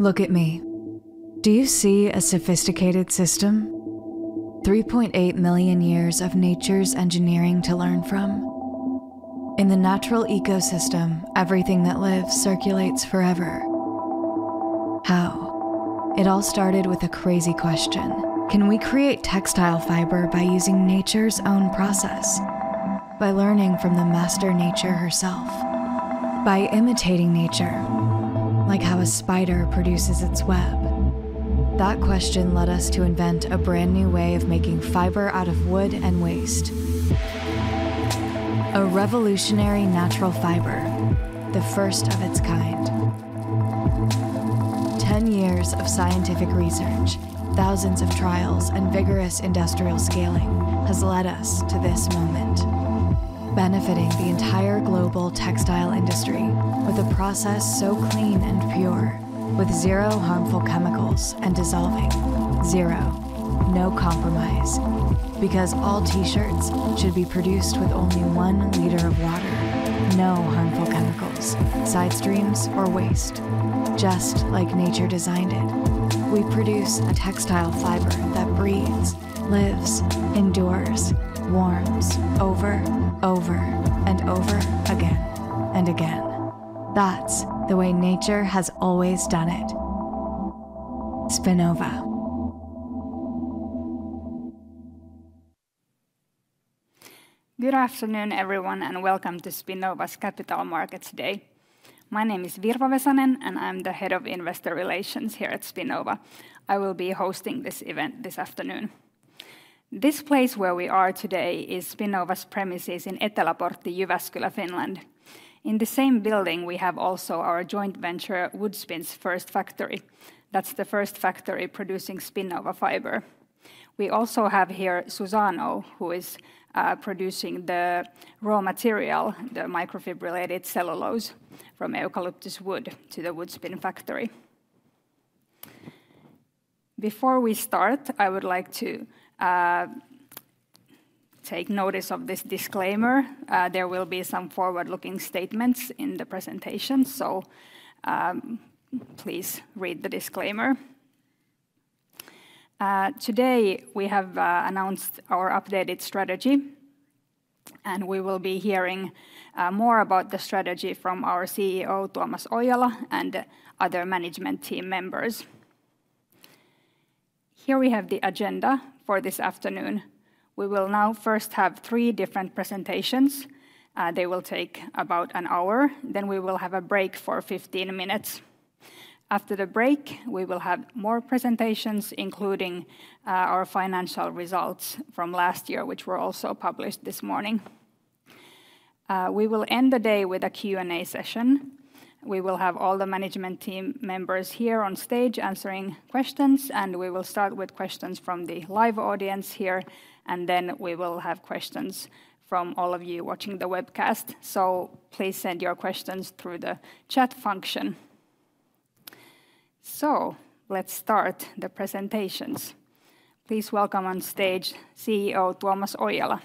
Look at me. Do you see a sophisticated system? 3.8 million years of nature's engineering to learn from. In the natural ecosystem, everything that lives circulates forever. How? It all started with a crazy question: Can we create textile fiber by using nature's own process, by learning from the master nature herself, by imitating nature, like how a spider produces its web? That question led us to invent a brand-new way of making fiber out of wood and waste. A revolutionary natural fiber, the first of its kind. 10 years of scientific research, thousands of trials, and vigorous industrial scaling has led us to this moment, benefiting the entire global textile industry with a process so clean and pure, with zero harmful chemicals and dissolving. Zero. No compromise. Because all T-shirts should be produced with only one liter of water, no harmful chemicals, side streams, or waste, just like nature designed it. We produce a textile fiber that breathes, lives, endures, warms over, over, and over again, and again. That's the way nature has always done it. Spinnova. Good afternoon, everyone, and welcome to Spinnova's Capital Markets Day. My name is Virva Vesanen, and I'm the Head of Investor Relations here at Spinnova. I will be hosting this event this afternoon. This place where we are today is Spinnova's premises in Eteläportti, Jyväskylä, Finland. In the same building, we have also our joint venture, Woodspin's first factory. That's the first factory producing Spinnova fiber. We also have here Suzano, who is producing the raw material, the microfibrillated cellulose from eucalyptus wood to the Woodspin factory. Before we start, I would like to take notice of this disclaimer. There will be some forward-looking statements in the presentation, so please read the disclaimer. Today, we have announced our updated strategy, and we will be hearing more about the strategy from our CEO, Tuomas Oijala, and other management team members. Here we have the agenda for this afternoon. We will now first have three different presentations. They will take about an hour, then we will have a break for 15 minutes. After the break, we will have more presentations, including our financial results from last year, which were also published this morning. We will end the day with a Q&A session. We will have all the management team members here on stage answering questions, and we will start with questions from the live audience here, and then we will have questions from all of you watching the webcast. So please send your questions through the chat function. So let's start the presentations. Please welcome on stage CEO Tuomas Oijala.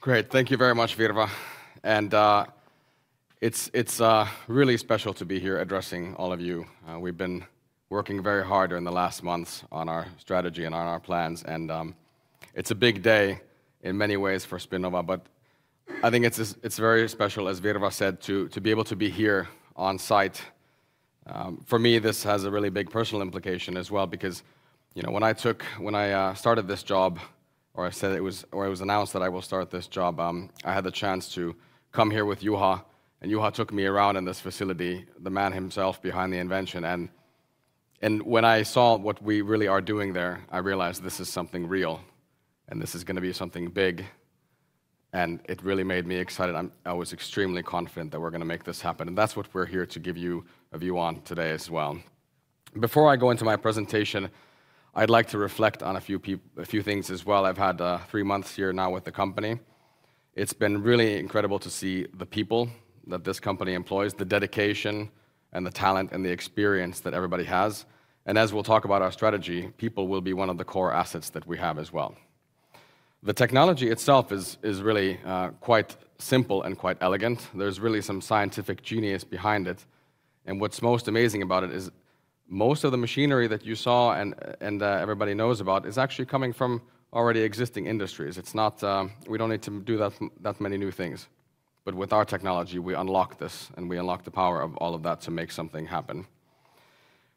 Great. Thank you very much, Virva. And, it's really special to be here addressing all of you. We've been working very hard during the last months on our strategy and on our plans, and it's a big day in many ways for Spinnova. But I think it's very special, as Virva said, to be able to be here on site. For me, this has a really big personal implication as well, because, you know, when I started this job or it was announced that I will start this job, I had the chance to come here with Juha, and Juha took me around in this facility, the man himself behind the invention. When I saw what we really are doing there, I realized this is something real, and this is gonna be something big, and it really made me excited. I was extremely confident that we're gonna make this happen, and that's what we're here to give you a view on today as well. Before I go into my presentation, I'd like to reflect on a few things as well. I've had three months here now with the company. It's been really incredible to see the people that this company employs, the dedication and the talent and the experience that everybody has. And as we'll talk about our strategy, people will be one of the core assets that we have as well. The technology itself is really quite simple and quite elegant. There's really some scientific genius behind it. And what's most amazing about it is most of the machinery that you saw and everybody knows about is actually coming from already existing industries. It's not. We don't need to do that many new things. But with our technology, we unlock this, and we unlock the power of all of that to make something happen.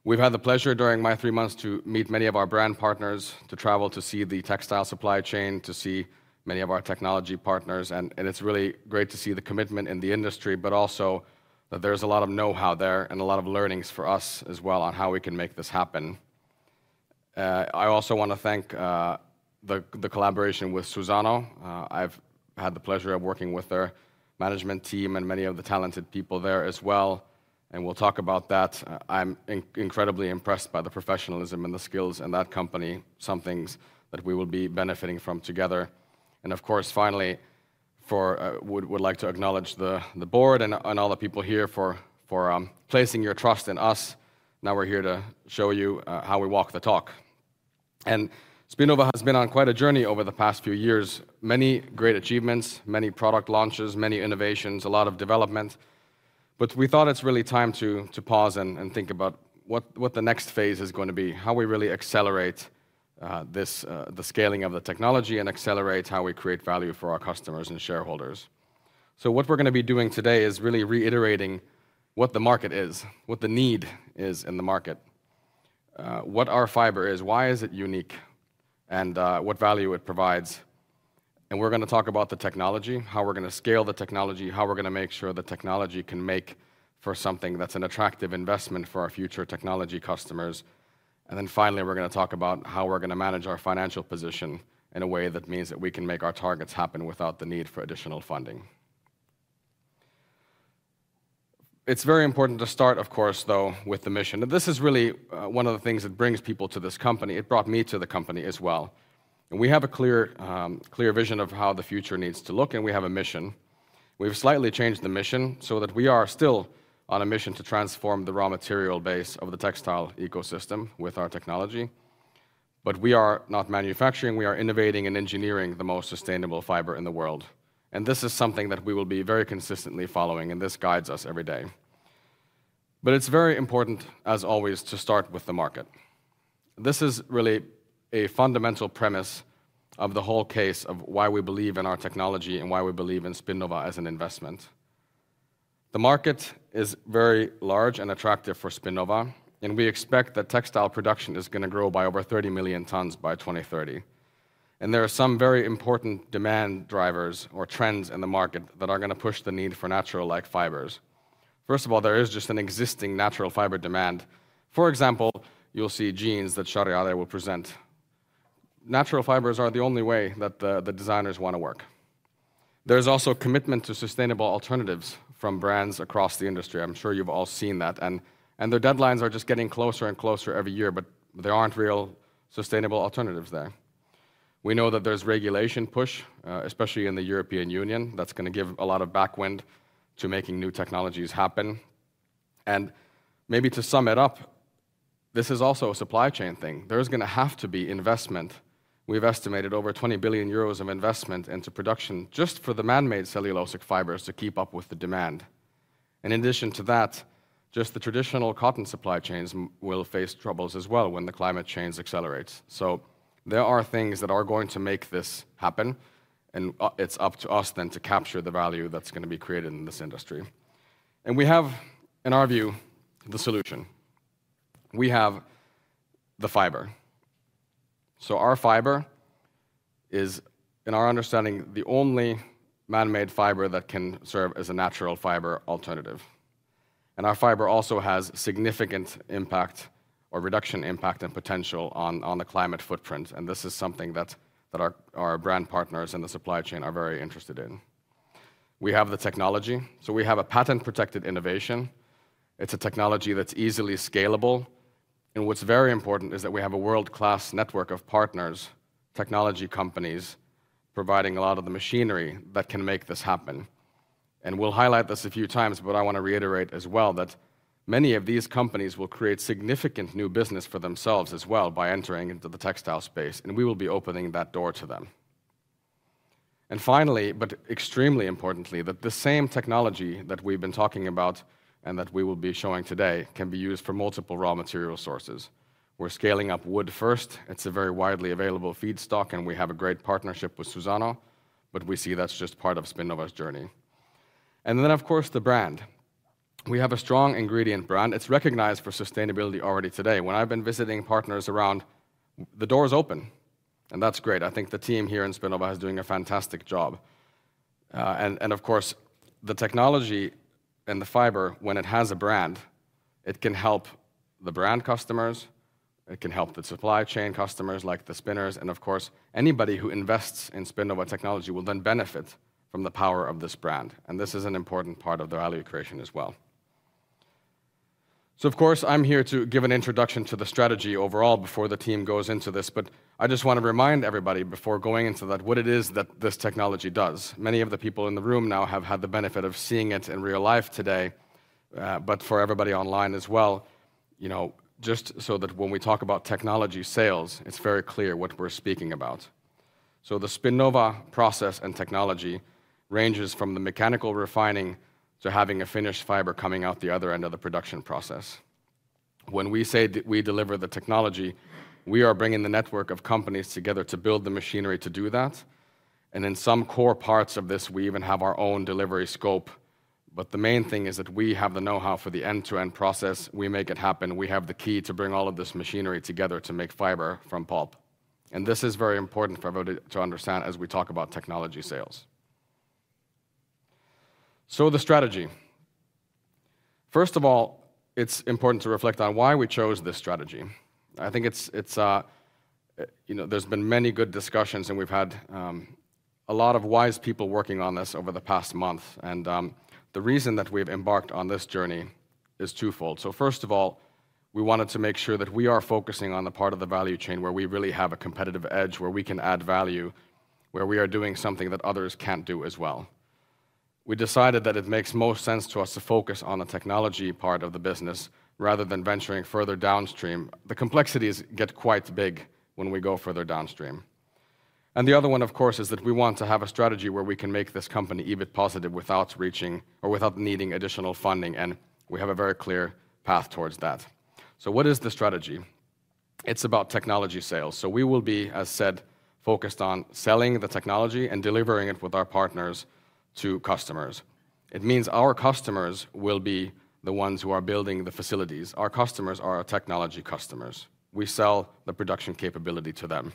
We've had the pleasure, during my three months, to meet many of our brand partners, to travel, to see the textile supply chain, to see many of our technology partners, and it's really great to see the commitment in the industry, but also that there's a lot of know-how there and a lot of learnings for us as well on how we can make this happen. I also want to thank the collaboration with Suzano. I've had the pleasure of working with their management team and many of the talented people there as well, and we'll talk about that. I'm incredibly impressed by the professionalism and the skills in that company, some things that we will be benefiting from together. And of course, finally, I would like to acknowledge the board and all the people here for placing your trust in us. Now we're here to show you how we walk the talk. Spinnova has been on quite a journey over the past few years. Many great achievements, many product launches, many innovations, a lot of development. But we thought it's really time to pause and think about what the next phase is going to be, how we really accelerate the scaling of the technology and accelerate how we create value for our customers and shareholders. So what we're going to be doing today is really reiterating what the market is, what the need is in the market, what our fiber is, why is it unique, and what value it provides. And we're going to talk about the technology, how we're going to scale the technology, how we're going to make sure the technology can make for something that's an attractive investment for our future technology customers. And then finally, we're going to talk about how we're going to manage our financial position in a way that means that we can make our targets happen without the need for additional funding. It's very important to start, of course, though, with the mission. And this is really, one of the things that brings people to this company. It brought me to the company as well. And we have a clear, clear vision of how the future needs to look, and we have a mission. We've slightly changed the mission so that we are still on a mission to transform the raw material base of the textile ecosystem with our technology, but we are not manufacturing, we are innovating and engineering the most sustainable fiber in the world. And this is something that we will be very consistently following, and this guides us every day. But it's very important, as always, to start with the market. This is really a fundamental premise of the whole case of why we believe in our technology and why we believe in Spinnova as an investment. The market is very large and attractive for Spinnova, and we expect that textile production is going to grow by over 30 million tons by 2030. And there are some very important demand drivers or trends in the market that are going to push the need for natural-like fibers. First of all, there is just an existing natural fiber demand. For example, you'll see jeans that Shahriare will present. Natural fibers are the only way that the designers want to work. There's also commitment to sustainable alternatives from brands across the industry. I'm sure you've all seen that, and their deadlines are just getting closer and closer every year, but there aren't real sustainable alternatives there. We know that there's regulation push, especially in the European Union, that's going to give a lot of backwind to making new technologies happen. And maybe to sum it up, this is also a supply chain thing. There is going to have to be investment. We've estimated over 20 billion euros of investment into production just for the man-made cellulosic fibers to keep up with the demand. In addition to that, just the traditional cotton supply chains will face troubles as well when the climate change accelerates. So there are things that are going to make this happen, and it's up to us then to capture the value that's going to be created in this industry. We have, in our view, the solution. We have the fiber. So our fiber is, in our understanding, the only man-made fiber that can serve as a natural fiber alternative. And our fiber also has significant impact or reduction impact and potential on, on the climate footprint, and this is something that, that our, our brand partners in the supply chain are very interested in. We have the technology, so we have a patent-protected innovation. It's a technology that's easily scalable, and what's very important is that we have a world-class network of partners, technology companies, providing a lot of the machinery that can make this happen. We'll highlight this a few times, but I want to reiterate as well that many of these companies will create significant new business for themselves as well by entering into the textile space, and we will be opening that door to them. Finally, but extremely importantly, that the same technology that we've been talking about and that we will be showing today can be used for multiple raw material sources. We're scaling up wood first. It's a very widely available feedstock, and we have a great partnership with Suzano, but we see that's just part of Spinnova's journey. Then, of course, the brand. We have a strong ingredient brand. It's recognized for sustainability already today. When I've been visiting partners around, the door is open, and that's great. I think the team here in Spinnova is doing a fantastic job. Of course, the technology and the fiber, when it has a brand, it can help the brand customers, it can help the supply chain customers, like the spinners, and of course, anybody who invests in Spinnova technology will then benefit from the power of this brand, and this is an important part of the value creation as well. So of course, I'm here to give an introduction to the strategy overall before the team goes into this, but I just want to remind everybody before going into that, what it is that this technology does. Many of the people in the room now have had the benefit of seeing it in real life today, but for everybody online as well, you know, just so that when we talk about technology sales, it's very clear what we're speaking about. So the Spinnova process and technology ranges from the mechanical refining to having a finished fiber coming out the other end of the production process. When we say that we deliver the technology, we are bringing the network of companies together to build the machinery to do that, and in some core parts of this, we even have our own delivery scope. But the main thing is that we have the know-how for the end-to-end process. We make it happen. We have the key to bring all of this machinery together to make fiber from pulp. And this is very important for everybody to understand as we talk about technology sales. So the strategy. First of all, it's important to reflect on why we chose this strategy. I think it's, you know, there's been many good discussions, and we've had a lot of wise people working on this over the past month, and the reason that we've embarked on this journey is twofold. So first of all, we wanted to make sure that we are focusing on the part of the value chain where we really have a competitive edge, where we can add value, where we are doing something that others can't do as well. We decided that it makes most sense to us to focus on the technology part of the business rather than venturing further downstream. The complexities get quite big when we go further downstream. And the other one, of course, is that we want to have a strategy where we can make this company EBIT positive without reaching or without needing additional funding, and we have a very clear path towards that. So what is the strategy? It's about technology sales. So we will be, as said, focused on selling the technology and delivering it with our partners to customers. It means our customers will be the ones who are building the facilities. Our customers are our technology customers. We sell the production capability to them.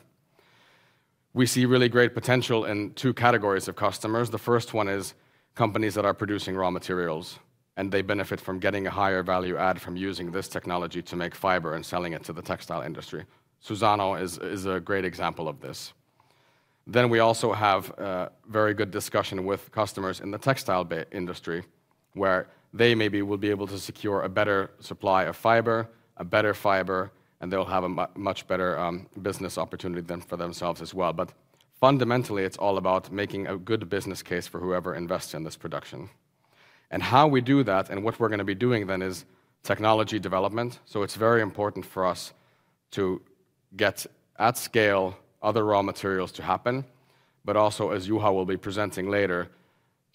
We see really great potential in two categories of customers. The first one is companies that are producing raw materials, and they benefit from getting a higher value add from using this technology to make fiber and selling it to the textile industry. Suzano is a great example of this. Then we also have very good discussion with customers in the textile industry, where they maybe will be able to secure a better supply of fiber, a better fiber, and they'll have a much better business opportunity for themselves as well. But fundamentally, it's all about making a good business case for whoever invests in this production. And how we do that, and what we're gonna be doing then, is technology development. So it's very important for us to get at scale other raw materials to happen, but also, as Juha will be presenting later,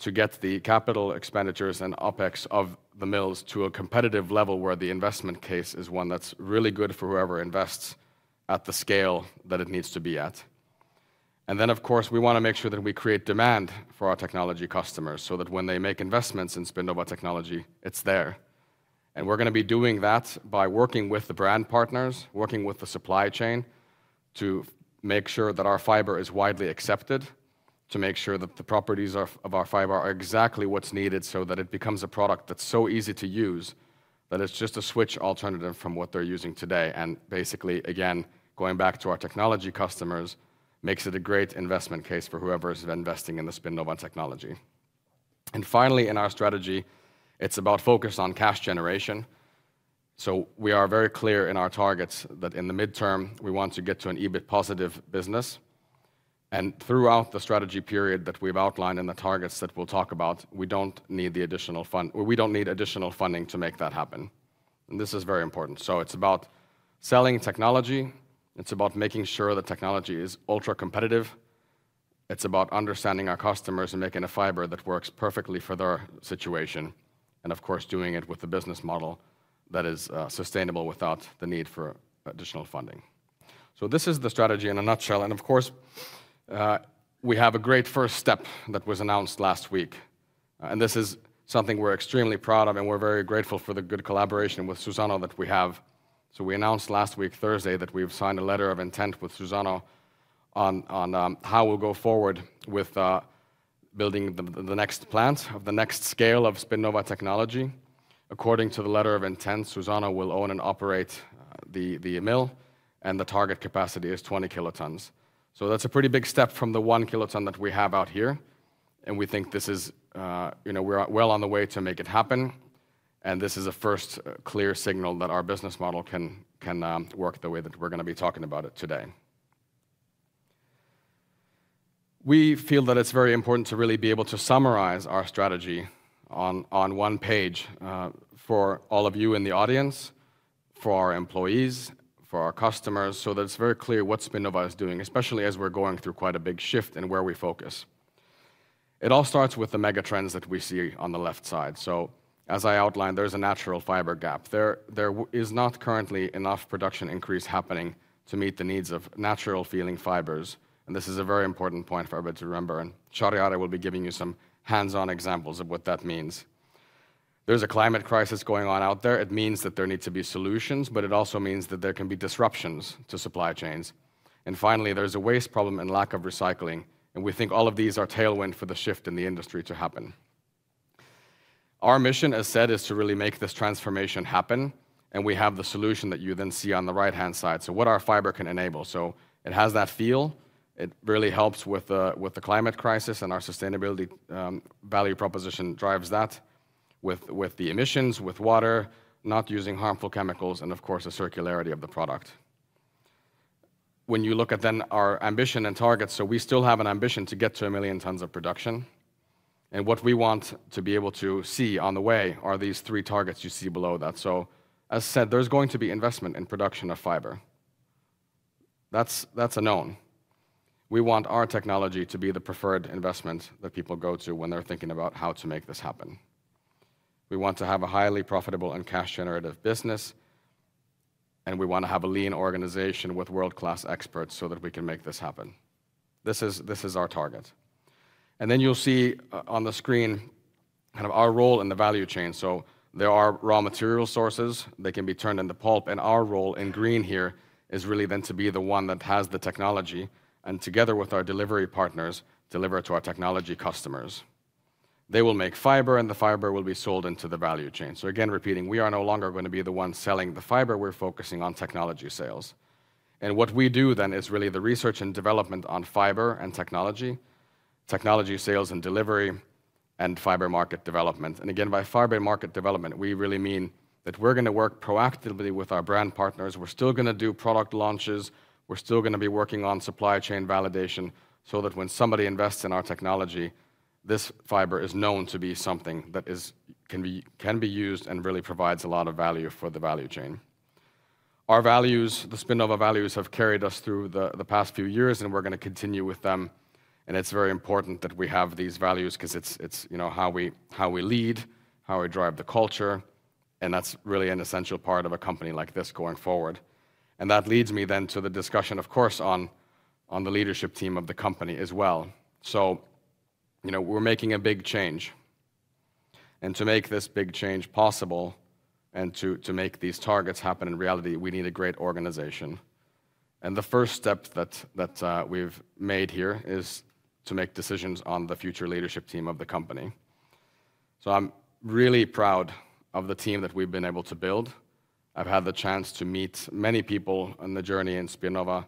to get the capital expenditures and OpEx of the mills to a competitive level where the investment case is one that's really good for whoever invests at the scale that it needs to be at. And then, of course, we wanna make sure that we create demand for our technology customers, so that when they make investments in Spinnova technology, it's there. And we're gonna be doing that by working with the brand partners, working with the supply chain, to make sure that our fiber is widely accepted, to make sure that the properties of our fiber are exactly what's needed, so that it becomes a product that's so easy to use, that it's just a switch alternative from what they're using today. And basically, again, going back to our technology customers, makes it a great investment case for whoever is investing in the Spinnova technology. And finally, in our strategy, it's about focus on cash generation. We are very clear in our targets that in the midterm, we want to get to an EBIT positive business, and throughout the strategy period that we've outlined and the targets that we'll talk about, we don't need additional funding to make that happen, and this is very important. It's about selling technology. It's about making sure the technology is ultra-competitive. It's about understanding our customers and making a fiber that works perfectly for their situation, and of course, doing it with a business model that is sustainable without the need for additional funding. This is the strategy in a nutshell, and of course, we have a great first step that was announced last week, and this is something we're extremely proud of, and we're very grateful for the good collaboration with Suzano that we have. So we announced last week, Thursday, that we've signed a letter of intent with Suzano on how we'll go forward with building the next plant of the next scale of Spinnova technology. According to the letter of intent, Suzano will own and operate the mill, and the target capacity is 20 kilotons. So that's a pretty big step from the 1 kiloton that we have out here, and we think this is, you know, we are well on the way to make it happen, and this is a first clear signal that our business model can work the way that we're gonna be talking about it today. We feel that it's very important to really be able to summarize our strategy on one page for all of you in the audience, for our employees, for our customers, so that it's very clear what Spinnova is doing, especially as we're going through quite a big shift in where we focus. It all starts with the mega trends that we see on the left side. So as I outlined, there's a natural fiber gap. There is not currently enough production increase happening to meet the needs of natural-feeling fibers, and this is a very important point for everybody to remember, and Shahriare will be giving you some hands-on examples of what that means. There's a climate crisis going on out there. It means that there need to be solutions, but it also means that there can be disruptions to supply chains. Finally, there's a waste problem and lack of recycling, and we think all of these are tailwind for the shift in the industry to happen. Our mission, as said, is to really make this transformation happen, and we have the solution that you then see on the right-hand side. What our fiber can enable: it has that feel, it really helps with with the climate crisis, and our sustainability value proposition drives that with, with the emissions, with water, not using harmful chemicals, and of course, the circularity of the product. When you look at then our ambition and targets, we still have an ambition to get to 1 million tons of production, and what we want to be able to see on the way are these three targets you see below that. So, as said, there's going to be investment in production of fiber. That's, that's a known. We want our technology to be the preferred investment that people go to when they're thinking about how to make this happen. We want to have a highly profitable and cash-generative business, and we want to have a lean organization with world-class experts so that we can make this happen. This is, this is our target. And then you'll see on the screen kind of our role in the value chain. So there are raw material sources that can be turned into pulp, and our role in green here is really then to be the one that has the technology, and together with our delivery partners, deliver to our technology customers. They will make fiber, and the fiber will be sold into the value chain. So again, repeating, we are no longer going to be the ones selling the fiber. We're focusing on technology sales. And what we do then is really the research and development on fiber and technology, technology sales and delivery, and fiber market development. And again, by fiber market development, we really mean that we're gonna work proactively with our brand partners. We're still gonna do product launches, we're still gonna be working on supply chain validation, so that when somebody invests in our technology, this fiber is known to be something that can be used and really provides a lot of value for the value chain. Our values, the Spinnova values, have carried us through the past few years, and we're gonna continue with them, and it's very important that we have these values 'cause it's, you know, how we lead, how we drive the culture, and that's really an essential part of a company like this going forward. And that leads me then to the discussion, of course, on the leadership team of the company as well. So, you know, we're making a big change, and to make this big change possible and to make these targets happen in reality, we need a great organization. And the first step that we've made here is to make decisions on the future leadership team of the company. So I'm really proud of the team that we've been able to build. I've had the chance to meet many people on the journey in Spinnova,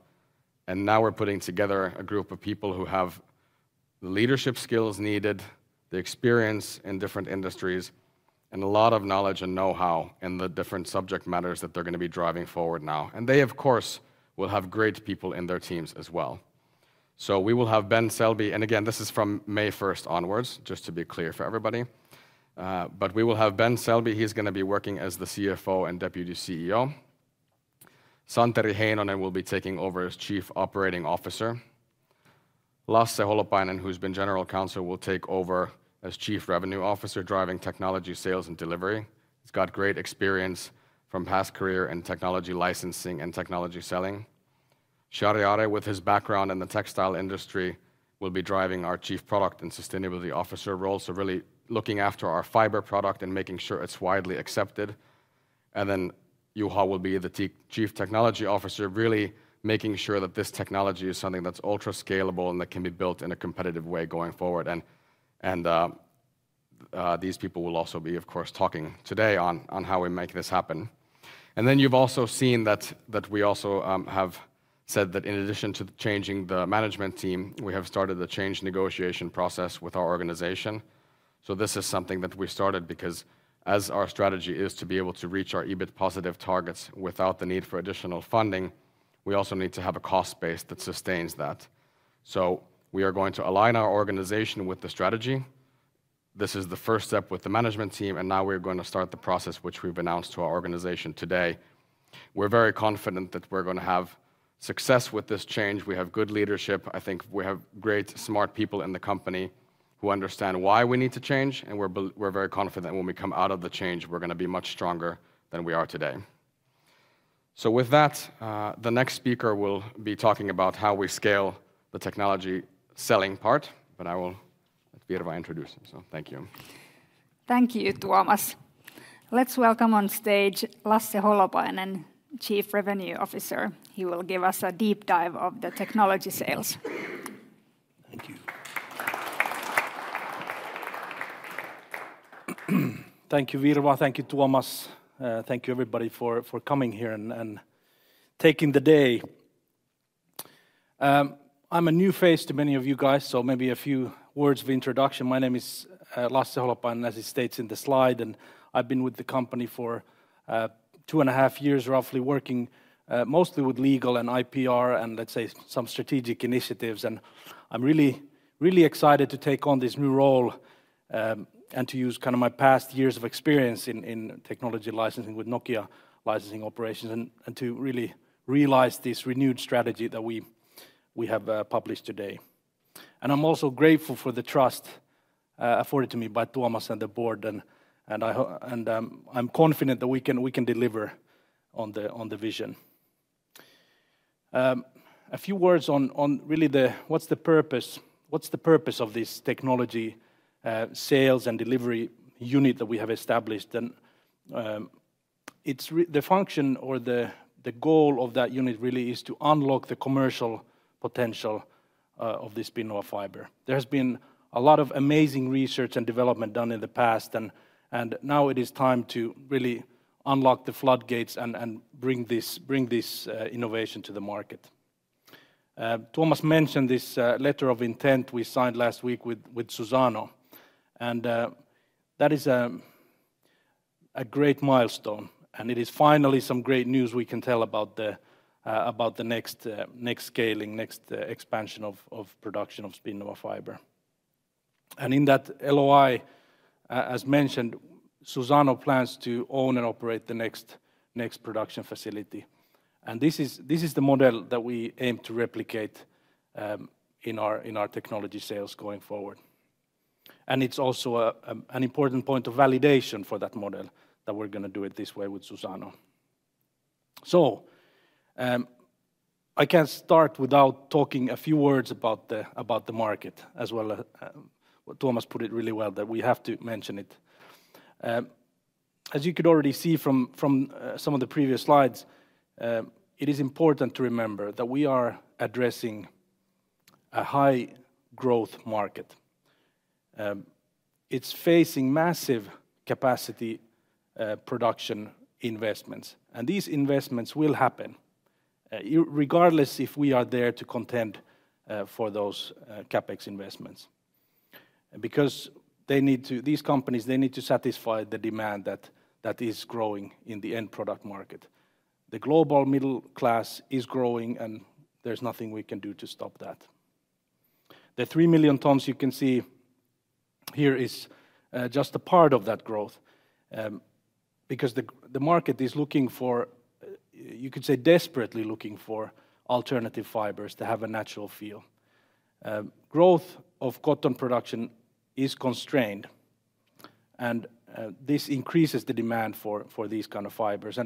and now we're putting together a group of people who have the leadership skills needed, the experience in different industries, and a lot of knowledge and know-how in the different subject matters that they're gonna be driving forward now. And they, of course, will have great people in their teams as well. So we will have Ben Selby... And again, this is from May 1st onwards, just to be clear for everybody. But we will have Ben Selby, he's gonna be working as the CFO and Deputy CEO. Santeri Heinonen will be taking over as Chief Operating Officer. Lasse Holopainen, who's been General Counsel, will take over as Chief Revenue Officer, driving technology, sales, and delivery. He's got great experience from past career in technology licensing and technology selling. Shahriare, with his background in the textile industry, will be driving our Chief Product and Sustainability Officer role, so really looking after our fiber product and making sure it's widely accepted. And then Juha will be the Chief Technology Officer, really making sure that this technology is something that's ultra-scalable and that can be built in a competitive way going forward. These people will also be, of course, talking today on how we make this happen. And then you've also seen that we also have said that in addition to changing the management team, we have started the change negotiation process with our organization. So this is something that we started because as our strategy is to be able to reach our EBIT positive targets without the need for additional funding, we also need to have a cost base that sustains that. So we are going to align our organization with the strategy. This is the first step with the management team, and now we're going to start the process, which we've announced to our organization today. We're very confident that we're gonna have success with this change. We have good leadership. I think we have great, smart people in the company who understand why we need to change, and we're very confident that when we come out of the change, we're gonna be much stronger than we are today. So with that, the next speaker will be talking about how we scale the technology selling part, but I will let Virva introduce him, so thank you. Thank you, Tuomas. Let's welcome on stage Lasse Holopainen, Chief Revenue Officer. He will give us a deep dive of the technology sales. Thank you. Thank you, Virva. Thank you, Tuomas. Thank you, everybody, for coming here and taking the day. I'm a new face to many of you guys, so maybe a few words of introduction. My name is Lasse Holopainen, as it states in the slide, and I've been with the company for 2.5 years, roughly, working mostly with legal and IPR and, let's say, some strategic initiatives. And I'm really, really excited to take on this new role, and to use kind of my past years of experience in technology licensing with Nokia licensing operations, and to really realize this renewed strategy that we have published today. I'm also grateful for the trust afforded to me by Tuomas and the board, and I'm confident that we can deliver on the vision. A few words on really the... What's the purpose? What's the purpose of this technology sales and delivery unit that we have established? And, it's the function or the goal of that unit really is to unlock the commercial potential of the Spinnova fiber. There has been a lot of amazing research and development done in the past, and now it is time to really unlock the floodgates and bring this innovation to the market. Tuomas mentioned this letter of intent we signed last week with Suzano, and that is a great milestone, and it is finally some great news we can tell about the next scaling, next expansion of production of Spinnova fiber. And in that LOI, as mentioned, Suzano plans to own and operate the next production facility, and this is the model that we aim to replicate in our technology sales going forward. And it's also an important point of validation for that model, that we're gonna do it this way with Suzano. So, I can't start without talking a few words about the market as well. Well, Tuomas put it really well, that we have to mention it. As you could already see from some of the previous slides, it is important to remember that we are addressing a high-growth market. It's facing massive capacity production investments, and these investments will happen regardless if we are there to contend for those CapEx investments. Because they need to, these companies, they need to satisfy the demand that is growing in the end product market. The global middle class is growing, and there's nothing we can do to stop that. The 3 million tons you can see here is just a part of that growth, because the market is looking for, you could say desperately looking for alternative fibers to have a natural feel. Growth of cotton production is constrained, and this increases the demand for these kind of fibers.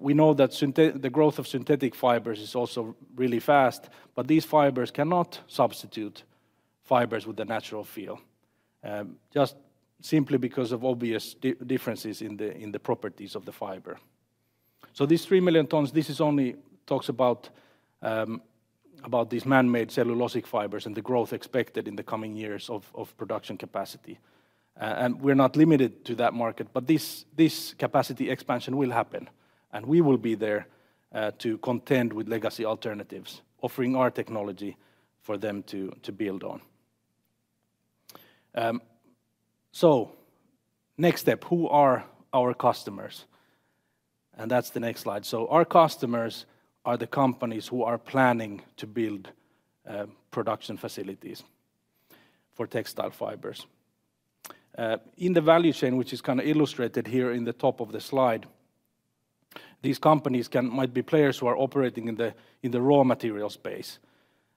We know that the growth of synthetic fibers is also really fast, but these fibers cannot substitute fibers with a natural feel, just simply because of obvious differences in the, in the properties of the fiber. So these 3 million tons, this is only talks about, about these man-made cellulosic fibers and the growth expected in the coming years of production capacity. And we're not limited to that market, but this, this capacity expansion will happen, and we will be there, to contend with legacy alternatives, offering our technology for them to build on. So next step, who are our customers? And that's the next slide. So our customers are the companies who are planning to build production facilities for textile fibers. In the value chain, which is kind of illustrated here in the top of the slide, these companies might be players who are operating in the raw material space,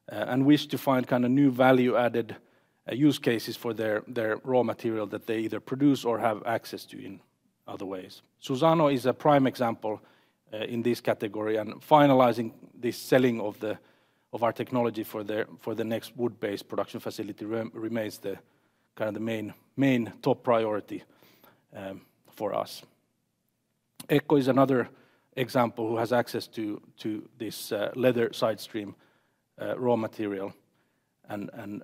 and wish to find kind of new value-added use cases for their raw material that they either produce or have access to in other ways. Suzano is a prime example in this category, and finalizing the selling of our technology for the next wood-based production facility remains the kind of the main top priority for us. ECCO is another example, who has access to this leather side stream raw material. And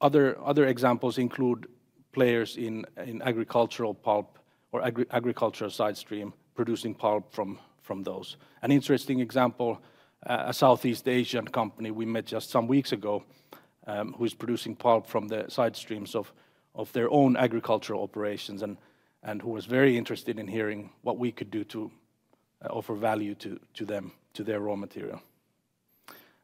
other examples include players in agricultural pulp or agricultural side stream, producing pulp from those. An interesting example, a Southeast Asian company we met just some weeks ago, who is producing pulp from the side streams of their own agricultural operations and who was very interested in hearing what we could do to offer value to them, to their raw material.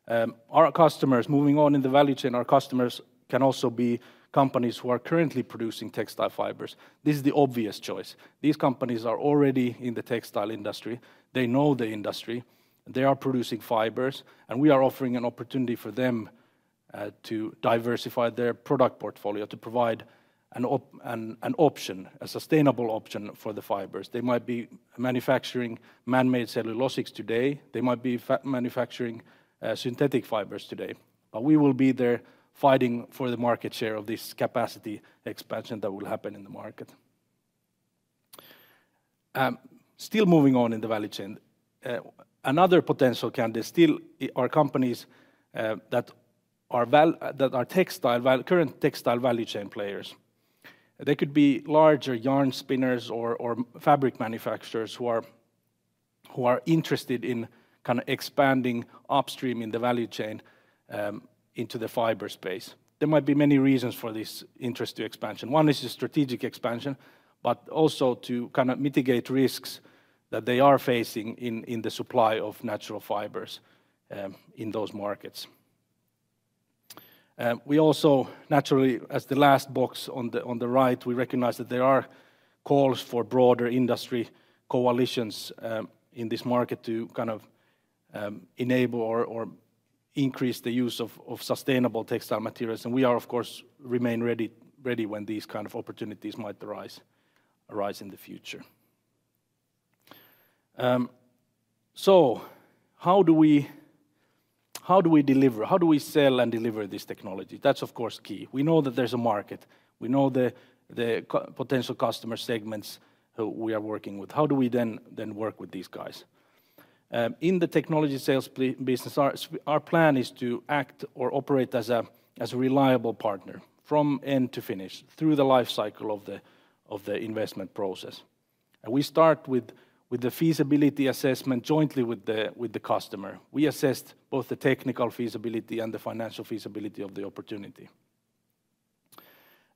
Our customers, moving on in the value chain, our customers can also be companies who are currently producing textile fibers. This is the obvious choice. These companies are already in the textile industry. They know the industry, they are producing fibers, and we are offering an opportunity for them to diversify their product portfolio, to provide an option, a sustainable option for the fibers. They might be manufacturing man-made cellulosics today, they might be manufacturing synthetic fibers today. But we will be there fighting for the market share of this capacity expansion that will happen in the market. Still moving on in the value chain, another potential candidate still are companies that are current textile value chain players. They could be larger yarn spinners or fabric manufacturers who are interested in kind of expanding upstream in the value chain into the fiber space. There might be many reasons for this interest to expansion. One is the strategic expansion, but also to kind of mitigate risks that they are facing in the supply of natural fibers in those markets. We also, naturally, as the last box on the right, we recognize that there are calls for broader industry coalitions in this market to kind of enable or increase the use of sustainable textile materials. And we are, of course, remain ready when these kind of opportunities might arise in the future. So how do we deliver? How do we sell and deliver this technology? That's, of course, key. We know that there's a market. We know the potential customer segments who we are working with. How do we then work with these guys? In the technology sales business, our plan is to act or operate as a reliable partner from end to finish through the life cycle of the investment process. We start with the feasibility assessment jointly with the customer. We assess both the technical feasibility and the financial feasibility of the opportunity.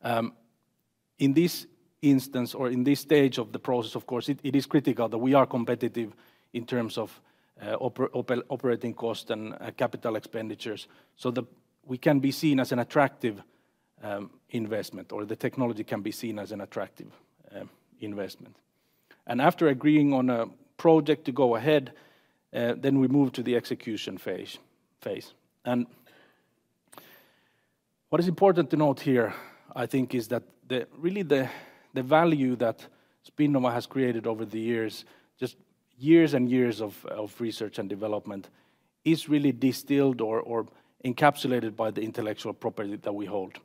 In this instance or in this stage of the process, of course, it is critical that we are competitive in terms of operating cost and capital expenditures, so that we can be seen as an attractive investment, or the technology can be seen as an attractive investment. After agreeing on a project to go ahead, then we move to the execution phase. What is important to note here, I think, is that really the value that Spinnova has created over the years, just years and years of research and development, is really distilled or encapsulated by the intellectual property that we hold.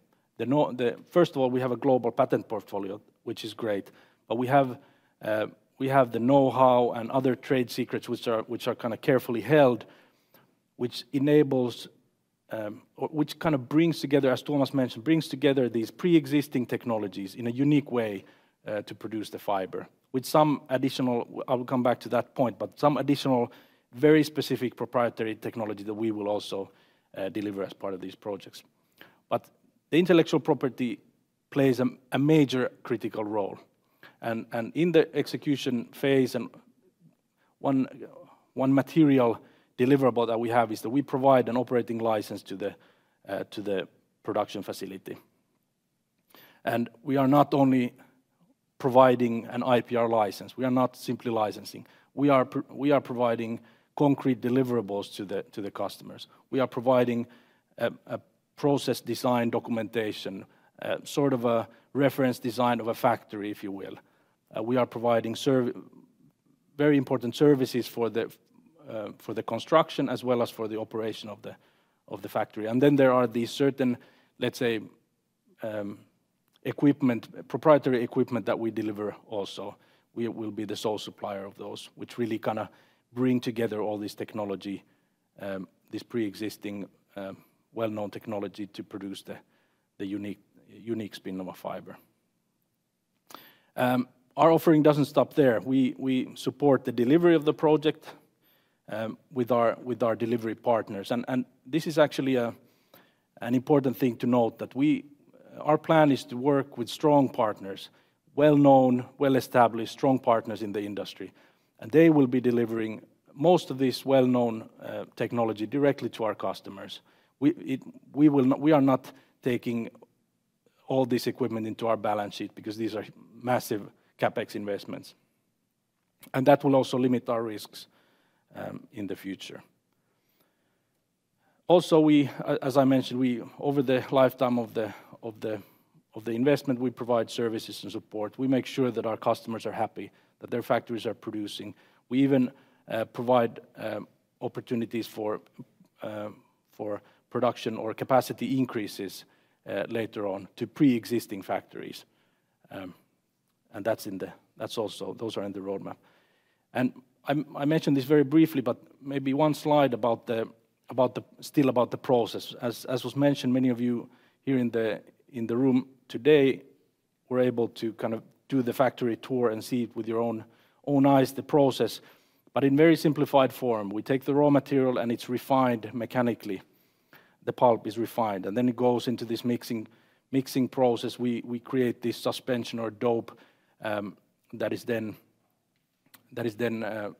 First of all, we have a global patent portfolio, which is great, but we have the know-how and other trade secrets, which are kind of carefully held. Which enables, or which kind of brings together, as Tuomas mentioned, brings together these pre-existing technologies in a unique way, to produce the fiber. With some additional, I will come back to that point, but some additional very specific proprietary technology that we will also deliver as part of these projects. But the intellectual property plays a major critical role. And in the execution phase, one material deliverable that we have is that we provide an operating license to the production facility. We are not only providing an IPR license, we are not simply licensing, we are providing concrete deliverables to the customers. We are providing a process design documentation, sort of a reference design of a factory, if you will. We are providing very important services for the construction as well as for the operation of the factory. Then there are these certain, let's say, equipment, proprietary equipment that we deliver also. We will be the sole supplier of those, which really kinda bring together all this technology, this pre-existing, well-known technology to produce the unique Spinnova fiber. Our offering doesn't stop there. We support the delivery of the project with our delivery partners. This is actually an important thing to note, that our plan is to work with strong partners, well-known, well-established, strong partners in the industry. They will be delivering most of this well-known technology directly to our customers. We are not taking all this equipment into our balance sheet because these are massive CapEx investments, and that will also limit our risks in the future. Also, as I mentioned, over the lifetime of the investment, we provide services and support. We make sure that our customers are happy, that their factories are producing. We even provide opportunities for production or capacity increases later on to pre-existing factories. And that's also in the roadmap. I mentioned this very briefly, but maybe one slide about the process. As was mentioned, many of you here in the room today were able to kind of do the factory tour and see it with your own eyes, the process, but in very simplified form. We take the raw material, and it's refined mechanically. The pulp is refined, and then it goes into this mixing process. We create this suspension or dope that is then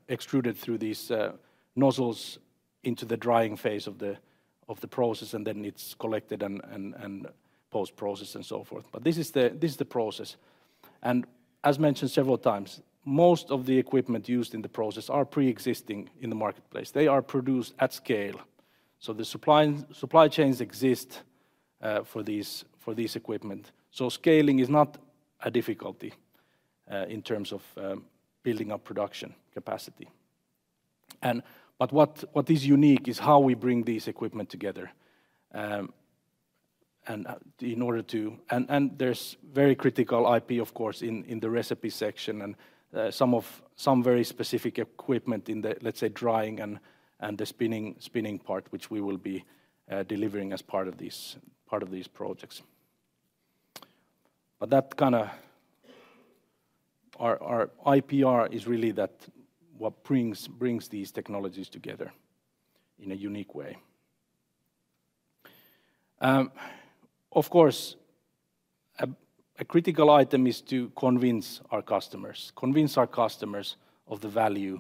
extruded through these nozzles into the drying phase of the process, and then it's collected, and post-processed, and so forth. This is the process. As mentioned several times, most of the equipment used in the process are pre-existing in the marketplace. They are produced at scale, so the supply, supply chains exist for these, for this equipment. So scaling is not a difficulty in terms of building up production capacity. And, but what, what is unique is how we bring this equipment together. And, and there's very critical IP, of course, in, in the recipe section, and, some of, some very specific equipment in the, let's say, drying and, and the spinning, spinning part, which we will be delivering as part of these, part of these projects. But that kinda, our, our IPR is really that, what brings, brings these technologies together in a unique way. Of course, a, a critical item is to convince our customers, convince our customers of the value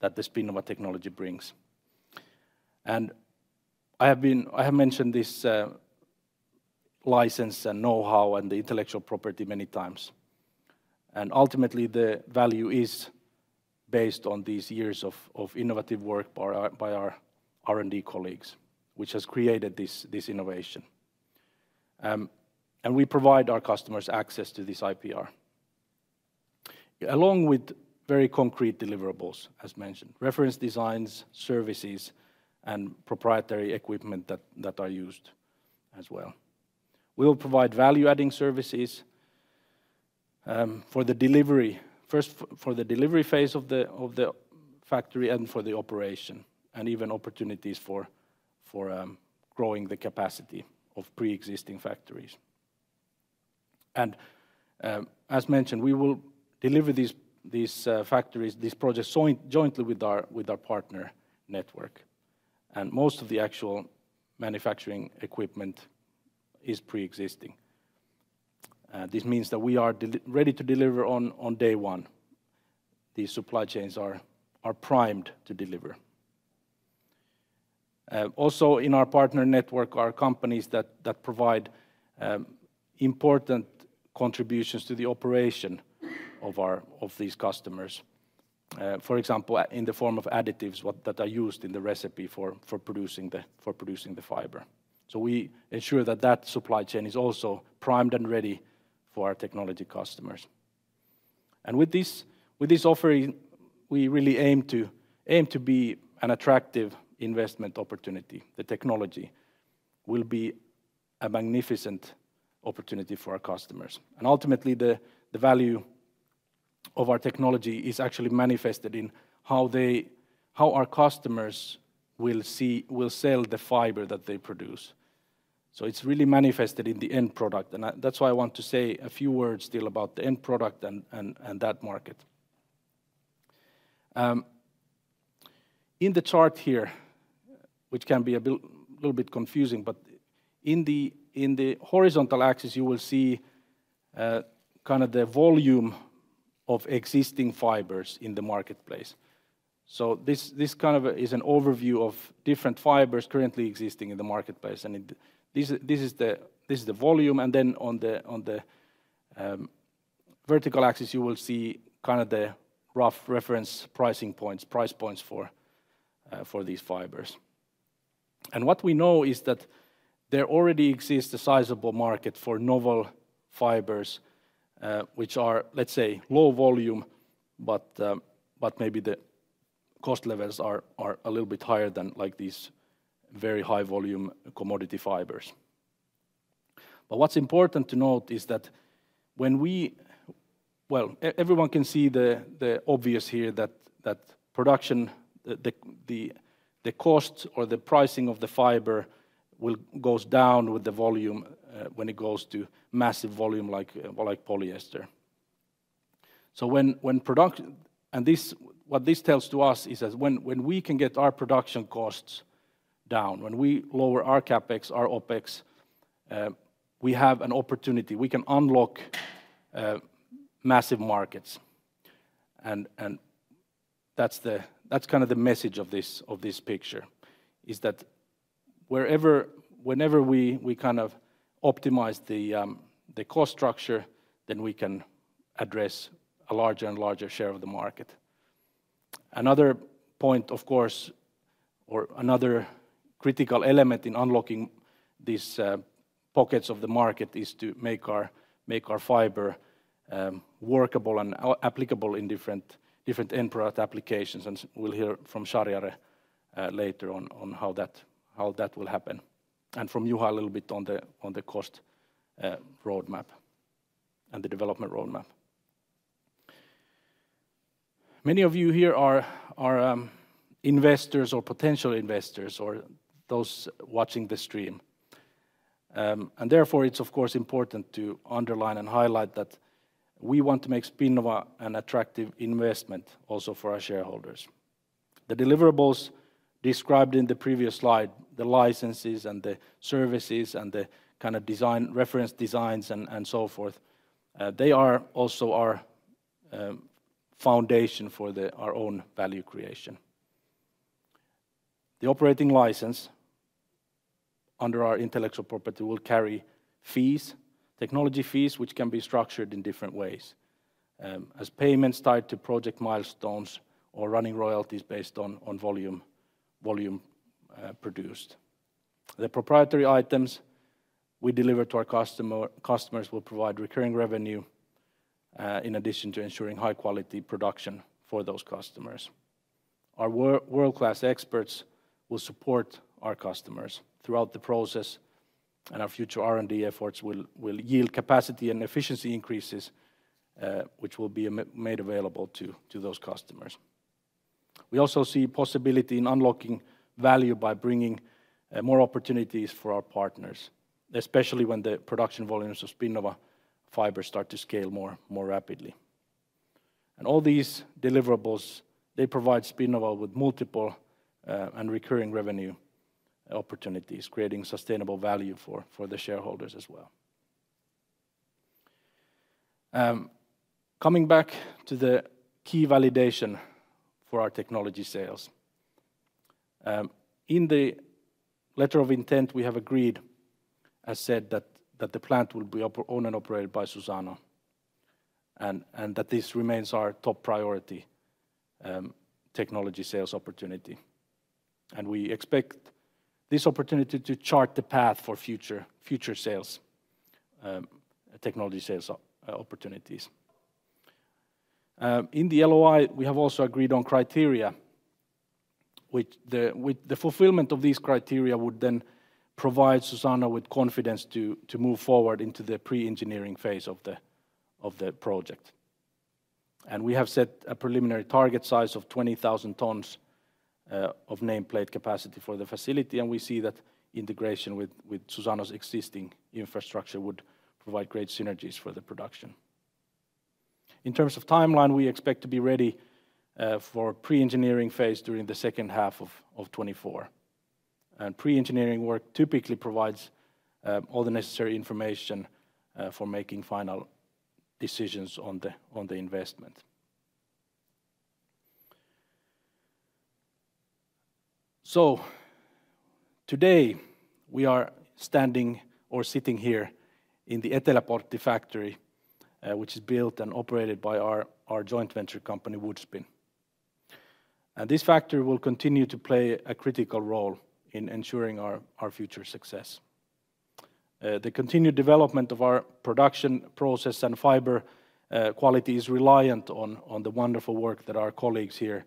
that the Spinnova technology brings. I have mentioned this license and know-how, and the intellectual property many times, and ultimately, the value is based on these years of innovative work by our R&D colleagues, which has created this innovation. We provide our customers access to this IPR, along with very concrete deliverables, as mentioned: reference designs, services, and proprietary equipment that are used as well. We will provide value-adding services for the delivery phase of the factory, and for the operation, and even opportunities for growing the capacity of pre-existing factories. As mentioned, we will deliver these factories, these projects jointly with our partner network, and most of the actual manufacturing equipment is pre-existing. This means that we are ready to deliver on day one. These supply chains are primed to deliver. Also in our partner network are companies that provide important contributions to the operation of these customers, for example, in the form of additives that are used in the recipe for producing the fiber. So we ensure that supply chain is also primed and ready for our technology customers. With this offering, we really aim to be an attractive investment opportunity. The technology will be a magnificent opportunity for our customers, and ultimately, the value of our technology is actually manifested in how they, how our customers will see, will sell the fiber that they produce. So it's really manifested in the end product, and that's why I want to say a few words still about the end product and that market. In the chart here, which can be a bit confusing, but in the horizontal axis, you will see kind of the volume of existing fibers in the marketplace. So this kind of is an overview of different fibers currently existing in the marketplace, and this is the volume, and then on the vertical axis, you will see kind of the rough reference pricing points, price points for these fibers. What we know is that there already exists a sizable market for novel fibers, which are, let's say, low volume, but maybe the cost levels are a little bit higher than, like, these very high volume commodity fibers. But what's important to note is that when we. Well, everyone can see the obvious here, that production, the cost or the pricing of the fiber goes down with the volume, when it goes to massive volume like polyester. So when production, this, what this tells to us is that when we can get our production costs down, when we lower our CapEx, our OpEx, we have an opportunity. We can unlock massive markets, and that's kind of the message of this picture, is that wherever, whenever we kind of optimize the cost structure, then we can address a larger and larger share of the market. Another point, of course, or another critical element in unlocking these pockets of the market, is to make our fiber workable and applicable in different end product applications, and we'll hear from Shahriare later on, on how that will happen, and from Juha a little bit on the cost roadmap and the development roadmap. Many of you here are investors or potential investors or those watching the stream. Therefore, it's of course important to underline and highlight that we want to make Spinnova an attractive investment also for our shareholders. The deliverables described in the previous slide, the licenses and the services, and the kind of design, reference designs, and so forth, they are also our foundation for our own value creation. The operating license under our intellectual property will carry fees, technology fees, which can be structured in different ways, as payments tied to project milestones or running royalties based on volume produced. The proprietary items we deliver to our customers will provide recurring revenue in addition to ensuring high-quality production for those customers. Our world-class experts will support our customers throughout the process, and our future R&D efforts will yield capacity and efficiency increases, which will be made available to those customers. We also see possibility in unlocking value by bringing more opportunities for our partners, especially when the production volumes of Spinnova fibers start to scale more rapidly. And all these deliverables, they provide Spinnova with multiple and recurring revenue opportunities, creating sustainable value for the shareholders as well. Coming back to the key validation for our technology sales. In the letter of intent, we have agreed, as said, that the plant will be owned and operated by Suzano, and that this remains our top priority technology sales opportunity. And we expect this opportunity to chart the path for future, future sales, technology sales opportunities. In the LOI, we have also agreed on criteria, which, with the fulfillment of these criteria would then provide Suzano with confidence to move forward into the pre-engineering phase of the project. And we have set a preliminary target size of 20,000 tons of nameplate capacity for the facility, and we see that integration with Suzano's existing infrastructure would provide great synergies for the production. In terms of timeline, we expect to be ready for pre-engineering phase during the second half of 2024. And pre-engineering work typically provides all the necessary information for making final decisions on the investment. So today, we are standing or sitting here in the Eteläportti factory, which is built and operated by our joint venture company, Woodspin. This factory will continue to play a critical role in ensuring our future success. The continued development of our production process and fiber quality is reliant on the wonderful work that our colleagues here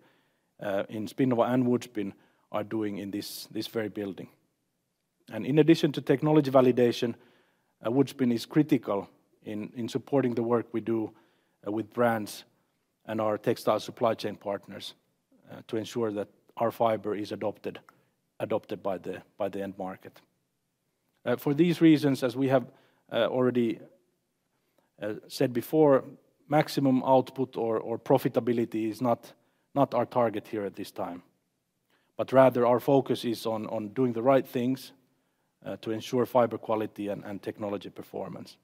in Spinnova and Woodspin are doing in this very building. In addition to technology validation, Woodspin is critical in supporting the work we do with brands and our textile supply chain partners to ensure that our fiber is adopted, adopted by the end market. For these reasons, as we have already said before, maximum output or profitability is not our target here at this time. But rather our focus is on doing the right things to ensure fiber quality and technology performance.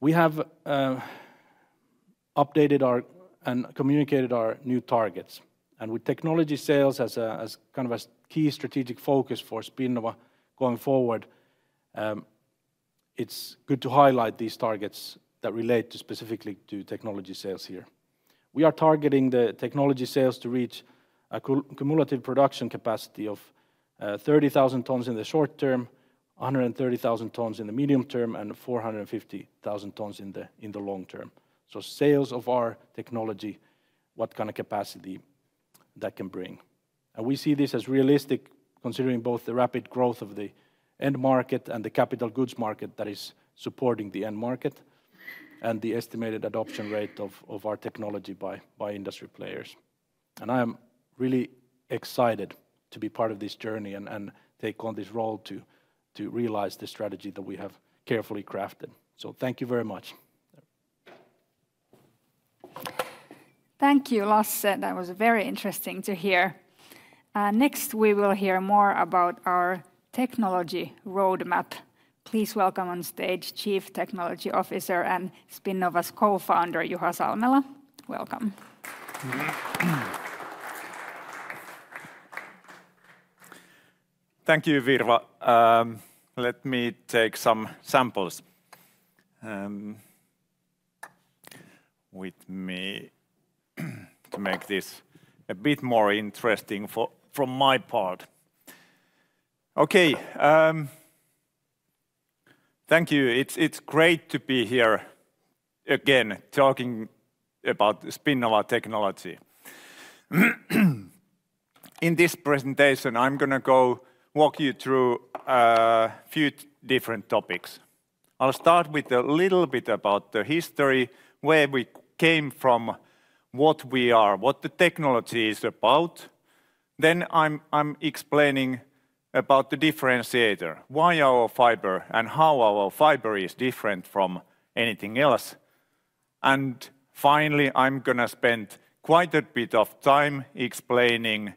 We have updated and communicated our new targets, and with technology sales as a kind of a key strategic focus for Spinnova going forward, it's good to highlight these targets that relate specifically to technology sales here. We are targeting the technology sales to reach a cumulative production capacity of 30,000 tons in the short term, 130,000 tons in the medium term, and 450,000 tons in the long term. So sales of our technology, what kind of capacity that can bring. We see this as realistic, considering both the rapid growth of the end market and the capital goods market that is supporting the end market, and the estimated adoption rate of our technology by industry players. I am really excited to be part of this journey and take on this role to realize the strategy that we have carefully crafted. So thank you very much. Thank you, Lasse. That was very interesting to hear. Next, we will hear more about our technology roadmap. Please welcome on stage Chief Technology Officer and Spinnova's Co-founder, Juha Salmela. Welcome. Thank you, Virva. Let me take some samples with me to make this a bit more interesting for from my part. Okay, thank you. It's great to be here again, talking about Spinnova technology. In this presentation, I'm gonna go walk you through a few different topics. I'll start with a little bit about the history, where we came from, what we are, what the technology is about. Then I'm explaining about the differentiator, why our fiber and how our fiber is different from anything else. And finally, I'm gonna spend quite a bit of time explaining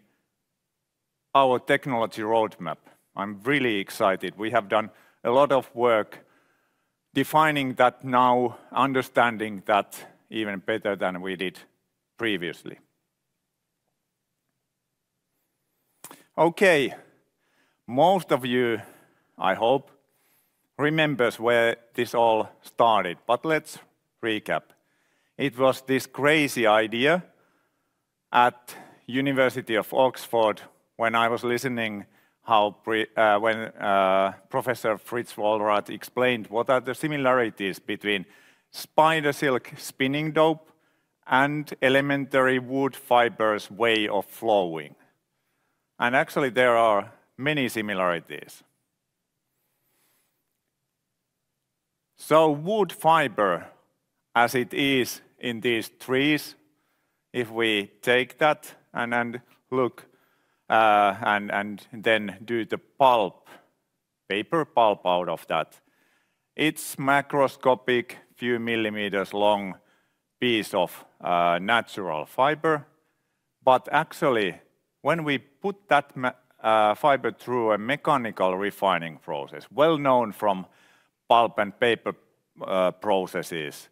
our technology roadmap. I'm really excited. We have done a lot of work defining that now, understanding that even better than we did previously. Okay. Most of you, I hope, remembers where this all started, but let's recap. It was this crazy idea at University of Oxford when I was listening how Professor Fritz Vollrath explained what are the similarities between spider silk spinning dope and elementary wood fibers' way of flowing. And actually, there are many similarities. So wood fiber, as it is in these trees, if we take that and then look and then do the pulp, paper pulp out of that, it's macroscopic, few millimeters long piece of natural fiber. But actually, when we put that fiber through a mechanical refining process, well known from pulp and paper processes,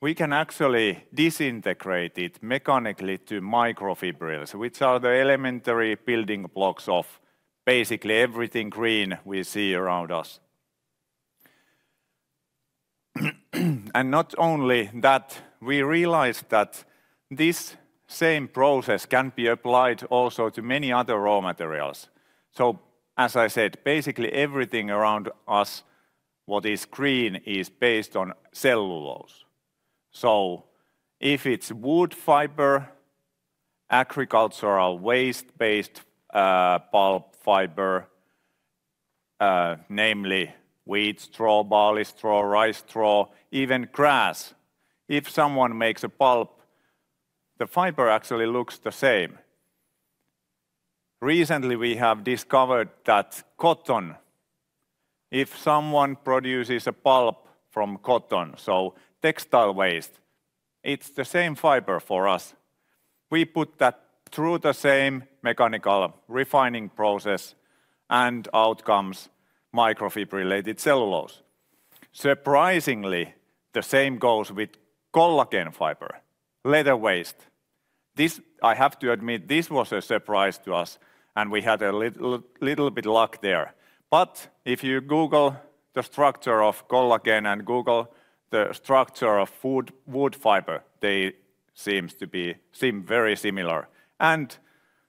we can actually disintegrate it mechanically to microfibrils, which are the elementary building blocks of basically everything green we see around us. And not only that, we realized that this same process can be applied also to many other raw materials. So as I said, basically everything around us, what is green, is based on cellulose. So if it's wood fiber, agricultural waste-based pulp fiber, namely wheat straw, barley straw, rice straw, even grass, if someone makes a pulp, the fiber actually looks the same. Recently, we have discovered that cotton, if someone produces a pulp from cotton, so textile waste, it's the same fiber for us. We put that through the same mechanical refining process, and out comes microfibrillated cellulose. Surprisingly, the same goes with collagen fiber, leather waste. This, I have to admit, this was a surprise to us, and we had a little, little bit luck there. But if you Google the structure of collagen and Google the structure of wood fiber, they seem very similar, and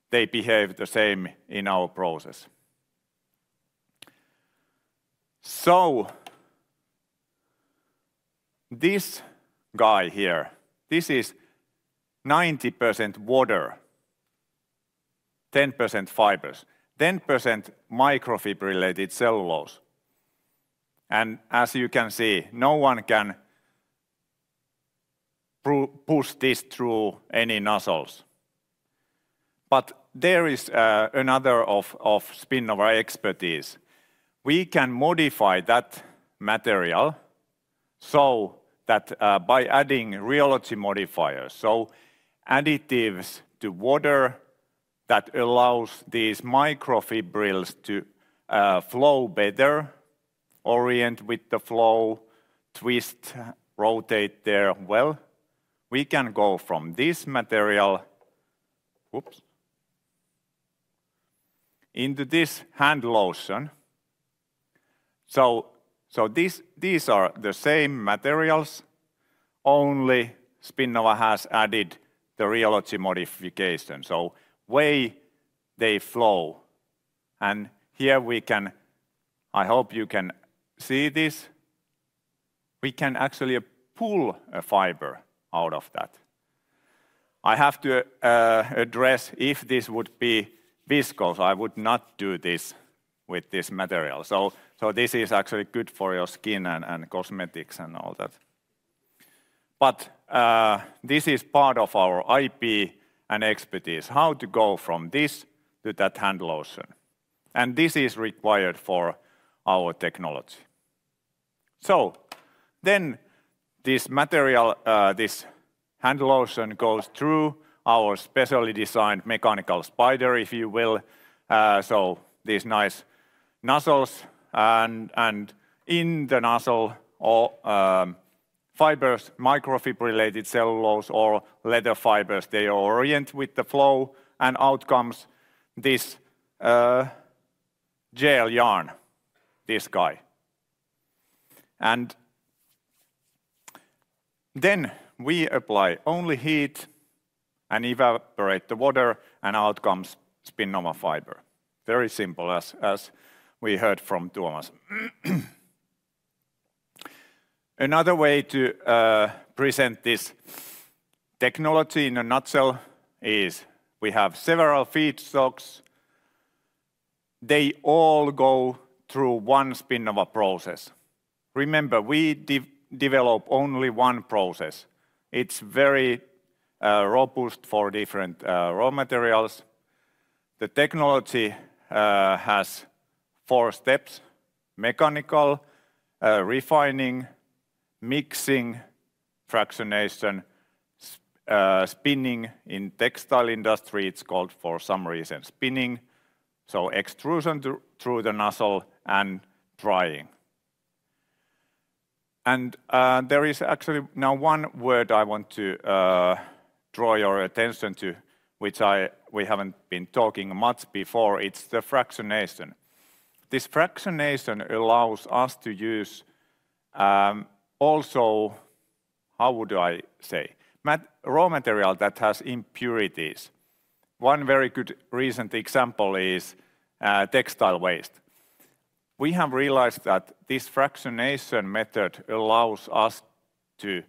they behave the same in our process.... So, this guy here, this is 90% water, 10% fibers, 10% microfibrillated cellulose. And as you can see, no one can push this through any nozzles. But there is another of Spinnova expertise. We can modify that material, so that by adding rheology modifiers, so additives to water that allows these microfibrils to flow better, orient with the flow, twist, rotate there well. We can go from this material, whoops, into this hand lotion. So these are the same materials, only Spinnova has added the rheology modification, so way they flow. And here we can, I hope you can see this. We can actually pull a fiber out of that. I have to address if this would be viscose, I would not do this with this material. So, this is actually good for your skin and cosmetics and all that. But, this is part of our IP and expertise, how to go from this to that hand lotion, and this is required for our technology. So then, this material, this hand lotion goes through our specially designed mechanical spider, if you will. So these nice nozzles and in the nozzle, fibers, microfibrillated cellulose or leather fibers, they orient with the flow, and out comes this, gel yarn, this guy. And then we apply only heat and evaporate the water, and out comes Spinnova fiber. Very simple, as we heard from Tuomas. Another way to present this technology in a nutshell is we have several feedstocks. They all go through one Spinnova process. Remember, we develop only one process. It's very robust for different raw materials. The technology has four steps: mechanical refining, mixing, fractionation, spinning. In textile industry, it's called, for some reason, spinning, so extrusion through the nozzle and drying. There is actually now one word I want to draw your attention to, which we haven't been talking much before, it's the fractionation. This fractionation allows us to use also, how would I say? Raw material that has impurities. One very good recent example is textile waste. We have realized that this fractionation method allows us to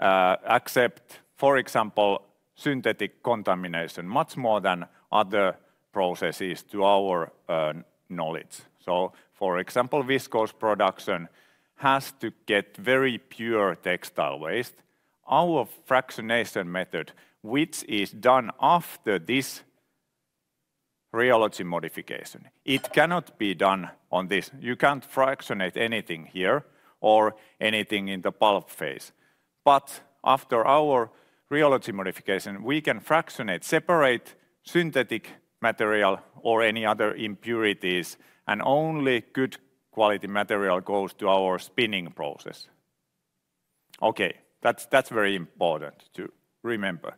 accept, for example, synthetic contamination much more than other processes, to our knowledge. So, for example, viscose production has to get very pure textile waste. Our fractionation method, which is done after this rheology modification, it cannot be done on this. You can't fractionate anything here or anything in the pulp phase. But after our rheology modification, we can fractionate, separate synthetic material or any other impurities, and only good quality material goes to our spinning process. Okay, that's, that's very important to remember.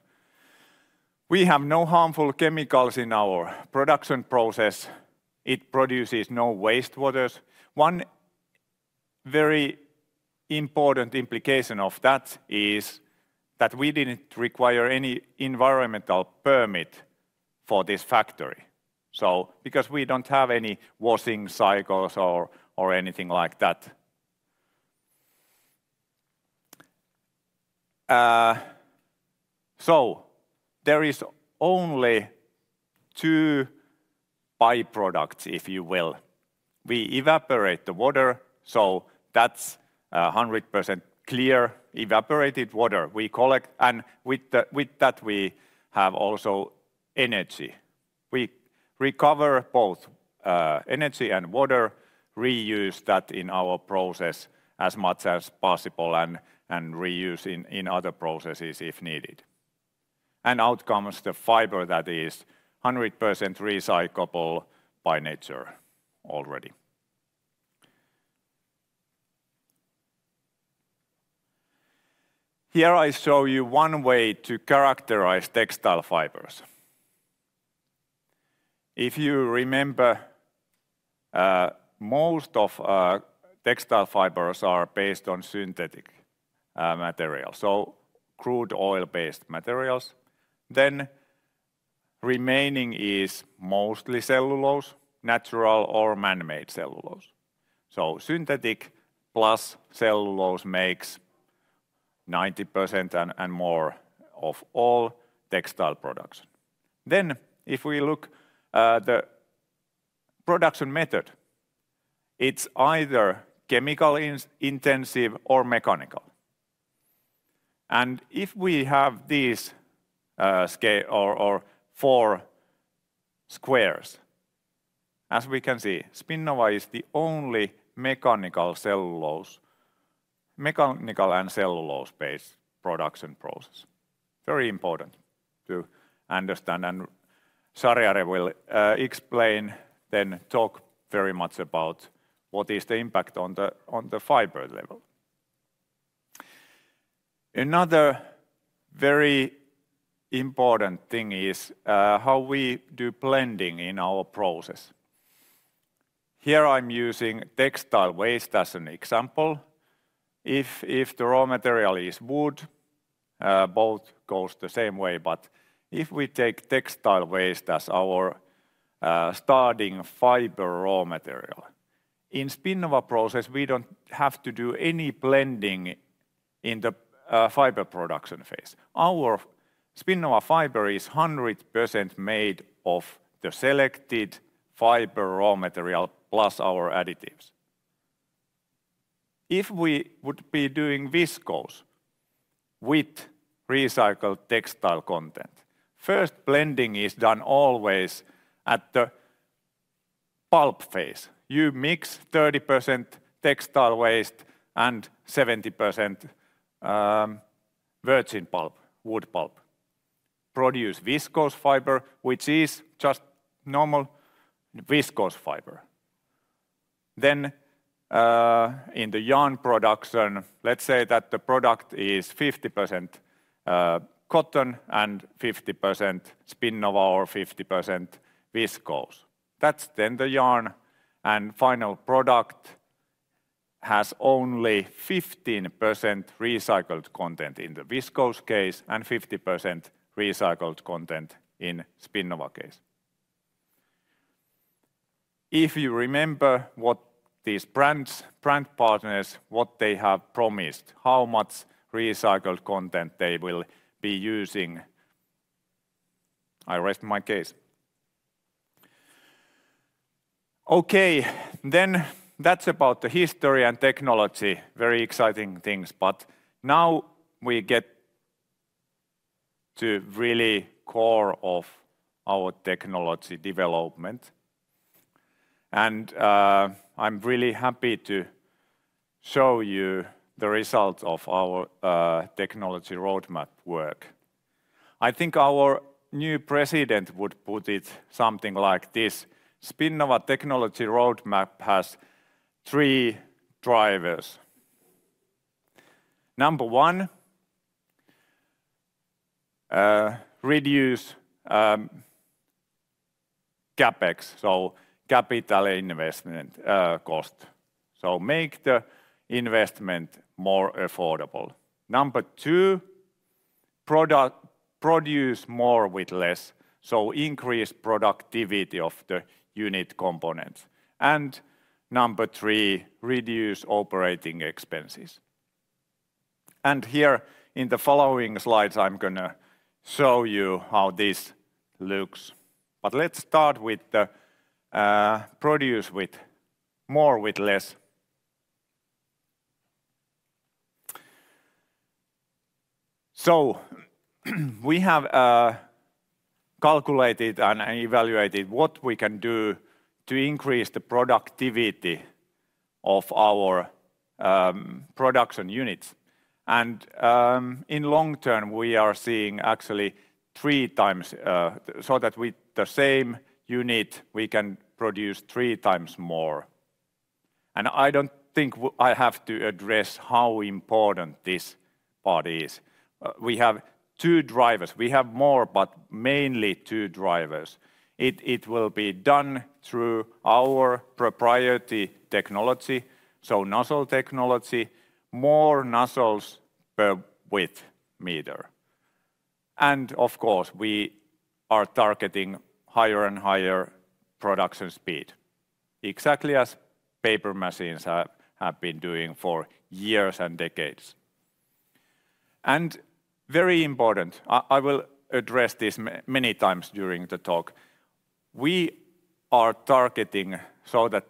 We have no harmful chemicals in our production process. It produces no wastewaters. One very important implication of that is that we didn't require any environmental permit for this factory, so because we don't have any washing cycles or anything like that. So there is only two byproducts, if you will. We evaporate the water, so that's 100% clear, evaporated water. We collect, and with that, we have also energy. We recover both, energy and water, reuse that in our process as much as possible, and, and reuse in other processes, if needed. Out comes the fiber that is 100% recyclable by nature already. Here I show you one way to characterize textile fibers. If you remember, most of textile fibers are based on synthetic materials, so crude oil-based materials. Then remaining is mostly cellulose, natural or man-made cellulose. So synthetic plus cellulose makes 90% and more of all textile products. Then if we look the production method, it's either chemical intensive or mechanical. And if we have these scale or four squares, as we can see, Spinnova is the only mechanical cellulose, mechanical and cellulose-based production process. Very important to understand, and Shahriare will explain, then talk very much about what is the impact on the fiber level. Another very important thing is how we do blending in our process. Here, I'm using textile waste as an example. If the raw material is wood, both goes the same way, but if we take textile waste as our starting fiber raw material, in Spinnova process, we don't have to do any blending in the fiber production phase. Our Spinnova fiber is 100% made of the selected fiber raw material, plus our additives. If we would be doing viscose with recycled textile content, first blending is done always at the pulp phase. You mix 30% textile waste and 70% virgin pulp, wood pulp, produce viscose fiber, which is just normal viscose fiber. Then, in the yarn production, let's say that the product is 50% cotton and 50% Spinnova or 50% viscose. That's then the yarn and final product has only 15% recycled content in the viscose case, and 50% recycled content in Spinnova case. If you remember what these brands, brand partners, what they have promised, how much recycled content they will be using, I rest my case. Okay, then that's about the history and technology. Very exciting things, but now we get to really core of our technology development, and I'm really happy to show you the result of our technology roadmap work. I think our new president would put it something like this: Spinnova technology roadmap has three drivers. Number one, reduce CapEx, so capital investment cost. So make the investment more affordable. Number two, produce more with less, so increase productivity of the unit components. And number three, reduce operating expenses. Here, in the following slides, I'm gonna show you how this looks. Let's start with the produce with more with less. We have calculated and evaluated what we can do to increase the productivity of our production units. In long term, we are seeing actually 3 times, so that with the same unit, we can produce 3 times more. I don't think I have to address how important this part is. We have two drivers. We have more, but mainly two drivers. It will be done through our proprietary technology, so nozzle technology, more nozzles per width meter. Of course, we are targeting higher and higher production speed, exactly as paper machines have been doing for years and decades. And very important, I will address this many times during the talk, we are targeting so that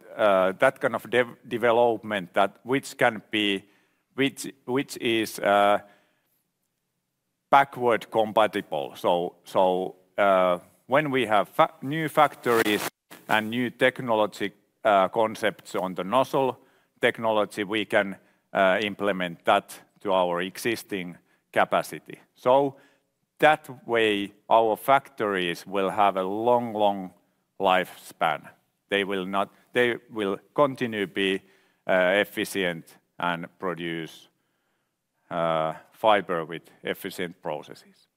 that kind of development that which can be backward compatible. So, when we have new factories and new technology concepts on the nozzle technology, we can implement that to our existing capacity. So that way, our factories will have a long, long lifespan. They will continue to be efficient and produce fiber with efficient processes.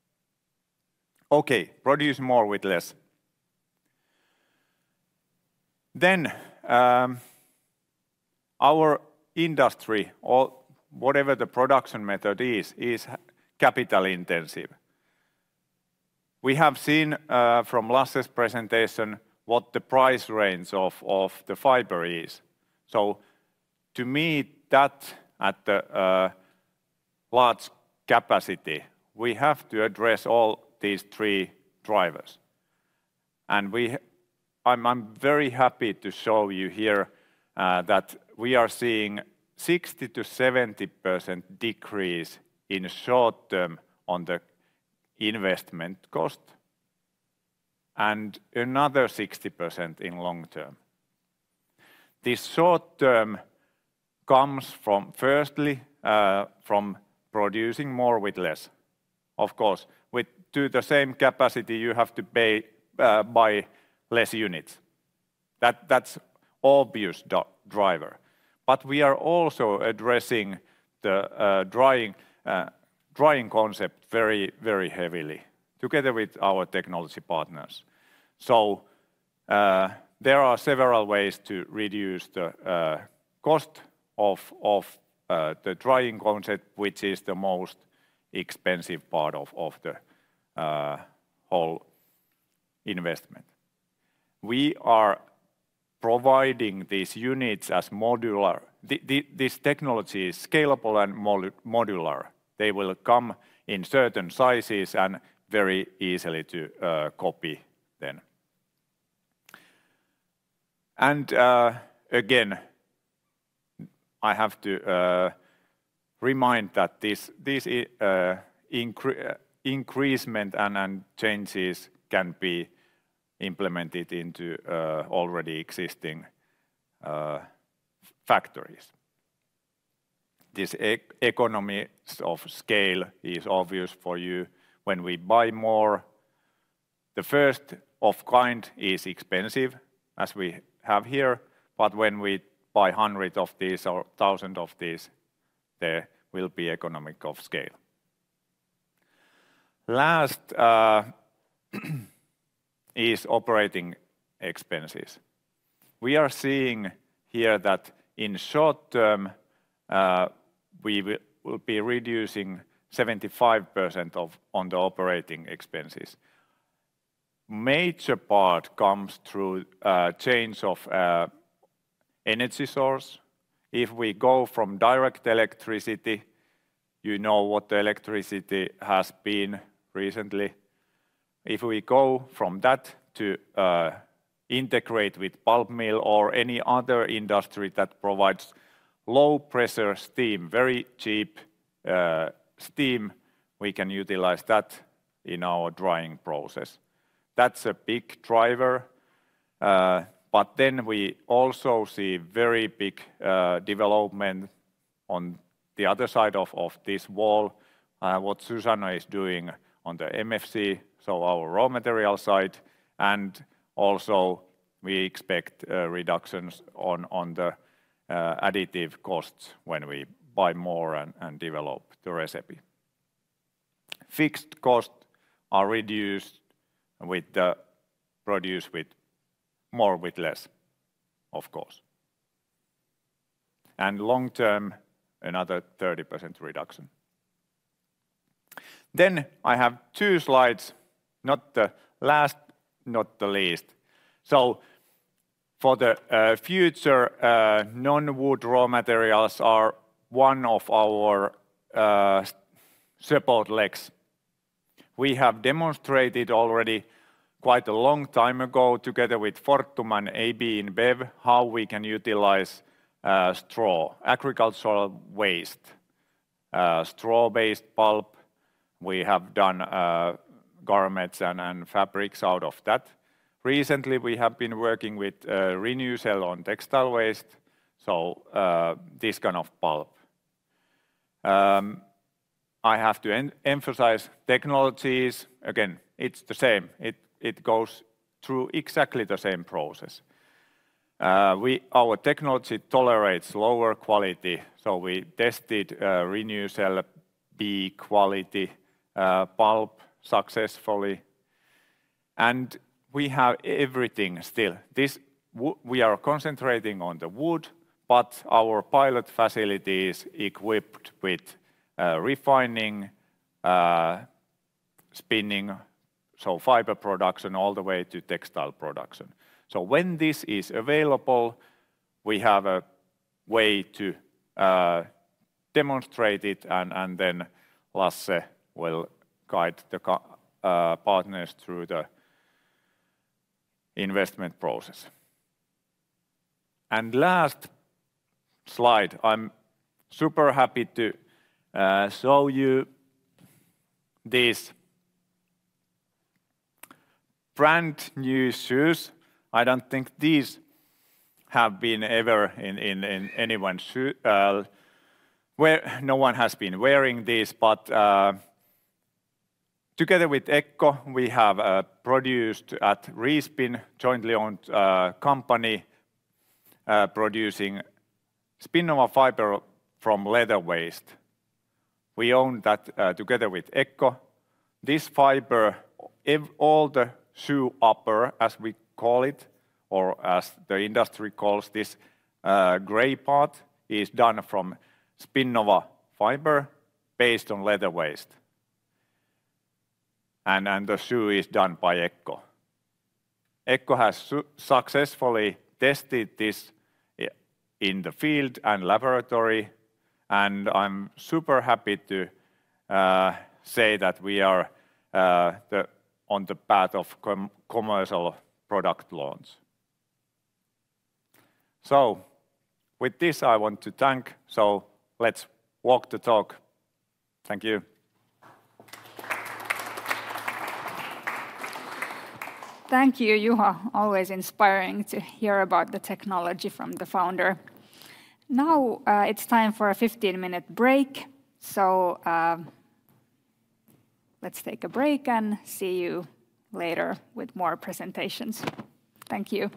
Okay, produce more with less. Then, our industry or whatever the production method is, is capital intensive. We have seen from Lasse's presentation what the price range of the fiber is. So to me, that at the large capacity, we have to address all these three drivers. I'm very happy to show you here that we are seeing 60%-70% decrease in short term on the investment cost, and another 60% in long term. This short term comes from firstly from producing more with less. Of course, with the same capacity, you have to pay to buy less units. That's obvious driver. But we are also addressing the drying concept very, very heavily together with our technology partners. So there are several ways to reduce the cost of the drying concept, which is the most expensive part of the whole investment. We are providing these units as modular. This technology is scalable and modular. They will come in certain sizes and very easily to copy them. Again, I have to remind that this increment and changes can be implemented into already existing factories. The economies of scale is obvious for you. When we buy more, the first-of-kind is expensive, as we have here, but when we buy 100 of these or 1,000 of these, there will be economies of scale. Last is operating expenses. We are seeing here that in short term, we will be reducing 75% off the operating expenses. Major part comes through change of energy source. If we go from direct electricity, you know what the electricity has been recently. If we go from that to integrate with pulp mill or any other industry that provides low-pressure steam, very cheap steam, we can utilize that in our drying process. That's a big driver. But then we also see very big development on the other side of this wall, what Suzano is doing on the MFC, so our raw material side, and also we expect reductions on the additive costs when we buy more and develop the recipe. Fixed costs are reduced with the produce with more, with less, of course. And long term, another 30% reduction. Then I have two slides, not the last, not the least. So for the future, non-wood raw materials are one of our support legs. We have demonstrated already quite a long time ago, together with Fortum and AB InBev, how we can utilize straw, agricultural waste, straw-based pulp. We have done garments and fabrics out of that. Recently, we have been working with Renewcell on textile waste, so this kind of pulp. I have to emphasize technologies. Again, it's the same. It goes through exactly the same process. Our technology tolerates lower quality, so we tested Renewcell B quality pulp successfully, and we have everything still. We are concentrating on the wood, but our pilot facility is equipped with refining, spinning, so fiber production all the way to textile production. So when this is available, we have a way to demonstrate it, and then Lasse will guide the partners through the investment process. Last slide, I'm super happy to show you these brand-new shoes. I don't think these have been ever in anyone's shoe, where no one has been wearing these, but together with ECCO, we have produced at Respin, jointly owned company producing Spinnova fiber from leather waste.... We own that together with ECCO. This fiber, all the shoe upper, as we call it, or as the industry calls this, gray part, is done from Spinnova fiber based on leather waste. And the shoe is done by ECCO. ECCO has successfully tested this in the field and laboratory, and I'm super happy to say that we are on the path of commercial product launch. So with this, I want to thank, so let's walk the talk. Thank you. Thank you, Juha. Always inspiring to hear about the technology from the founder. Now, it's time for a 15-minute break. So, let's take a break and see you later with more presentations. Thank you. ...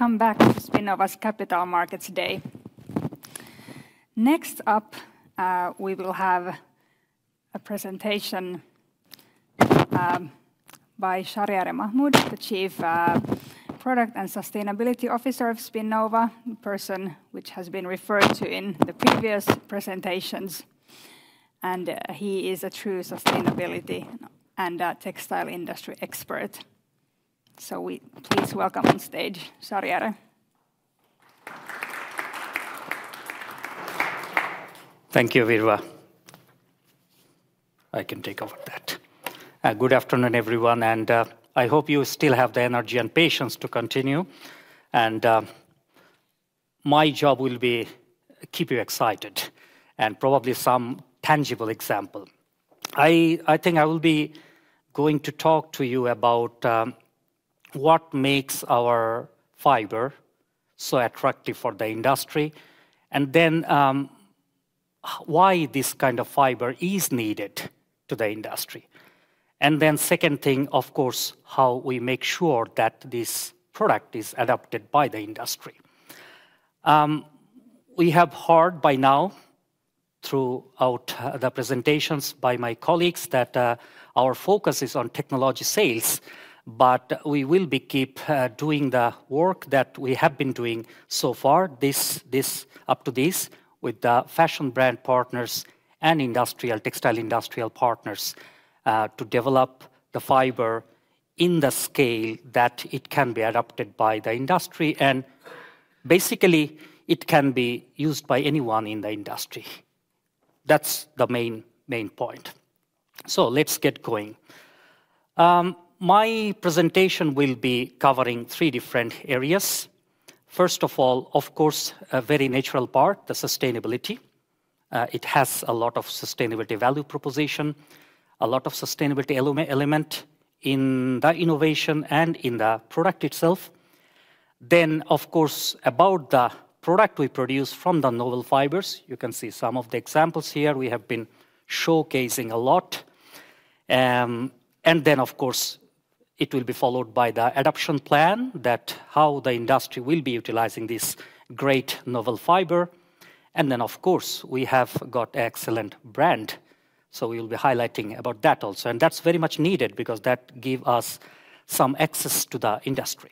Welcome back to Spinnova's Capital Markets Day. Next up, we will have a presentation by Shahriare Mahmood, the Chief Product and Sustainability Officer of Spinnova, a person which has been referred to in the previous presentations, and, he is a true sustainability and textile industry expert. So we please welcome on stage, Shahriare. Thank you, Virva. I can take over that. Good afternoon, everyone, and I hope you still have the energy and patience to continue. My job will be keep you excited, and probably some tangible example. I think I will be going to talk to you about what makes our fiber so attractive for the industry, and then why this kind of fiber is needed to the industry. Then second thing, of course, how we make sure that this product is adopted by the industry. We have heard by now, throughout the presentations by my colleagues, that our focus is on technology sales, but we will be keeping doing the work that we have been doing so far with the fashion brand partners and textile industrial partners to develop the fiber in the scale that it can be adopted by the industry, and basically, it can be used by anyone in the industry. That's the main, main point. Let's get going. My presentation will be covering three different areas. First of all, of course, a very natural part, the sustainability. It has a lot of sustainability value proposition, a lot of sustainability element in the innovation and in the product itself. Then, of course, about the product we produce from the novel fibers. You can see some of the examples here. We have been showcasing a lot. And then, of course, it will be followed by the adoption plan, that how the industry will be utilizing this great novel fiber. And then, of course, we have got excellent brand, so we'll be highlighting about that also, and that's very much needed because that give us some access to the industry.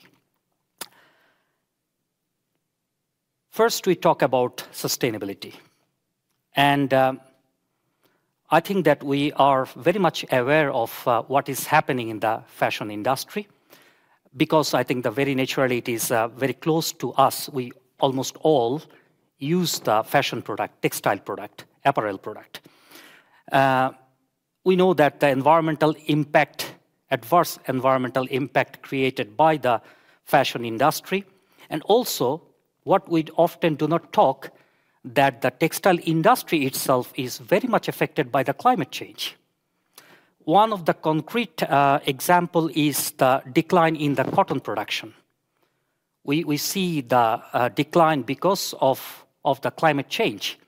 First, we talk about sustainability, and I think that we are very much aware of what is happening in the fashion industry, because I think that very naturally it is very close to us. We almost all use the fashion product, textile product, apparel product. We know that the environmental impact, adverse environmental impact created by the fashion industry, and also what we often do not talk, that the textile industry itself is very much affected by the climate change. One of the concrete example is the decline in the cotton production. We see the decline because of the climate change,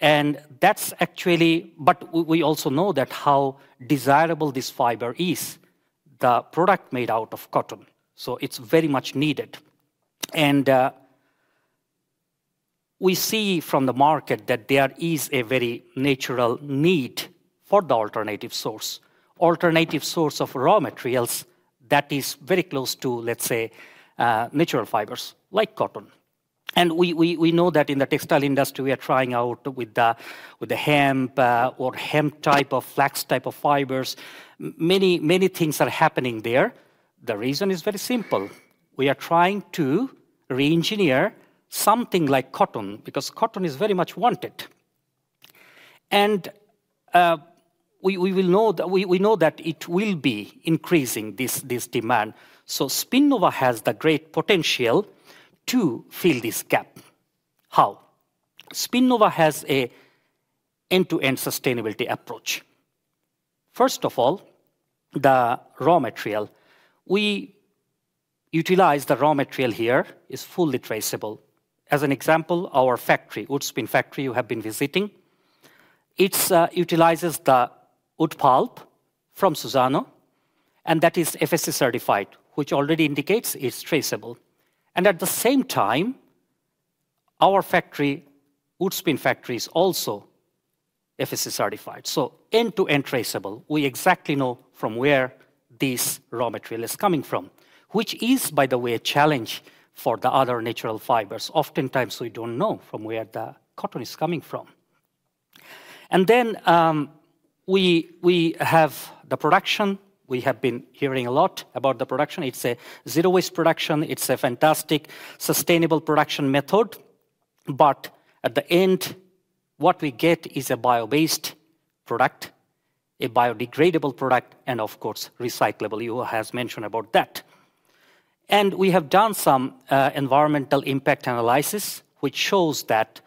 and that's actually. But we also know that how desirable this fiber is, the product made out of cotton, so it's very much needed. And we see from the market that there is a very natural need for the alternative source, alternative source of raw materials that is very close to, let's say, natural fibers like cotton. And we know that in the textile industry, we are trying out with the hemp or hemp type of flax type of fibers. Many, many things are happening there. The reason is very simple: We are trying to reengineer something like cotton, because cotton is very much wanted. And, we know that it will be increasing, this, this demand, so Spinnova has the great potential to fill this gap. How? Spinnova has an end-to-end sustainability approach. First of all, the raw material. We utilize the raw material here, is fully traceable. As an example, our factory, Woodspin factory you have been visiting, it utilizes the wood pulp from Suzano, and that is FSC-certified, which already indicates it's traceable. And at the same time, our factory, Woodspin factory, is also FSC-certified. So end-to-end traceable, we exactly know from where this raw material is coming from, which is, by the way, a challenge for the other natural fibers. Oftentimes, we don't know from where the cotton is coming from. And then, we have the production. We have been hearing a lot about the production. It's a zero-waste production. It's a fantastic, sustainable production method, but at the end, what we get is a bio-based product, a biodegradable product, and of course, recyclable. Juha has mentioned about that. And we have done some environmental impact analysis, which shows that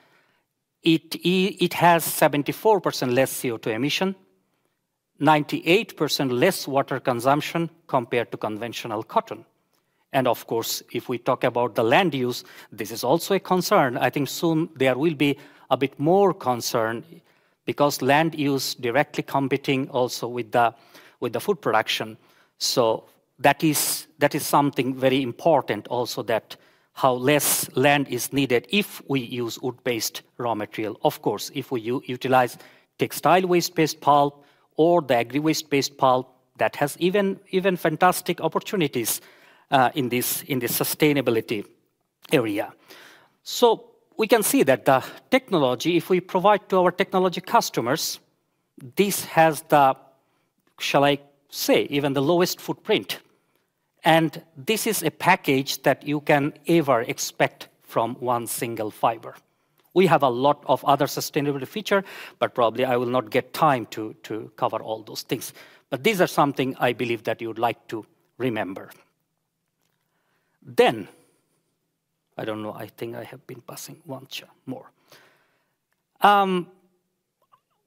it has 74% less CO2 emission, 98% less water consumption compared to conventional cotton. And of course, if we talk about the land use, this is also a concern. I think soon there will be a bit more concern because land use directly competing also with the food production. So that is something very important also that how less land is needed if we use wood-based raw material. Of course, if we utilize textile waste-based pulp or the agri-waste-based pulp, that has even, even fantastic opportunities in this sustainability area. So we can see that the technology, if we provide to our technology customers, this has the, shall I say, even the lowest footprint. And this is a package that you can ever expect from one single fiber. We have a lot of other sustainable feature, but probably I will not get time to cover all those things. But these are something I believe that you would like to remember. Then, I don't know, I think I have been passing one chart more.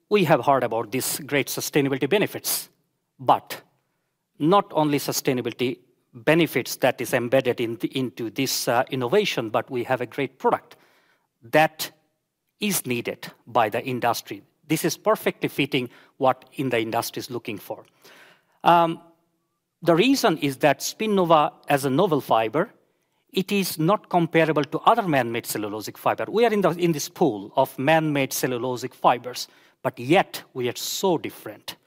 We have heard about these great sustainability benefits, but not only sustainability benefits that is embedded into this innovation, but we have a great product that is needed by the industry. This is perfectly fitting what in the industry is looking for. The reason is that Spinnova, as a novel fiber, it is not comparable to other man-made cellulosic fiber. We are in the, in this pool of man-made cellulosic fibers, but yet we are so different,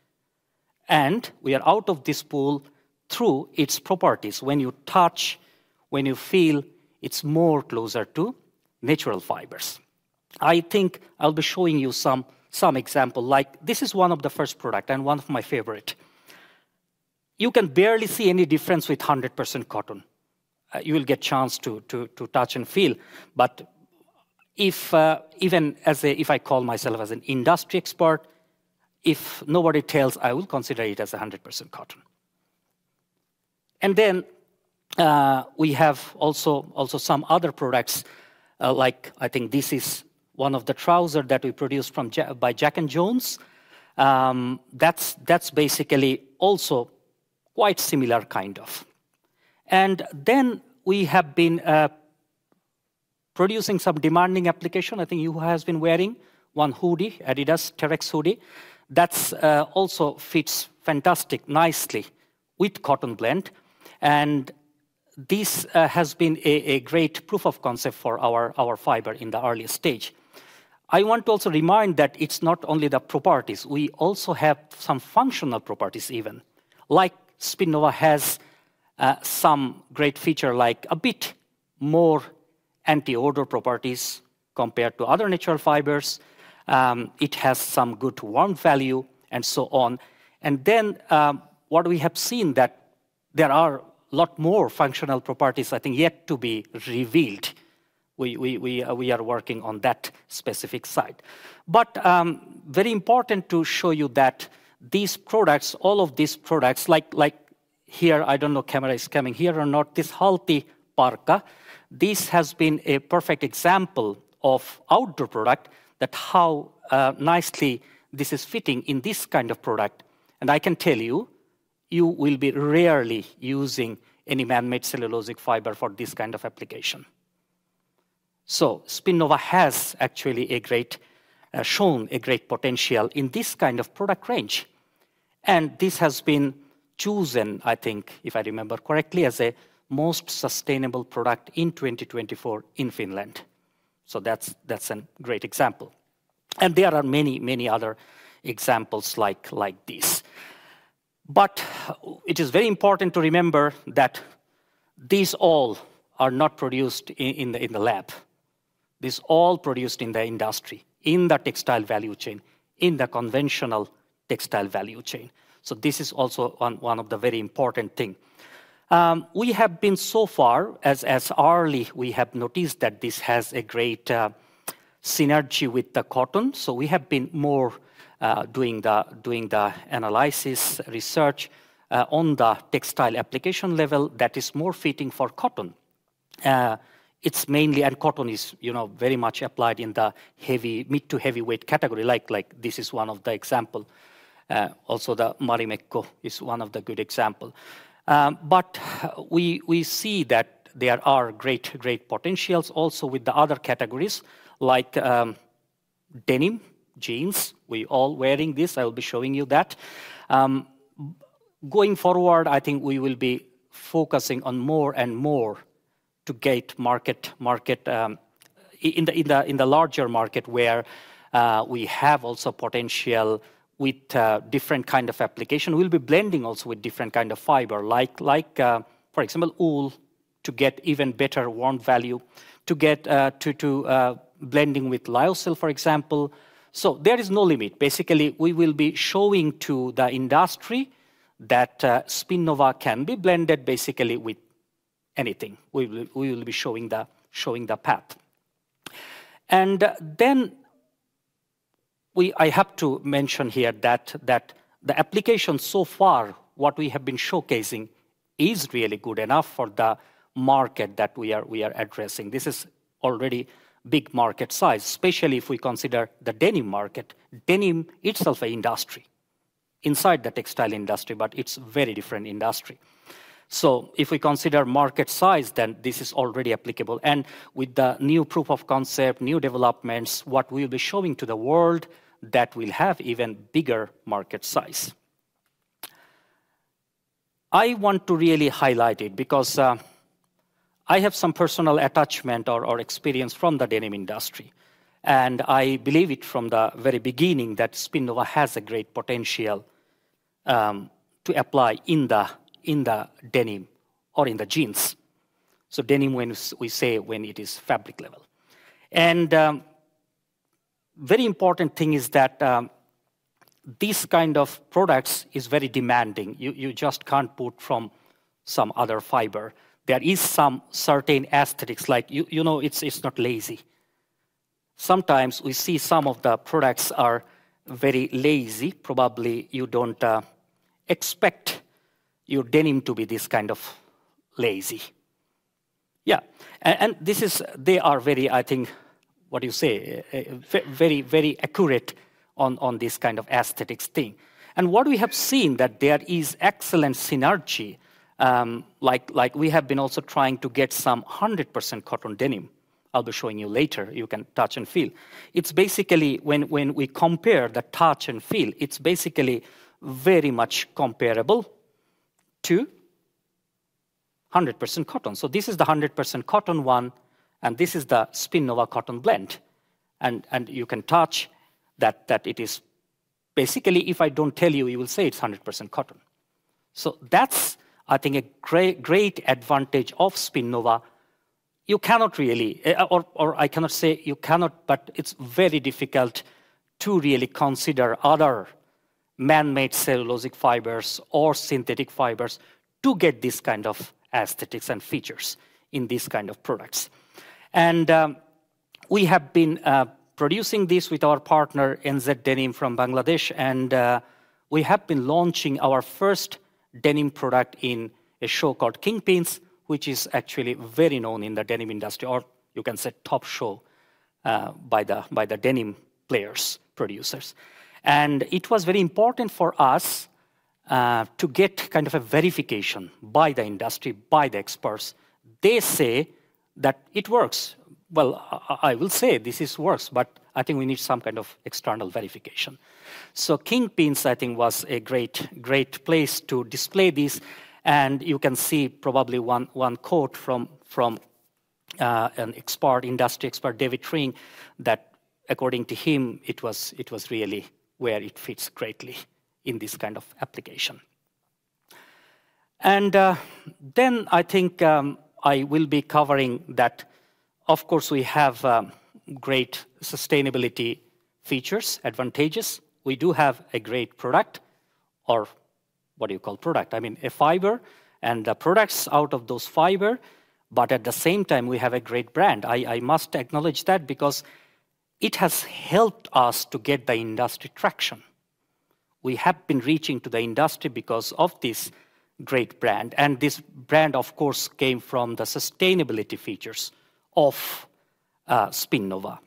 and we are out of this pool through its properties. When you touch, when you feel, it's more closer to natural fibers. I think I'll be showing you some example. Like, this is one of the first product and one of my favorite. You can barely see any difference with 100% cotton. You will get chance to, to touch and feel. But if even as a... If I call myself as an industry expert, if nobody tells, I will consider it as a 100% cotton. Then, we have also some other products, like I think this is one of the trouser that we produced by JACK & JONES. That's, that's basically also quite similar, kind of. Then we have been producing some demanding application. I think Juha has been wearing one adidas Terrex hoodie. That's also fits fantastic, nicely with cotton blend, and this has been a great proof of concept for our fiber in the early stage. I want to also remind that it's not only the properties, we also have some functional properties even. Like, Spinnova has some great feature, like a bit more anti-odor properties compared to other natural fibers. It has some good warmth value, and so on. And then, what we have seen that there are a lot more functional properties, I think, yet to be revealed. We are working on that specific side. But, very important to show you that these products, all of these products, like, like here, I don't know camera is coming here or not, this Halti Parka, this has been a perfect example of outdoor product, that how nicely this is fitting in this kind of product. And I can tell you, you will be rarely using any man-made cellulosic fiber for this kind of application. So Spinnova has actually a great, shown a great potential in this kind of product range, and this has been chosen, I think, if I remember correctly, as a most sustainable product in 2024 in Finland. So that's, that's a great example. And there are many, many other examples like this. But it is very important to remember that these all are not produced in the lab. This all produced in the industry, in the textile value chain, in the conventional textile value chain. So this is also one of the very important thing. We have been so far as early we have noticed that this has a great synergy with the cotton, so we have been more doing the analysis, research on the textile application level that is more fitting for cotton. It's mainly, and cotton is, you know, very much applied in the heavy, mid to heavyweight category, like this is one of the example. Also the Marimekko is one of the good example. But we, we see that there are great, great potentials also with the other categories, like, denim, jeans. We all wearing this. I will be showing you that. Going forward, I think we will be focusing on more and more to get market, market, in the, in the, in the larger market, where, we have also potential with, different kind of application. We'll be blending also with different kind of fiber, like, like, for example, wool, to get even better warmth value, to get, to, to, blending with lyocell, for example. So there is no limit. Basically, we will be showing to the industry that, Spinnova can be blended basically with anything. We will, we will be showing the, showing the path. And then we. I have to mention here that the application so far, what we have been showcasing, is really good enough for the market that we are addressing. This is already big market size, especially if we consider the denim market. Denim itself, an industry inside the textile industry, but it's very different industry. So if we consider market size, then this is already applicable. And with the new proof of concept, new developments, what we'll be showing to the world, that will have even bigger market size. I want to really highlight it because I have some personal attachment or experience from the denim industry, and I believed it from the very beginning that Spinnova has a great potential to apply in the denim or in the jeans. So denim when we say when it is fabric level. Very important thing is that these kind of products is very demanding. You just can't put from some other fiber. There is some certain aesthetics like, you know, it's not lazy. Sometimes we see some of the products are very lazy. Probably you don't expect your denim to be this kind of lazy. Yeah, and this is—they are very, I think, what you say, very, very accurate on this kind of aesthetics thing. And what we have seen that there is excellent synergy, like we have been also trying to get some 100% cotton denim. I'll be showing you later. You can touch and feel. It's basically when we compare the touch and feel, it's basically very much comparable to 100% cotton. So this is the 100% cotton one, and this is the Spinnova cotton blend. And you can touch that it is... Basically, if I don't tell you, you will say it's 100% cotton. So that's, I think, a great, great advantage of Spinnova. You cannot really, or I cannot say you cannot, but it's very difficult to really consider other man-made cellulosic fibers or synthetic fibers to get this kind of aesthetics and features in these kind of products. And we have been producing this with our partner, NZ Denim from Bangladesh, and we have been launching our first denim product in a show called Kingpins, which is actually very known in the denim industry, or you can say top show by the denim players, producers. It was very important for us to get kind of a verification by the industry, by the experts. They say that it works. Well, I will say this is works, but I think we need some kind of external verification. So Kingpins, I think, was a great, great place to display this, and you can see probably one quote from an expert, industry expert, David Tring, that according to him, it was really where it fits greatly in this kind of application. Then I think I will be covering that of course, we have great sustainability features, advantageous. We do have a great product or what do you call product? I mean, a fiber and the products out of those fiber, but at the same time, we have a great brand. I, I must acknowledge that because it has helped us to get the industry traction. We have been reaching to the industry because of this great brand, and this brand, of course, came from the sustainability features of, Spinnova.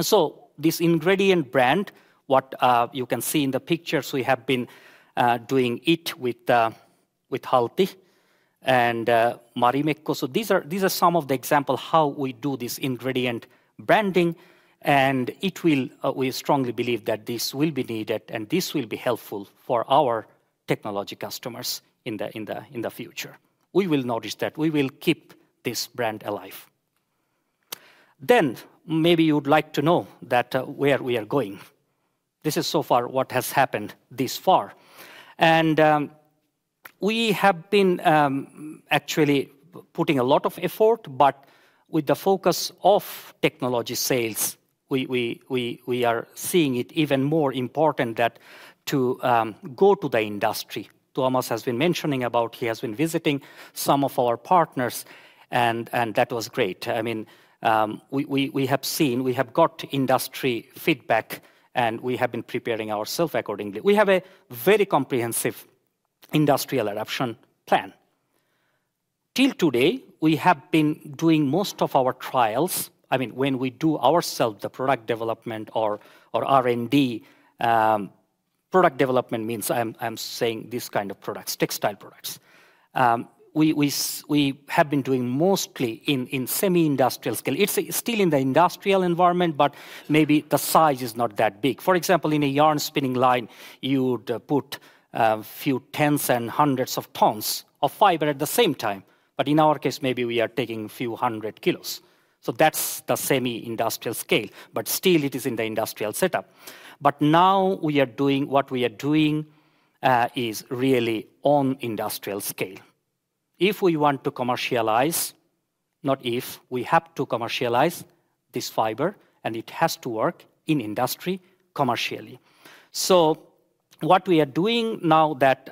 So this ingredient brand, what, you can see in the pictures, we have been, doing it with, with Halti and, Marimekko. So these are, these are some of the example how we do this ingredient branding, and it will, we strongly believe that this will be needed, and this will be helpful for our technology customers in the, in the, in the future. We will notice that. We will keep this brand alive. Then maybe you would like to know that, where we are going. This is so far what has happened this far. We have been actually putting a lot of effort, but with the focus of technology sales, we are seeing it even more important to go to the industry. Tuomas has been mentioning about, he has been visiting some of our partners, and that was great. I mean, we have seen, we have got industry feedback, and we have been preparing ourselves accordingly. We have a very comprehensive industrial adoption plan. Till today, we have been doing most of our trials, I mean, when we do ourselves, the product development or R&D, product development means I'm saying this kind of products, textile products. We have been doing mostly in semi-industrial scale. It's still in the industrial environment, but maybe the size is not that big. For example, in a yarn spinning line, you would put a few tens and hundreds of tons of fiber at the same time. But in our case, maybe we are taking a few hundred kilos. So that's the semi-industrial scale, but still it is in the industrial setup. But now we are doing, what we are doing, is really on industrial scale. If we want to commercialize, not if, we have to commercialize this fiber, and it has to work in industry commercially. So what we are doing now that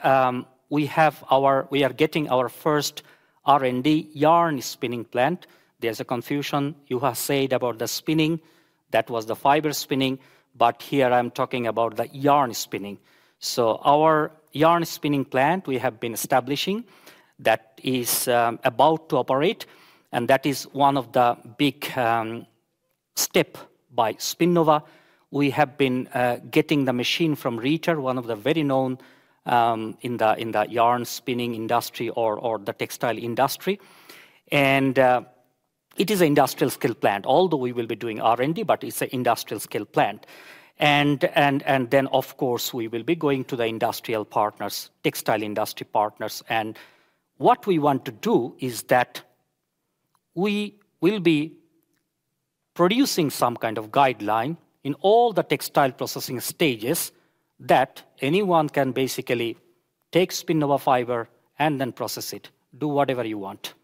we are getting our first R&D yarn spinning plant. There's a confusion. You have said about the spinning, that was the fiber spinning, but here I'm talking about the yarn spinning. So our yarn spinning plant, we have been establishing, that is, about to operate, and that is one of the big, Step by Spinnova. We have been getting the machine from Rieter, one of the very known in the yarn spinning industry or the textile industry. And it is an industrial scale plant, although we will be doing R&D, but it's an industrial scale plant. And then, of course, we will be going to the industrial partners, textile industry partners. And what we want to do is that we will be producing some kind of guideline in all the textile processing stages, that anyone can basically take Spinnova fiber and then process it, do whatever you want.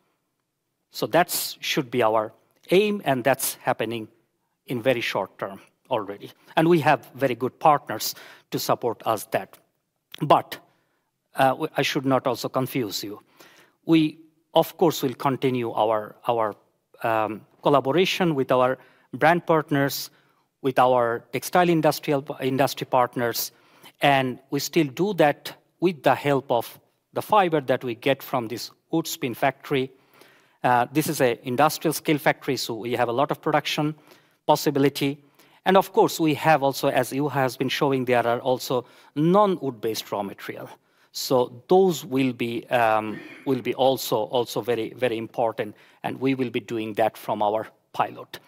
So that should be our aim, and that's happening in very short term already, and we have very good partners to support us that. But we, I should not also confuse you. We, of course, will continue our collaboration with our brand partners, with our textile industry partners, and we still do that with the help of the fiber that we get from this Woodspin factory. This is an industrial scale factory, so we have a lot of production possibility. Of course, we have also, as Juha has been showing, there are also non-wood-based raw material. So those will be also very important, and we will be doing that from our pilot.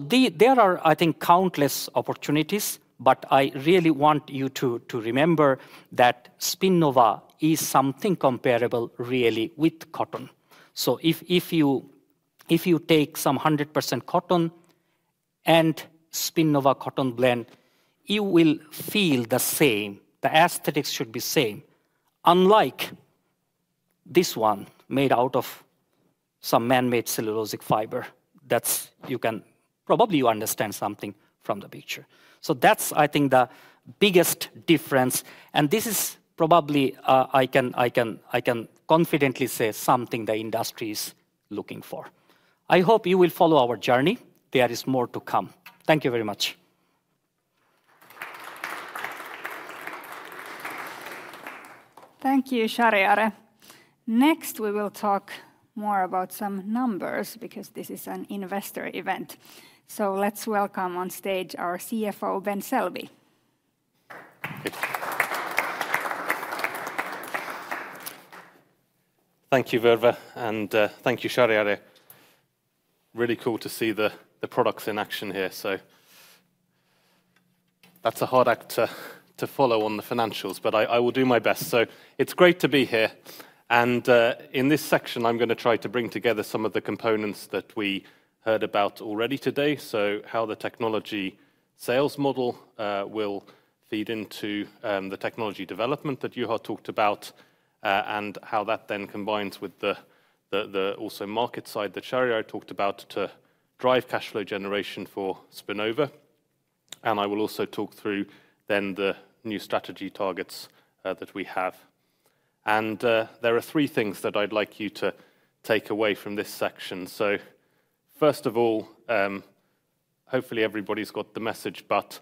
There are, I think, countless opportunities, but I really want you to remember that Spinnova is something comparable really with cotton. So if you take some 100% cotton and Spinnova cotton blend, you will feel the same. The aesthetics should be same. Unlike this one, made out of some man-made cellulosic fiber, that's... You probably understand something from the picture. So that's, I think, the biggest difference, and this is probably, I can confidently say something the industry is looking for. I hope you will follow our journey. There is more to come. Thank you very much. Thank you, Shahriare. Next, we will talk more about some numbers because this is an investor event. Let's welcome on stage our CFO, Ben Selby. Thank you, Virva, and thank you, Shahriare. Really cool to see the products in action here. So that's a hard act to follow on the financials, but I will do my best. So it's great to be here, and in this section, I'm gonna try to bring together some of the components that we heard about already today. So how the technology sales model will feed into the technology development that Juha talked about, and how that then combines with the market side that Shahriare talked about to drive cash flow generation for Spinnova. And I will also talk through then the new strategy targets that we have. And there are three things that I'd like you to take away from this section. So first of all, hopefully everybody's got the message, but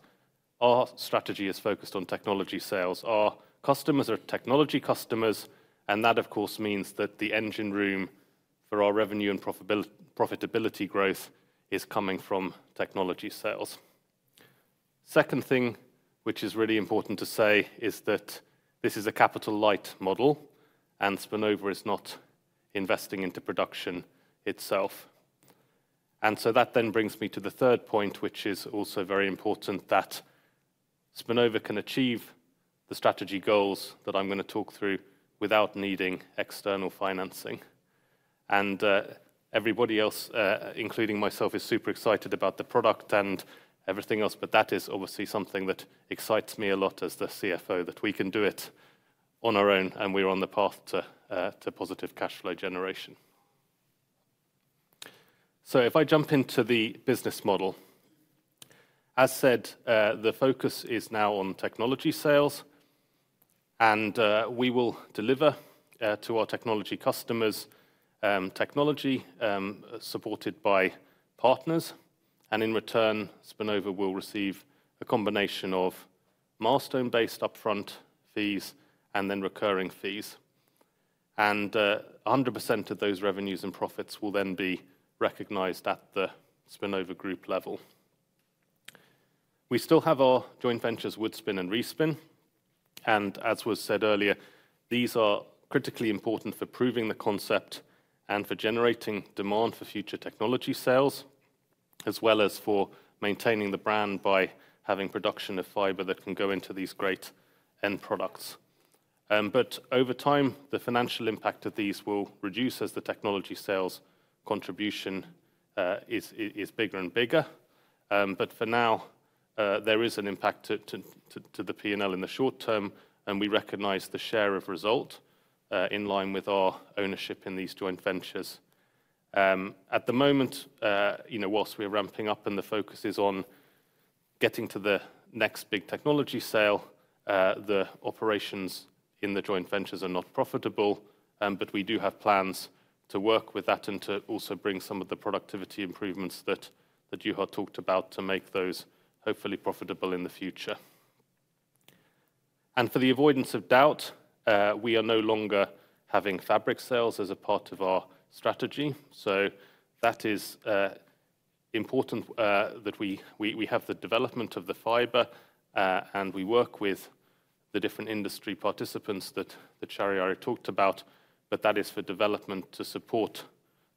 our strategy is focused on technology sales. Our customers are technology customers, and that of course means that the engine room for our revenue and profitability growth is coming from technology sales. Second thing, which is really important to say, is that this is a capital light model, and Spinnova is not investing into production itself. And everybody else, including myself, is super excited about the product and everything else, but that is obviously something that excites me a lot as the CFO, that we can do it on our own, and we're on the path to positive cash flow generation. So if I jump into the business model, as said, the focus is now on technology sales, and we will deliver to our technology customers technology supported by partners, and in return, Spinnova will receive a combination of milestone-based upfront fees and then recurring fees. And 100% of those revenues and profits will then be recognized at the Spinnova group level. We still have our joint ventures, Woodspin and Respin, and as was said earlier, these are critically important for proving the concept and for generating demand for future technology sales, as well as for maintaining the brand by having production of fiber that can go into these great end products. But over time, the financial impact of these will reduce as the technology sales contribution is bigger and bigger. But for now, there is an impact to the P&L in the short term, and we recognize the share of result in line with our ownership in these joint ventures. At the moment, you know, whilst we're ramping up and the focus is on getting to the next big technology sale, the operations in the joint ventures are not profitable, but we do have plans to work with that and to also bring some of the productivity improvements that Juha talked about to make those hopefully profitable in the future. For the avoidance of doubt, we are no longer having fabric sales as a part of our strategy. So that is important that we have the development of the fiber and we work with the different industry participants that Shahriare talked about, but that is for development to support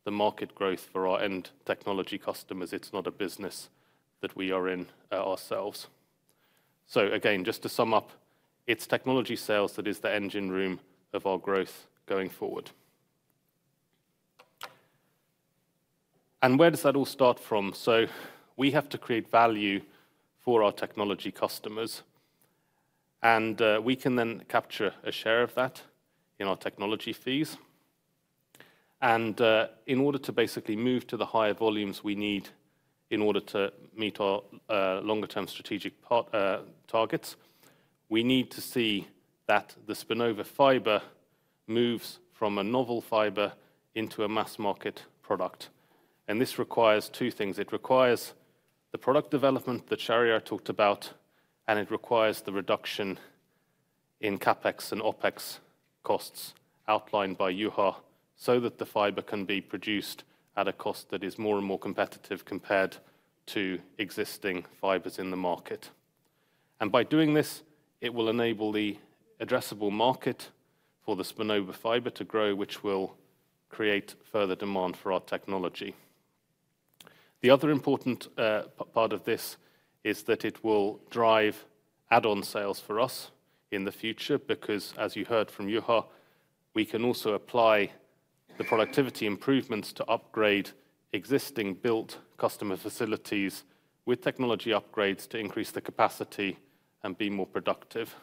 the market growth for our end technology customers. It's not a business that we are in ourselves. So again, just to sum up, it's technology sales that is the engine room of our growth going forward. And where does that all start from? So we have to create value for our technology customers, and we can then capture a share of that in our technology fees. And in order to basically move to the higher volumes we need in order to meet our longer-term strategic part targets, we need to see that the Spinnova fiber moves from a novel fiber into a mass-market product. And this requires two things: It requires the product development that Shahriare talked about, and it requires the reduction in CapEx and OpEx costs outlined by Juha, so that the fiber can be produced at a cost that is more and more competitive compared to existing fibers in the market. And by doing this, it will enable the addressable market for the Spinnova fiber to grow, which will create further demand for our technology. The other important part of this is that it will drive add-on sales for us in the future, because, as you heard from Juha, we can also apply the productivity improvements to upgrade existing built customer facilities with technology upgrades to increase the capacity and be more productive.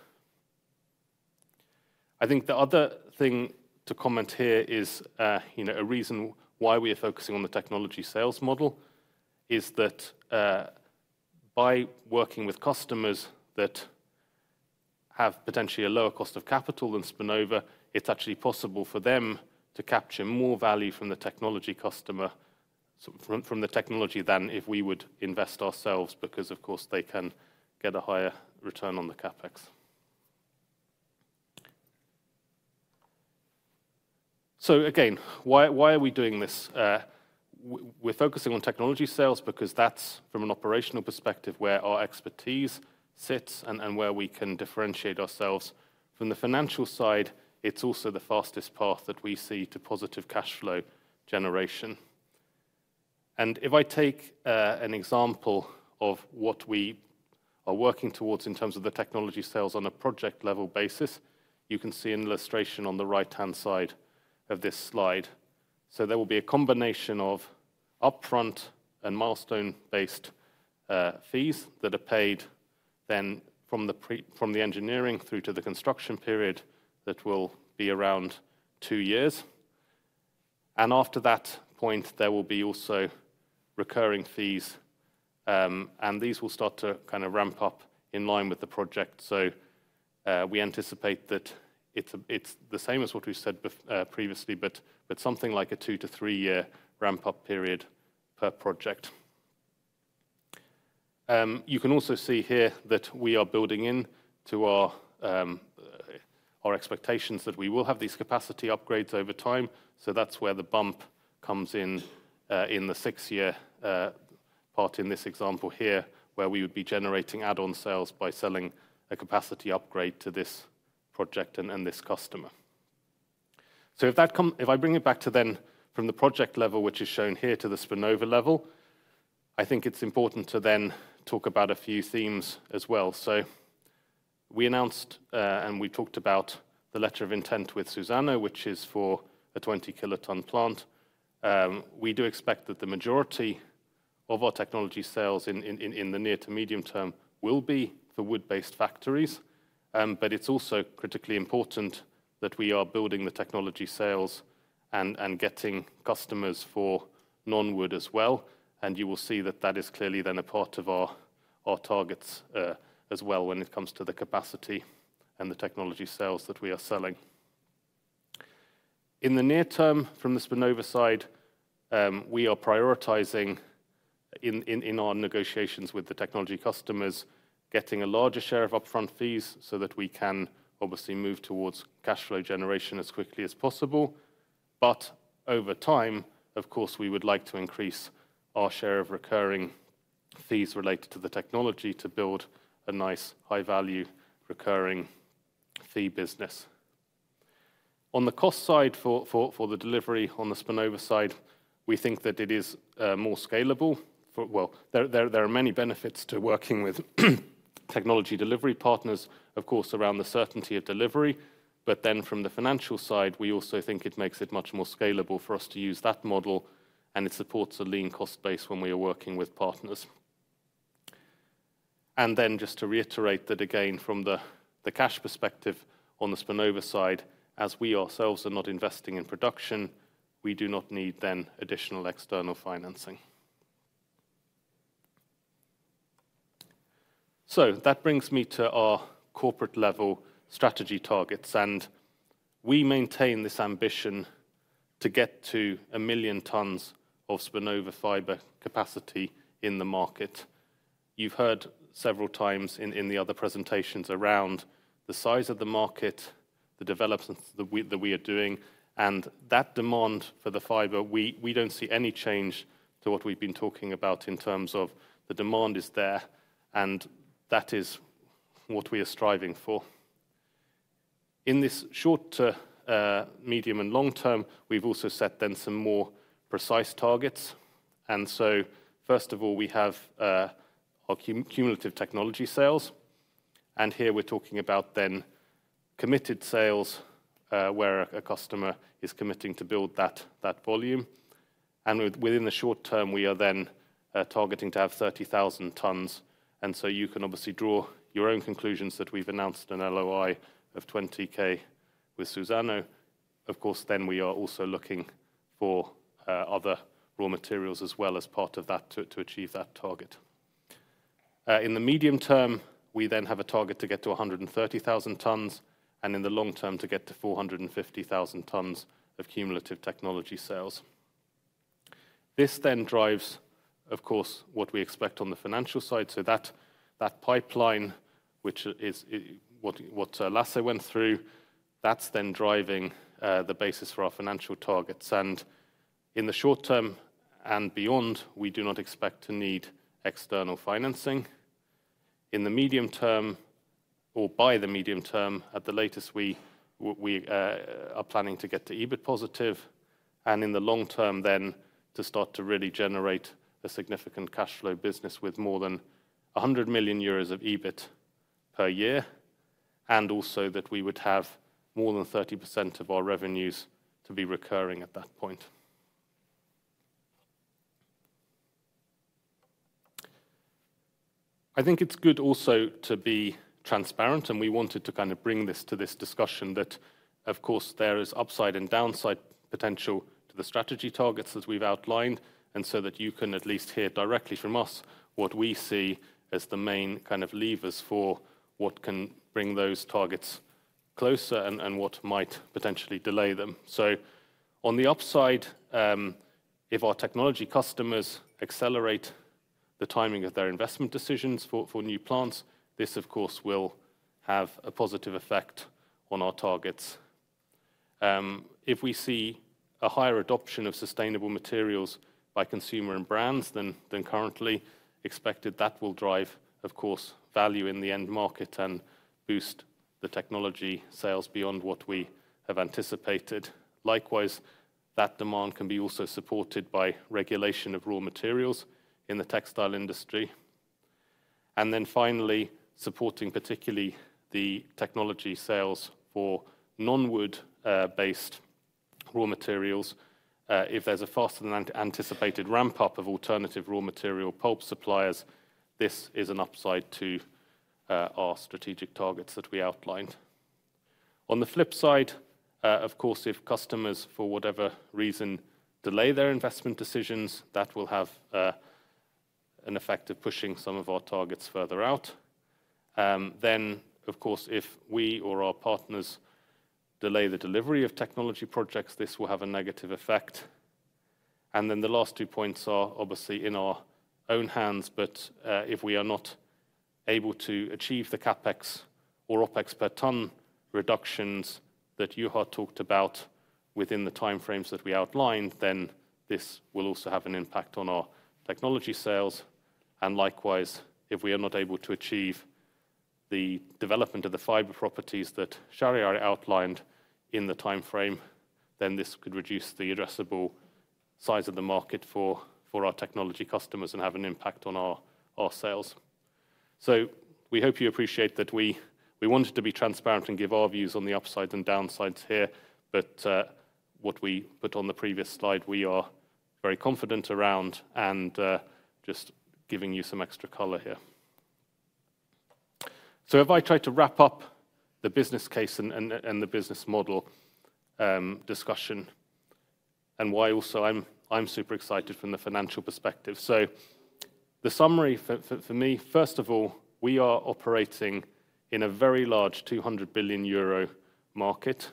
I think the other thing to comment here is, you know, a reason why we are focusing on the technology sales model is that, by working with customers that have potentially a lower cost of capital than Spinnova, it's actually possible for them to capture more value from the technology customer, so from, from the technology, than if we would invest ourselves, because of course, they can get a higher return on the CapEx. So again, why, why are we doing this? We're focusing on technology sales because that's from an operational perspective, where our expertise sits and, and where we can differentiate ourselves. From the financial side, it's also the fastest path that we see to positive cash flow generation. If I take an example of what we are working towards in terms of the technology sales on a project-level basis, you can see an illustration on the right-hand side of this slide. There will be a combination of upfront and milestone-based fees that are paid then from the engineering through to the construction period, that will be around 2 years. After that point, there will be also recurring fees, and these will start to kind of ramp up in line with the project. We anticipate that it's the same as what we've said previously, but something like a 2- to 3-year ramp-up period per project. You can also see here that we are building in to our expectations that we will have these capacity upgrades over time. So that's where the bump comes in in the six-year part in this example here, where we would be generating add-on sales by selling a capacity upgrade to this project and this customer. So if I bring it back to then from the project level, which is shown here, to the Spinnova level, I think it's important to then talk about a few themes as well. So we announced and we talked about the letter of intent with Suzano, which is for a 20-kiloton plant. We do expect that the majority of our technology sales in the near to medium term will be for wood-based factories. But it's also critically important that we are building the technology sales and getting customers for non-wood as well. You will see that that is clearly then a part of our targets as well when it comes to the capacity and the technology sales that we are selling. In the near term, from the Spinnova side, we are prioritizing in our negotiations with the technology customers, getting a larger share of upfront fees so that we can obviously move towards cash flow generation as quickly as possible. But over time, of course, we would like to increase our share of recurring fees related to the technology to build a nice, high-value, recurring fee business. On the cost side, for the delivery on the Spinnova side, we think that it is more scalable. Well, there are many benefits to working with technology delivery partners, of course, around the certainty of delivery. But then from the financial side, we also think it makes it much more scalable for us to use that model, and it supports a lean cost base when we are working with partners. And then just to reiterate that again, from the, the cash perspective on the Spinnova side, as we ourselves are not investing in production, we do not need then additional external financing. So that brings me to our corporate-level strategy targets, and. We maintain this ambition to get to 1 million tons of Spinnova fiber capacity in the market. You've heard several times in, in the other presentations around the size of the market, the developments that we, that we are doing, and that demand for the fiber, we, we don't see any change to what we've been talking about in terms of the demand is there, and that is what we are striving for. In this short, medium, and long term, we've also set then some more precise targets. So first of all, we have our cumulative technology sales, and here we're talking about then committed sales, where a customer is committing to build that volume. Within the short term, we are then targeting to have 30,000 tons, and so you can obviously draw your own conclusions that we've announced an LOI of 20,000 with Suzano. Of course, then we are also looking for other raw materials as well as part of that to achieve that target. In the medium term, we then have a target to get to 130,000 tons, and in the long term, to get to 450,000 tons of cumulative technology sales. This then drives, of course, what we expect on the financial side. So that pipeline, which is what Lasse went through, that's then driving the basis for our financial targets. And in the short term and beyond, we do not expect to need external financing. In the medium term or by the medium term, at the latest, we are planning to get to EBIT positive, and in the long term then, to start to really generate a significant cash flow business with more than 100 million euros of EBIT per year, and also that we would have more than 30% of our revenues to be recurring at that point. I think it's good also to be transparent, and we wanted to kind of bring this to this discussion that, of course, there is upside and downside potential to the strategy targets as we've outlined, and so that you can at least hear directly from us what we see as the main kind of levers for what can bring those targets closer and what might potentially delay them. So on the upside, if our technology customers accelerate the timing of their investment decisions for new plants, this, of course, will have a positive effect on our targets. If we see a higher adoption of sustainable materials by consumer and brands than currently expected, that will drive, of course, value in the end market and boost the technology sales beyond what we have anticipated. Likewise, that demand can be also supported by regulation of raw materials in the textile industry. Then finally, supporting particularly the technology sales for non-wood based raw materials, if there's a faster-than-anticipated ramp-up of alternative raw material pulp suppliers, this is an upside to our strategic targets that we outlined. On the flip side, of course, if customers, for whatever reason, delay their investment decisions, that will have an effect of pushing some of our targets further out. Then, of course, if we or our partners delay the delivery of technology projects, this will have a negative effect. Then the last two points are obviously in our own hands, but if we are not able to achieve the CapEx or OpEx per ton reductions that Juha talked about within the time frames that we outlined, then this will also have an impact on our technology sales. And likewise, if we are not able to achieve the development of the fiber properties that Shahriare outlined in the time frame, then this could reduce the addressable size of the market for our technology customers and have an impact on our sales. So we hope you appreciate that we wanted to be transparent and give our views on the upsides and downsides here, but what we put on the previous slide, we are very confident around, and just giving you some extra color here. So if I try to wrap up the business case and the business model discussion, and why also I'm super excited from the financial perspective. So the summary for me, first of all, we are operating in a very large 200 billion euro market,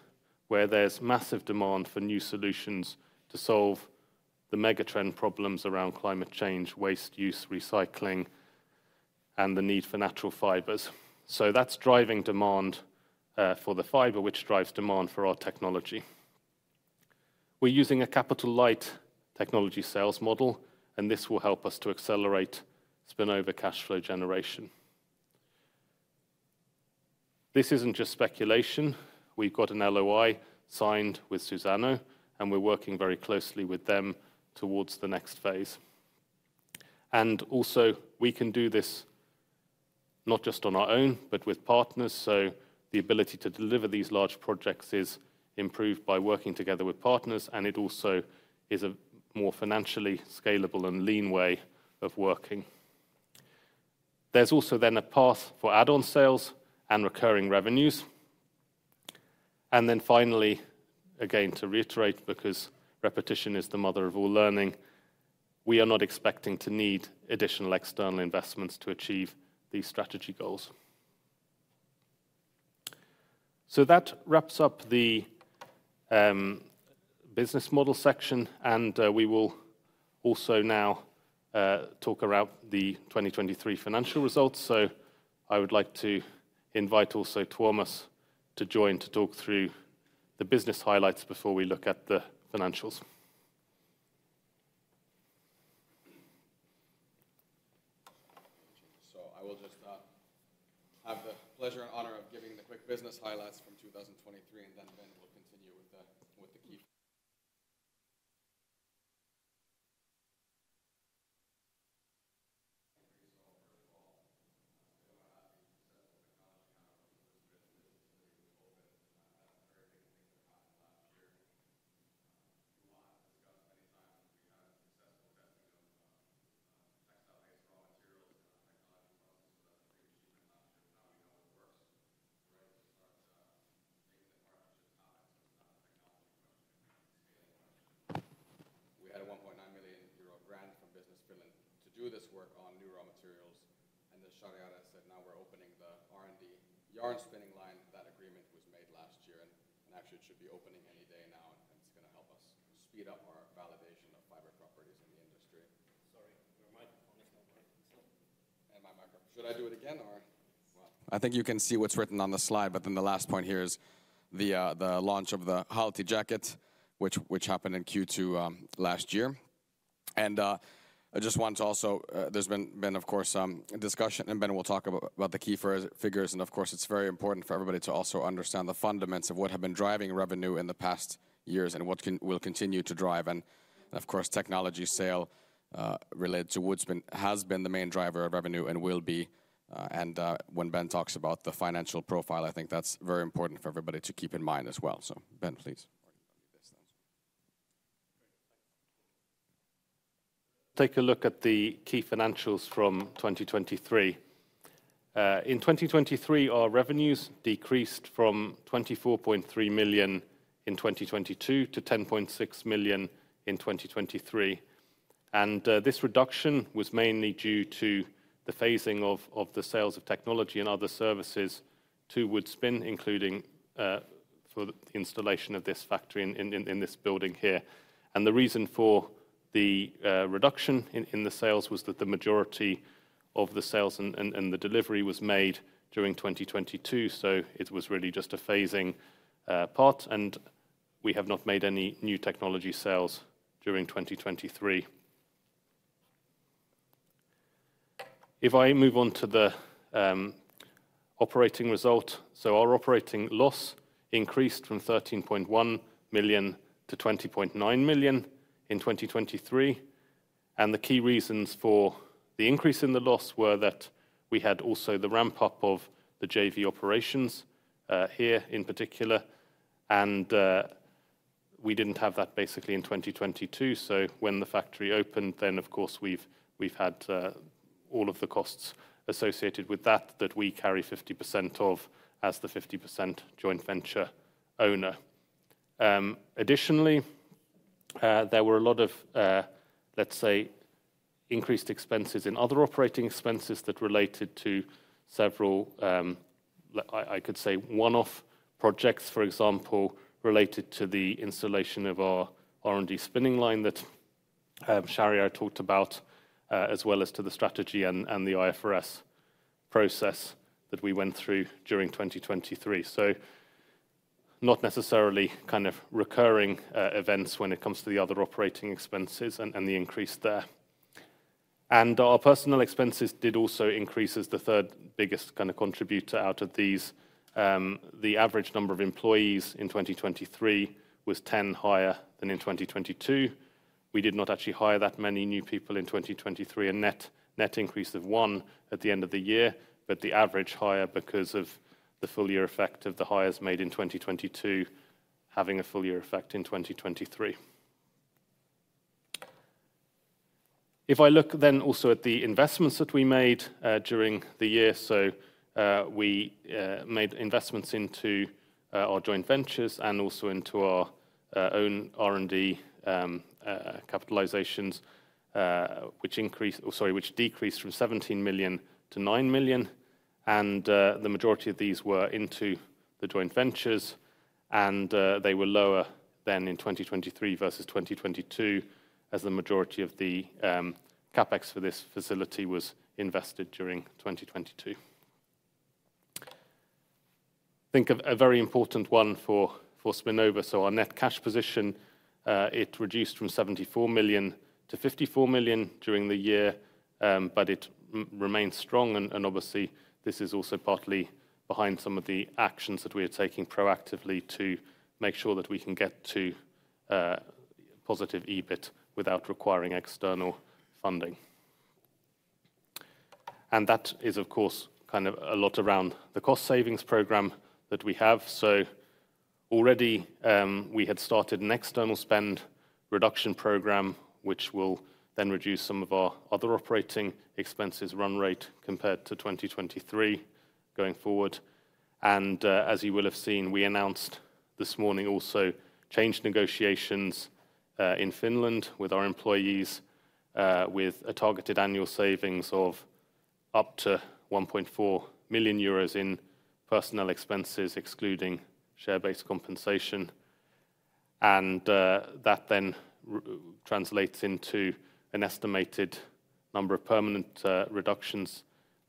where there's massive demand for new solutions to solve the mega-trend problems around climate change, waste use, recycling, and the need for natural fibers. So that's driving demand for the fiber, which drives demand for our technology. We're using a capital-light technology sales model, and this will help us to accelerate Spinnova cash flow generation. This isn't just speculation. We've got an LOI signed with Suzano, and we're working very closely with them towards the next phase. And also, we can do this not just on our own, but with partners. So the ability to deliver these large projects is improved by working together with partners, and it also is a more financially scalable and lean way of working. There's also then a path for add-on sales and recurring revenues. And then finally, again, to reiterate, because repetition is the mother of all learning, we are not expecting to need additional external investments to achieve these strategy goals. So that wraps up the business model section, and we will also now talk around the 2023 financial results. So I would like to invite also Tuomas to join to talk through the business highlights before we look at the financials. So I will just have the pleasure and honor of giving the quick business highlights from 2023, and then Ben will continue with the, with the key. So first of all, we had a EUR 1.9 million grant from Business Finland to do this work on new raw materials. And as Shahriare said, now we're opening the R&D yarn spinning line. That agreement was made last year, and actually, it should be opening any day now, and it's going to help us speed up our validation of fiber properties in the industry. Sorry, your microphone is not working. And my microphone. Should I do it again or...? I think you can see what's written on the slide, but then the last point here is the launch of the Halti jacket, which happened in Q2 last year. I just want to also, there's been, of course, some discussion, and Ben will talk about the key figures. And of course, it's very important for everybody to also understand the fundamentals of what have been driving revenue in the past years and what will continue to drive. And, of course, technology sale related to Woodspin has been the main driver of revenue and will be, and when Ben talks about the financial profile, I think that's very important for everybody to keep in mind as well. So Ben, please. Take a look at the key financials from 2023. In 2023, our revenues decreased from 24.3 million in 2022 to 10.6 million in 2023. This reduction was mainly due to the phasing of the sales of technology and other services to Woodspin, including for the installation of this factory in this building here. The reason for the reduction in the sales was that the majority of the sales and the delivery was made during 2022, so it was really just a phasing part, and we have not made any new technology sales during 2023. If I move on to the operating result, so our operating loss increased from 13.1 million to 20.9 million in 2023, and the key reasons for the increase in the loss were that we had also the ramp-up of the JV operations here in particular, and we didn't have that basically in 2022. So when the factory opened, then of course, we've had all of the costs associated with that, that we carry 50% of as the 50% joint venture owner. Additionally, there were a lot of, let's say, increased expenses in other operating expenses that related to several, I could say, one-off projects, for example, related to the installation of our R&D spinning line that Shahriare talked about, as well as to the strategy and the IFRS process that we went through during 2023. So not necessarily kind of recurring events when it comes to the other operating expenses and the increase there. Our personnel expenses did also increase as the third biggest kind of contributor out of these. The average number of employees in 2023 was 10 higher than in 2022. We did not actually hire that many new people in 2023, a net, net increase of one at the end of the year, but the average higher because of the full year effect of the hires made in 2022, having a full year effect in 2023. If I look then also at the investments that we made during the year, so we made investments into our joint ventures and also into our own R&D capitalizations, which increase... Or sorry, which decreased from 17 million to 9 million, and the majority of these were into the joint ventures, and they were lower than in 2023 versus 2022, as the majority of the CapEx for this facility was invested during 2022. Think of a very important one for Spinnova, so our net cash position it reduced from 74 million to 54 million during the year, but it remains strong, and obviously, this is also partly behind some of the actions that we are taking proactively to make sure that we can get to positive EBIT without requiring external funding. And that is, of course, kind of a lot around the cost savings program that we have. So already, we had started an external spend reduction program, which will then reduce some of our other operating expenses run rate compared to 2023 going forward. And as you will have seen, we announced this morning a change in negotiations in Finland with our employees, with a targeted annual savings of up to 1.4 million euros in personnel expenses, excluding share-based compensation. That then translates into an estimated number of permanent reductions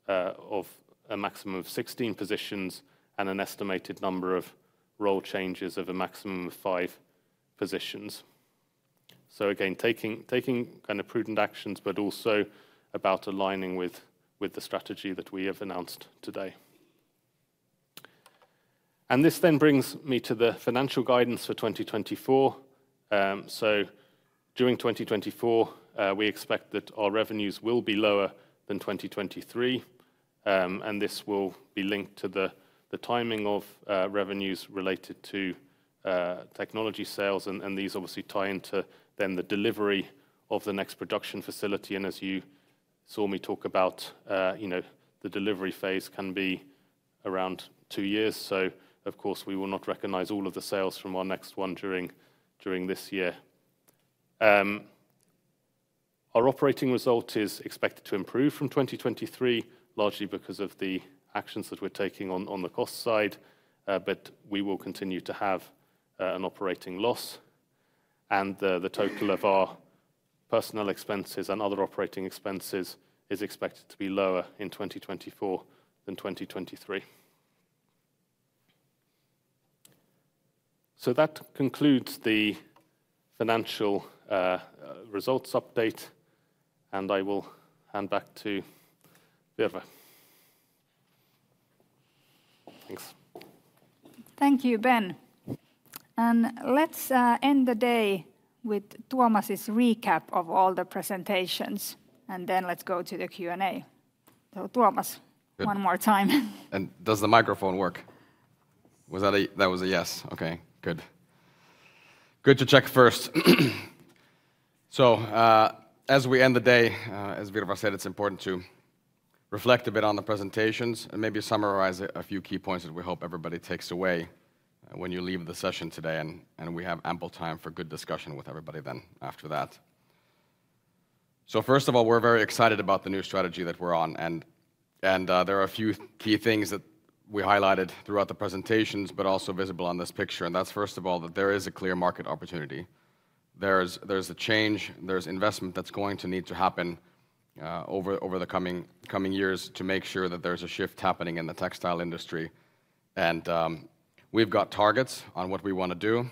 of a maximum of 16 positions, and an estimated number of role changes of a maximum of 5 positions. So again, taking kind of prudent actions, but also about aligning with the strategy that we have announced today. This then brings me to the financial guidance for 2024. During 2024, we expect that our revenues will be lower than 2023. This will be linked to the timing of revenues related to technology sales, and these obviously tie into then the delivery of the next production facility. And as you saw me talk about, you know, the delivery phase can be around two years, so of course, we will not recognize all of the sales from our next one during this year. Our operating result is expected to improve from 2023, largely because of the actions that we're taking on the cost side. But we will continue to have an operating loss, and the total of our personnel expenses and other operating expenses is expected to be lower in 2024 than 2023. So that concludes the financial results update, and I will hand back to Virva. Thanks. Thank you, Ben. Let's end the day with Tuomas' recap of all the presentations, and then let's go to the Q&A. So Tuomas, one more time. And does the microphone work? Was that a... That was a yes, okay, good. Good to check first. So, as we end the day, as Virva said, it's important to reflect a bit on the presentations and maybe summarize a few key points that we hope everybody takes away, when you leave the session today, and we have ample time for good discussion with everybody then after that. So first of all, we're very excited about the new strategy that we're on, and there are a few key things that we highlighted throughout the presentations, but also visible on this picture. And that's, first of all, that there is a clear market opportunity. There's a change, there's investment that's going to need to happen over the coming years to make sure that there's a shift happening in the textile industry. And we've got targets on what we want to do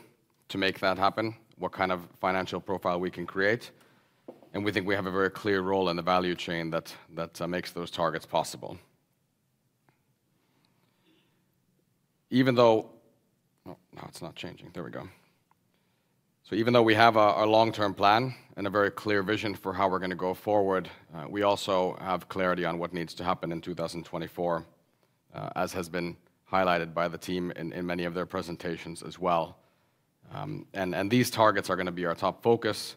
to make that happen, what kind of financial profile we can create, and we think we have a very clear role in the value chain that makes those targets possible. Even though... Oh, now it's not changing. There we go. So even though we have a long-term plan and a very clear vision for how we're going to go forward, we also have clarity on what needs to happen in 2024, as has been highlighted by the team in many of their presentations as well. These targets are going to be our top focus,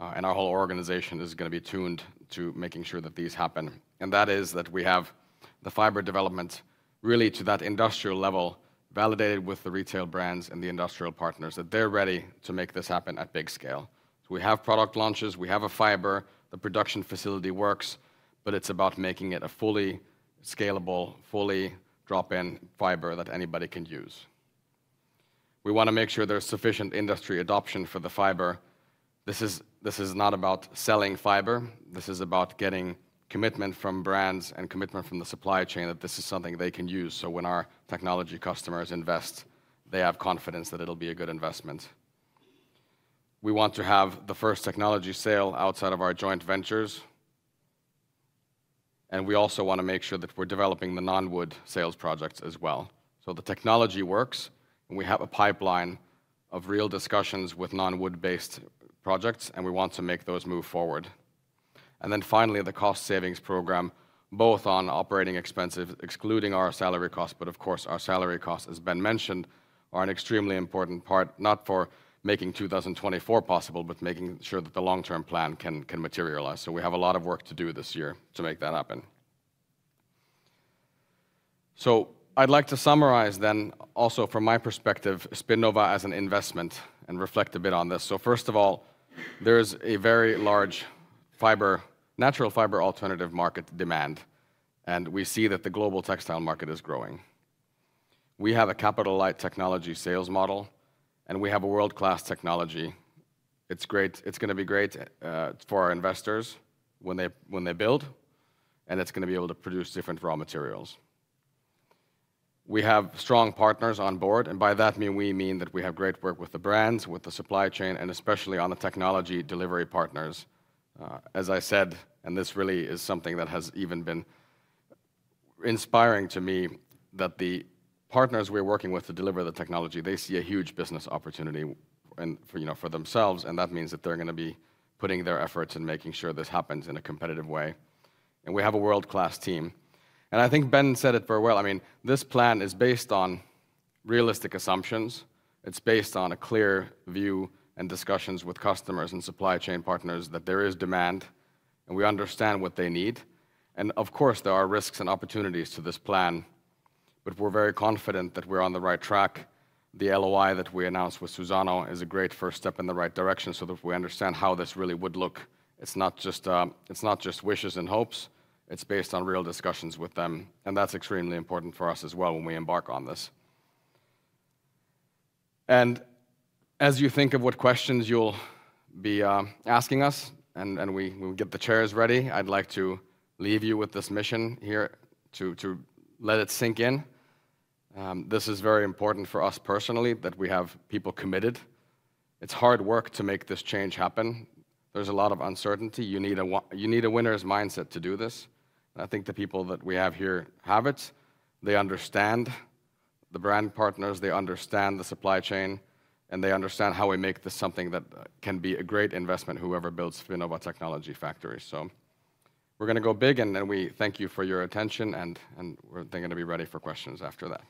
and our whole organization is going to be tuned to making sure that these happen. That is that we have the fiber development really to that industrial level, validated with the retail brands and the industrial partners, that they're ready to make this happen at big scale. We have product launches, we have a fiber, the production facility works, but it's about making it a fully scalable, fully drop-in fiber that anybody can use. We want to make sure there's sufficient industry adoption for the fiber. This is, this is not about selling fiber, this is about getting commitment from brands and commitment from the supply chain that this is something they can use. So when our technology customers invest, they have confidence that it'll be a good investment. We want to have the first technology sale outside of our joint ventures, and we also want to make sure that we're developing the non-wood sales projects as well. So the technology works, and we have a pipeline of real discussions with non-wood-based projects, and we want to make those move forward. And then finally, the cost savings program, both on operating expenses, excluding our salary costs, but of course, our salary costs, as Ben mentioned, are an extremely important part, not for making 2024 possible, but making sure that the long-term plan can materialize. So we have a lot of work to do this year to make that happen. So I'd like to summarize then, also from my perspective, Spinnova as an investment and reflect a bit on this. So first of all, there's a very large fiber, natural fiber alternative market demand, and we see that the global textile market is growing. We have a capital-light technology sales model, and we have a world-class technology. It's great. It's going to be great for our investors when they build, and it's going to be able to produce different raw materials. We have strong partners on board, and by that we mean that we have great work with the brands, with the supply chain, and especially on the technology delivery partners. As I said, and this really is something that has even been inspiring to me, that the partners we're working with to deliver the technology, they see a huge business opportunity and, for, you know, for themselves, and that means that they're going to be putting their efforts in making sure this happens in a competitive way. We have a world-class team. I think Ben said it very well. I mean, this plan is based on realistic assumptions. It's based on a clear view and discussions with customers and supply chain partners that there is demand, and we understand what they need. Of course, there are risks and opportunities to this plan, but we're very confident that we're on the right track. The LOI that we announced with Suzano is a great first step in the right direction, so that we understand how this really would look. It's not just, it's not just wishes and hopes, it's based on real discussions with them, and that's extremely important for us as well when we embark on this. And as you think of what questions you'll be asking us, and we will get the chairs ready, I'd like to leave you with this mission here to let it sink in. This is very important for us personally, that we have people committed. It's hard work to make this change happen. There's a lot of uncertainty. You need a winner's mindset to do this. I think the people that we have here have it. They understand the brand partners, they understand the supply chain, and they understand how we make this something that can be a great investment, whoever builds Spinnova technology factory. So we're gonna go big, and we thank you for your attention, and we're then gonna be ready for questions after that.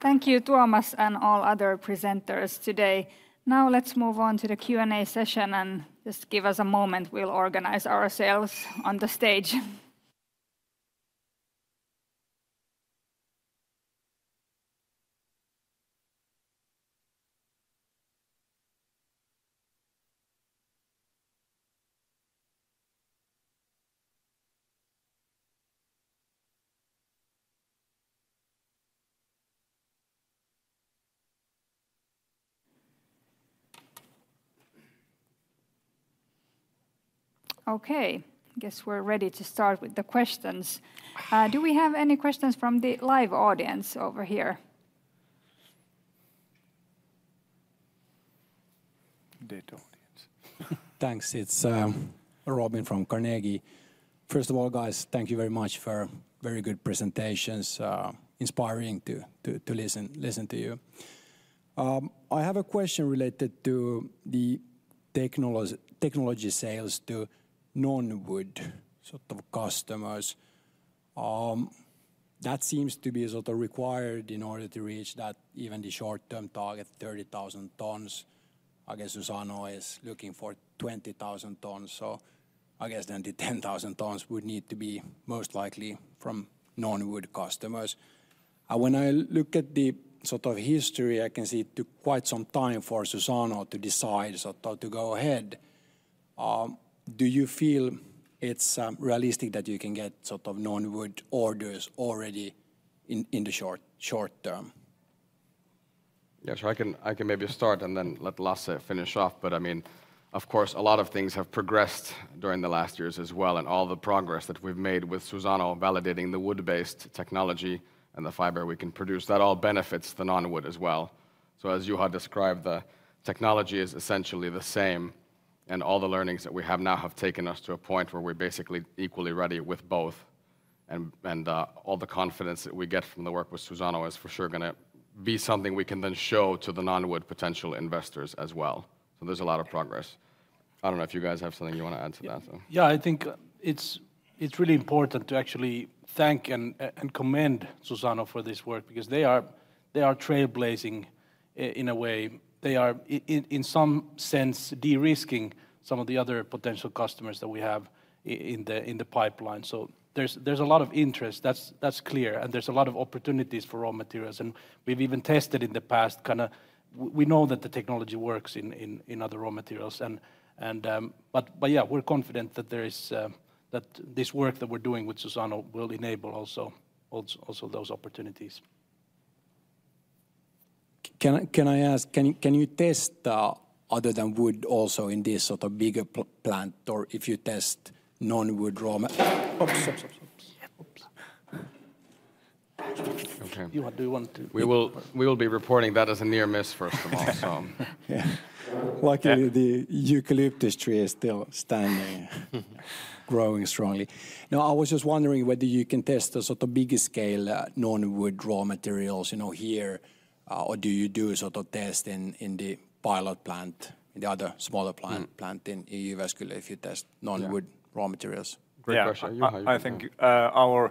Thank you, Tuomas, and all other presenters today. Now, let's move on to the Q&A session, and just give us a moment, we'll organize ourselves on the stage. Okay, guess we're ready to start with the questions. Do we have any questions from the live audience over here? The audience. Thanks. It's Robin from Carnegie. First of all, guys, thank you very much for very good presentations. Inspiring to listen to you. I have a question related to the technology sales to non-wood sort of customers. That seems to be sort of required in order to reach that, even the short-term target, 30,000 tons. I guess Suzano is looking for 20,000 tons, so I guess then the 10,000 tons would need to be most likely from non-wood customers. And when I look at the sort of history, I can see it took quite some time for Suzano to decide sort of to go ahead. Do you feel it's realistic that you can get sort of non-wood orders already in the short term? Yeah, so I can, I can maybe start and then let Lasse finish off. But, I mean, of course, a lot of things have progressed during the last years as well, and all the progress that we've made with Suzano, validating the wood-based technology and the fiber we can produce, that all benefits the non-wood as well. So as Juha described, the technology is essentially the same, and all the learnings that we have now have taken us to a point where we're basically equally ready with both. And, and, all the confidence that we get from the work with Suzano is for sure gonna be something we can then show to the non-wood potential investors as well. So there's a lot of progress. I don't know if you guys have something you want to add to that? Yeah, I think it's really important to actually thank and commend Suzano for this work because they are trailblazing in a way. They are in some sense de-risking some of the other potential customers that we have in the pipeline. So there's a lot of interest, that's clear, and there's a lot of opportunities for raw materials. And we've even tested in the past, kinda. We know that the technology works in other raw materials, and but yeah, we're confident that there is that this work that we're doing with Suzano will enable also those opportunities. Can I ask, can you test other than wood also in this sort of bigger plant, or if you test non-wood raw ma- Oops, sorry, sorry. Oops. Okay. Juha, do you want to- We will, we will be reporting that as a near miss, first of all, so. Yeah. Luckily, the eucalyptus tree is still standing, growing strongly. Now, I was just wondering whether you can test the sort of bigger scale, non-wood raw materials, you know, here, or do you do a sort of test in the pilot plant, in the other smaller plant- Mm... plant in Jyväskylä, if you test non-wood- Yeah... raw materials? Great question. Juha, you can... I think, our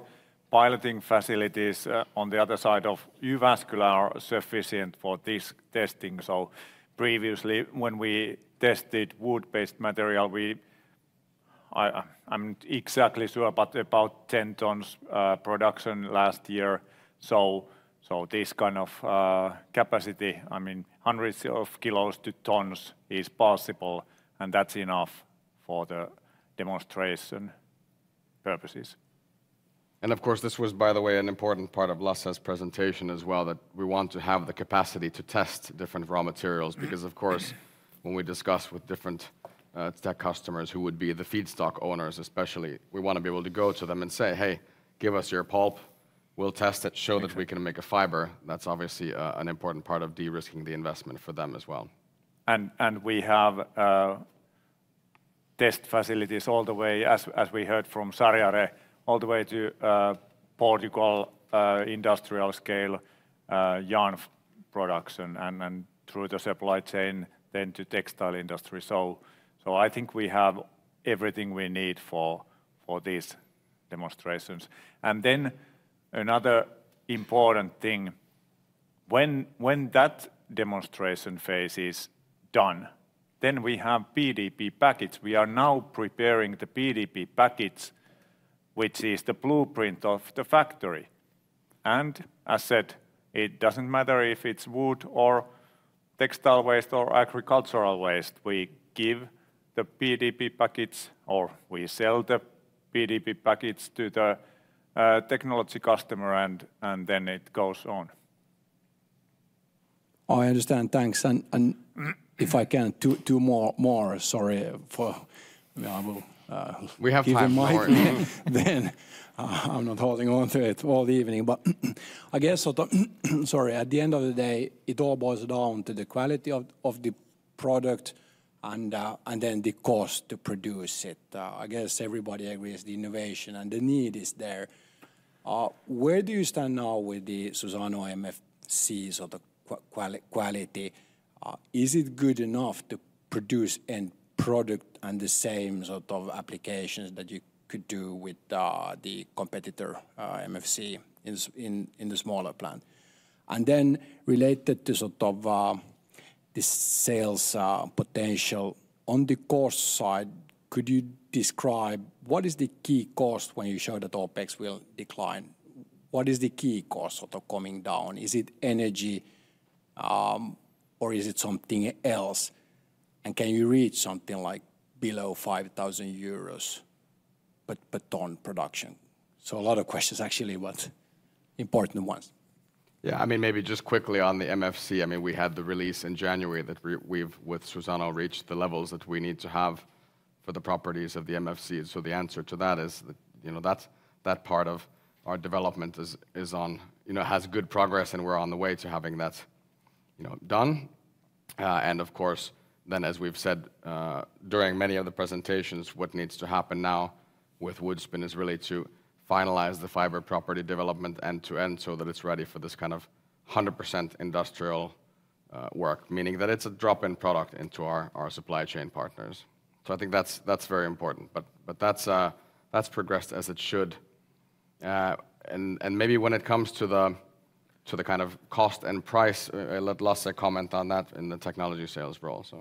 piloting facilities on the other side of Jyväskylä are sufficient for this testing. So previously, when we tested wood-based material, I’m exactly sure, but about 10 tons production last year. So this kind of capacity, I mean, hundreds of kilos to tons is possible, and that's enough for the demonstration purposes. And of course, this was, by the way, an important part of Lasse's presentation as well, that we want to have the capacity to test different raw materials. Because, of course, when we discuss with different tech customers, who would be the feedstock owners especially, we want to be able to go to them and say, "Hey, give us your pulp. We'll test it, show that we can make a fiber." That's obviously an important part of de-risking the investment for them as well. And we have test facilities all the way, as we heard from Shahriare, all the way to Portugal, industrial scale yarn production, and through the supply chain, then to textile industry. So I think we have everything we need for this.... demonstrations. And then another important thing, when that demonstration phase is done, then we have PDP package. We are now preparing the PDP package, which is the blueprint of the factory. And as said, it doesn't matter if it's wood or textile waste or agricultural waste, we give the PDP package, or we sell the PDP package to the technology customer, and then it goes on. I understand. Thanks. And if I can, two more, sorry, for... I will- We have time for more. Then I'm not holding on to it all the evening. But I guess, so, sorry, at the end of the day, it all boils down to the quality of the product and then the cost to produce it. I guess everybody agrees the innovation and the need is there. Where do you stand now with the Suzano MFCs or the quality? Is it good enough to produce end product and the same sort of applications that you could do with the competitor MFC in the smaller plant? And then related to sort of the sales potential, on the cost side, could you describe what is the key cost when you show that OpEx will decline? What is the key cost of the coming down? Is it energy, or is it something else? Can you reach something like below 5,000 euros, but, but on production? A lot of questions, actually, but important ones. Yeah, I mean, maybe just quickly on the MFC, I mean, we had the release in January that we've with Suzano reached the levels that we need to have for the properties of the MFC. So the answer to that is that, you know, that's that part of our development is on... You know, has good progress, and we're on the way to having that, you know, done. And of course, then, as we've said, during many of the presentations, what needs to happen now with Woodspin is really to finalize the fiber property development end to end, so that it's ready for this kind of 100% industrial work, meaning that it's a drop-in product into our supply chain partners. So I think that's very important. But that's progressed as it should. And maybe when it comes to the kind of cost and price, I'll let Lasse comment on that in the technology sales role, so.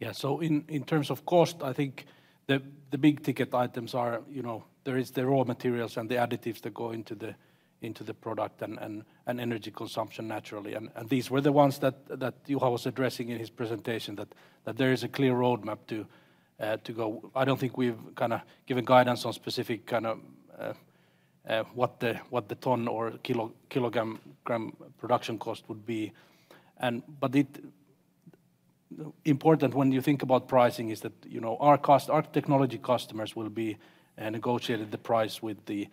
Yeah. So in terms of cost, I think the big-ticket items are, you know, there is the raw materials and the additives that go into the product, and energy consumption, naturally. These were the ones that Juha was addressing in his presentation, that there is a clear roadmap to go. I don't think we've kind of given guidance on specific kind of what the ton or kilogram production cost would be. But it... Important when you think about pricing is that, you know, our technology customers will be negotiated the price with the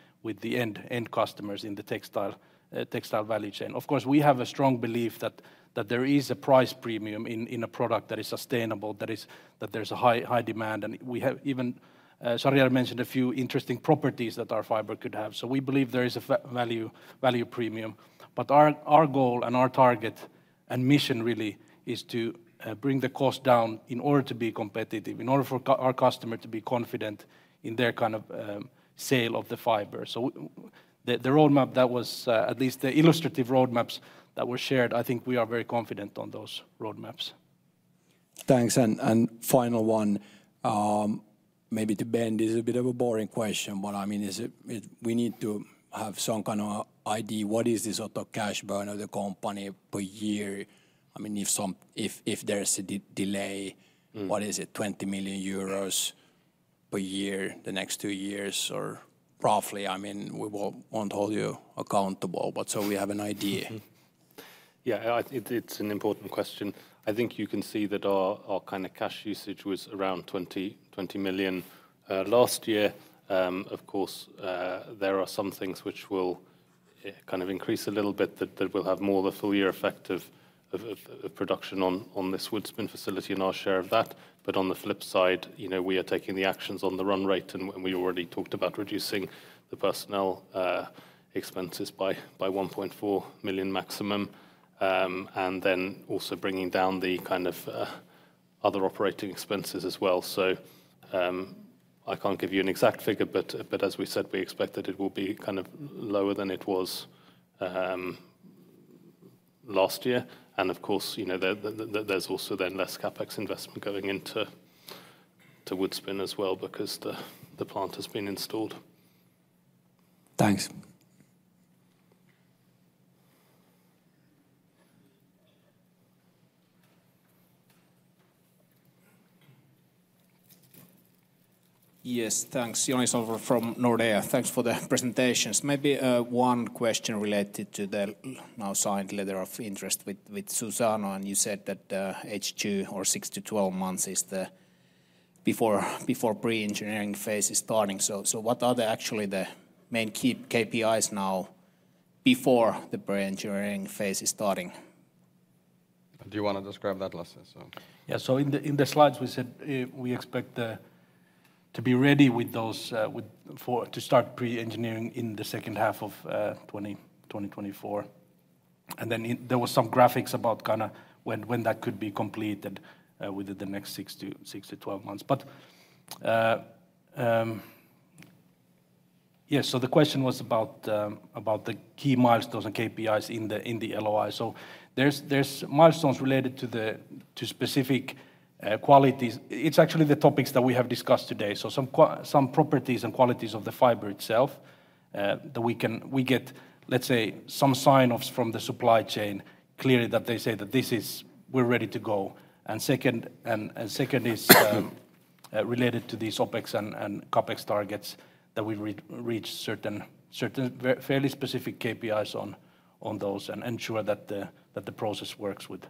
end customers in the textile value chain. Of course, we have a strong belief that there is a price premium in a product that is sustainable, that is, that there's a high demand. And we have even Shahriare mentioned a few interesting properties that our fiber could have. So we believe there is a value premium. But our goal, and our target, and mission really, is to bring the cost down in order to be competitive, in order for our customer to be confident in their kind of sale of the fiber. So the roadmap that was at least the illustrative roadmaps that were shared, I think we are very confident on those roadmaps. Thanks. And final one, maybe to Ben. This is a bit of a boring question, but, I mean, we need to have some kind of idea, what is the sort of cash burn of the company per year? I mean, if there's a delay- Mm... what is it? 20 million euros per year, the next two years, or roughly? I mean, we won't hold you accountable, but so we have an idea. Yeah, I think it's an important question. I think you can see that our kind of cash usage was around 20 million last year. Of course, there are some things which will kind of increase a little bit, that will have more of a full year effect of production on this Woodspin facility and our share of that. But on the flip side, you know, we are taking the actions on the run rate, and we already talked about reducing the personnel expenses by 1.4 million maximum, and then also bringing down the kind of other operating expenses as well. So, I can't give you an exact figure, but as we said, we expect that it will be kind of lower than it was last year. Of course, you know, there's also then less CapEx investment going into Woodspin as well because the plant has been installed. Thanks. Yes, thanks. Joni Sandvall from Nordea. Thanks for the presentations. Maybe one question related to the now signed letter of interest with, with Suzano, and you said that H2 or 6-12 months is the before, before pre-engineering phase is starting. So, so what are actually the main key KPIs now before the pre-engineering phase is starting? Do you want to describe that, Lasse? So... Yeah. So in the slides, we said we expect to be ready with those to start pre-engineering in the second half of 2024.... Then there was some graphics about kind of when that could be completed within the next 6-12 months. But yes, so the question was about the key milestones and KPIs in the LOI. So there's milestones related to the specific qualities. It's actually the topics that we have discussed today. So some properties and qualities of the fiber itself that we can... We get, let's say, some sign-offs from the supply chain, clearly that they say that, "This is, we're ready to go." And second is related to these OpEx and CapEx targets, that we reach certain fairly specific KPIs on those, and ensure that the process works with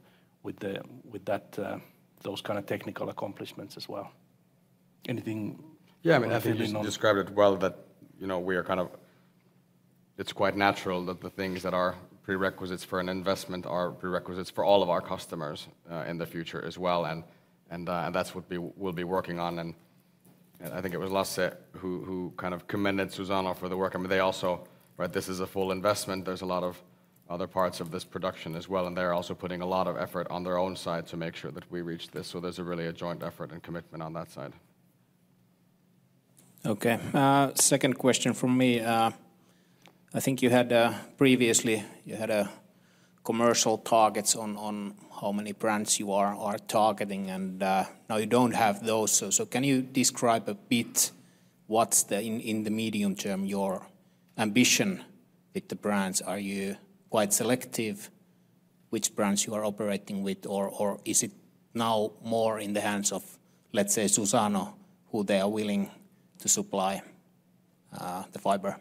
those kind of technical accomplishments as well. Anything- Yeah, I mean, I think you described it well, that, you know, we are kind of. It's quite natural that the things that are prerequisites for an investment are prerequisites for all of our customers in the future as well, and that's what we, we'll be working on. And I think it was Lasse who kind of commended Suzano for the work. I mean, they also. Right, this is a full investment. There's a lot of other parts of this production as well, and they're also putting a lot of effort on their own side to make sure that we reach this, so there's really a joint effort and commitment on that side. Okay. Second question from me. I think you had previously, you had commercial targets on how many brands you are targeting, and now you don't have those. So can you describe a bit what's the, in the medium term, your ambition with the brands? Are you quite selective which brands you are operating with, or is it now more in the hands of, let's say, Suzano, who they are willing to supply the fiber?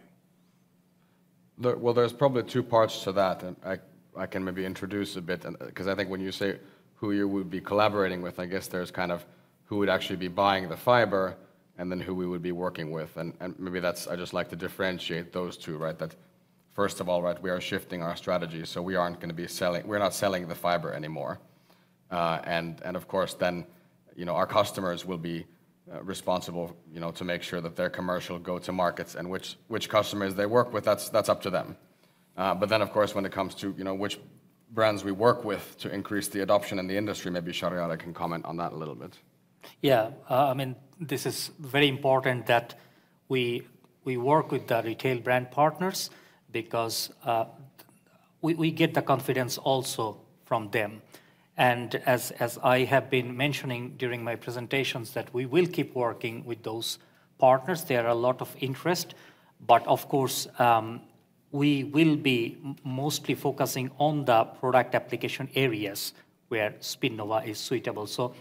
Well, there's probably two parts to that, and I, I can maybe introduce a bit, and, 'cause I think when you say who you would be collaborating with, I guess there's kind of who would actually be buying the fiber, and then who we would be working with, and, and maybe that's... I'd just like to differentiate those two, right? That first of all, right, we are shifting our strategy, so we aren't going to be selling- we're not selling the fiber anymore. And, and of course, then, you know, our customers will be responsible, you know, to make sure that their commercial go-to-markets, and which, which customers they work with, that's, that's up to them. But then, of course, when it comes to, you know, which brands we work with to increase the adoption in the industry, maybe Shahriare can comment on that a little bit. Yeah. I mean, this is very important that we, we work with the retail brand partners because, we, we get the confidence also from them. And as, as I have been mentioning during my presentations, that we will keep working with those partners. There are a lot of interest, but of course, we will be mostly focusing on the product application areas where Spinnova is suitable. So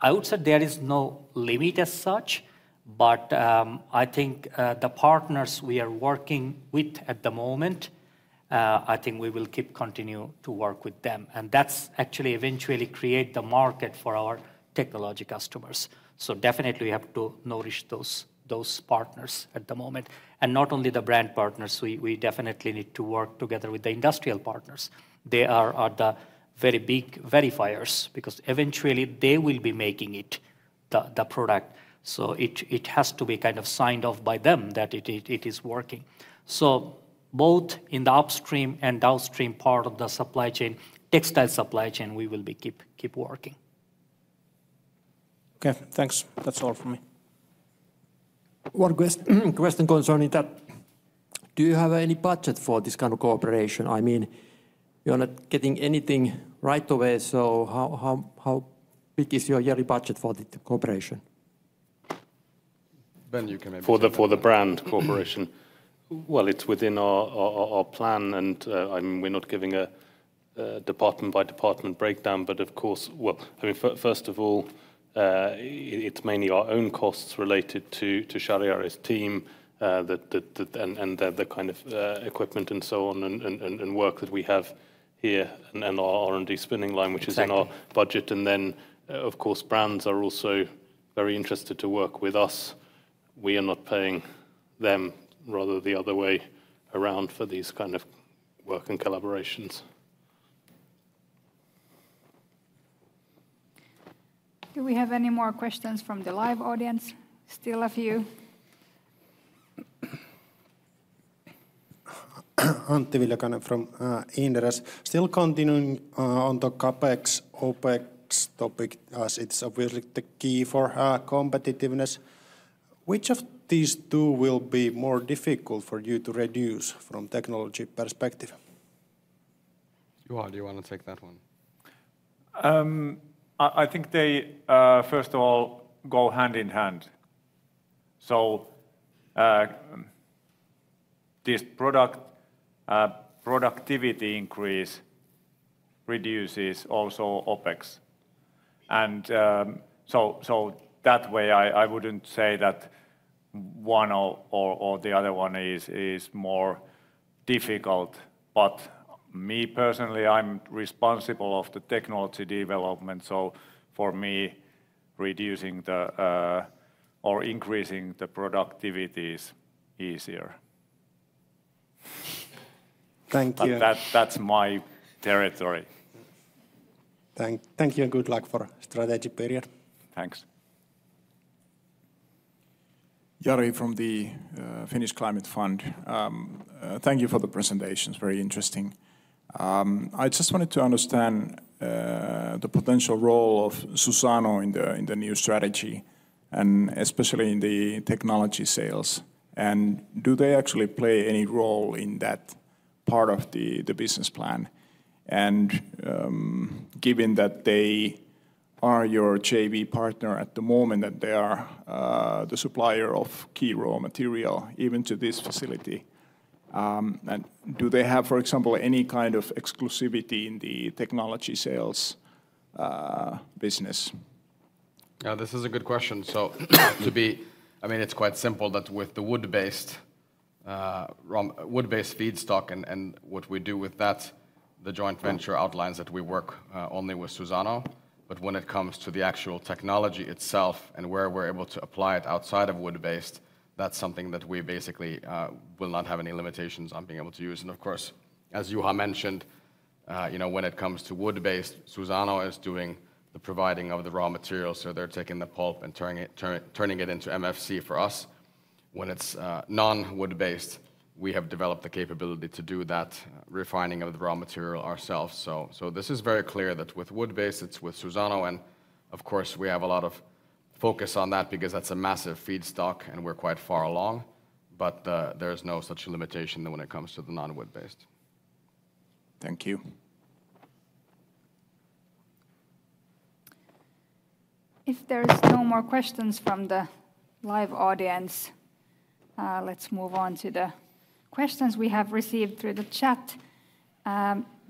I would say there is no limit as such, but, I think, the partners we are working with at the moment, I think we will keep continue to work with them, and that's actually eventually create the market for our technology customers. So definitely we have to nourish those, those partners at the moment, and not only the brand partners, we, we definitely need to work together with the industrial partners. They are the very big verifiers, because eventually they will be making it, the product, so it is working. So both in the upstream and downstream part of the supply chain, textile supply chain, we will keep working. Okay, thanks. That's all for me. One question concerning that: Do you have any budget for this kind of cooperation? I mean, you're not getting anything right away, so how big is your yearly budget for the cooperation? Ben, you can maybe- For the brand cooperation? Mm-hmm. Well, it's within our plan, and we're not giving a department-by-department breakdown, but of course. Well, I mean, first of all, it's mainly our own costs related to Shahriare's team, and the kind of equipment and so on, and work that we have here, and our R&D spinning line- Exactly... which is in our budget. And then, of course, brands are also very interested to work with us. We are not paying them, rather the other way around, for these kind of work and collaborations. Do we have any more questions from the live audience? Still a few. Antti Viljakainen from Inderes. Still continuing on the CapEx, OpEx topic, as it's obviously the key for our competitiveness. Which of these two will be more difficult for you to reduce from technology perspective? Juha, do you want to take that one? I think they first of all go hand in hand. So, this product productivity increase reduces also OpEx. So that way, I wouldn't say that one or the other one is more difficult. But me personally, I'm responsible of the technology development, so for me, reducing the or increasing the productivity is easier. Thank you. But that, that's my territory. Thank you, and good luck for strategy period. Thanks. ... Jari from the Finnish Climate Fund. Thank you for the presentations, very interesting. I just wanted to understand the potential role of Suzano in the new strategy, and especially in the technology sales. And given that they are your JV partner at the moment, that they are the supplier of key raw material, even to this facility, and do they have, for example, any kind of exclusivity in the technology sales business? Yeah, this is a good question. So, I mean, it's quite simple that with the wood-based, raw, wood-based feedstock and what we do with that, the joint venture outlines that we work only with Suzano. But when it comes to the actual technology itself, and where we're able to apply it outside of wood-based, that's something that we basically will not have any limitations on being able to use. And of course, as Juha mentioned, you know, when it comes to wood-based, Suzano is doing the providing of the raw materials, so they're taking the pulp and turning it into MFC for us. When it's non-wood-based, we have developed the capability to do that refining of the raw material ourselves. So, so this is very clear that with wood-based, it's with Suzano, and of course, we have a lot of focus on that because that's a massive feedstock, and we're quite far along. But, there's no such limitation when it comes to the non-wood-based. Thank you. If there is no more questions from the live audience, let's move on to the questions we have received through the chat.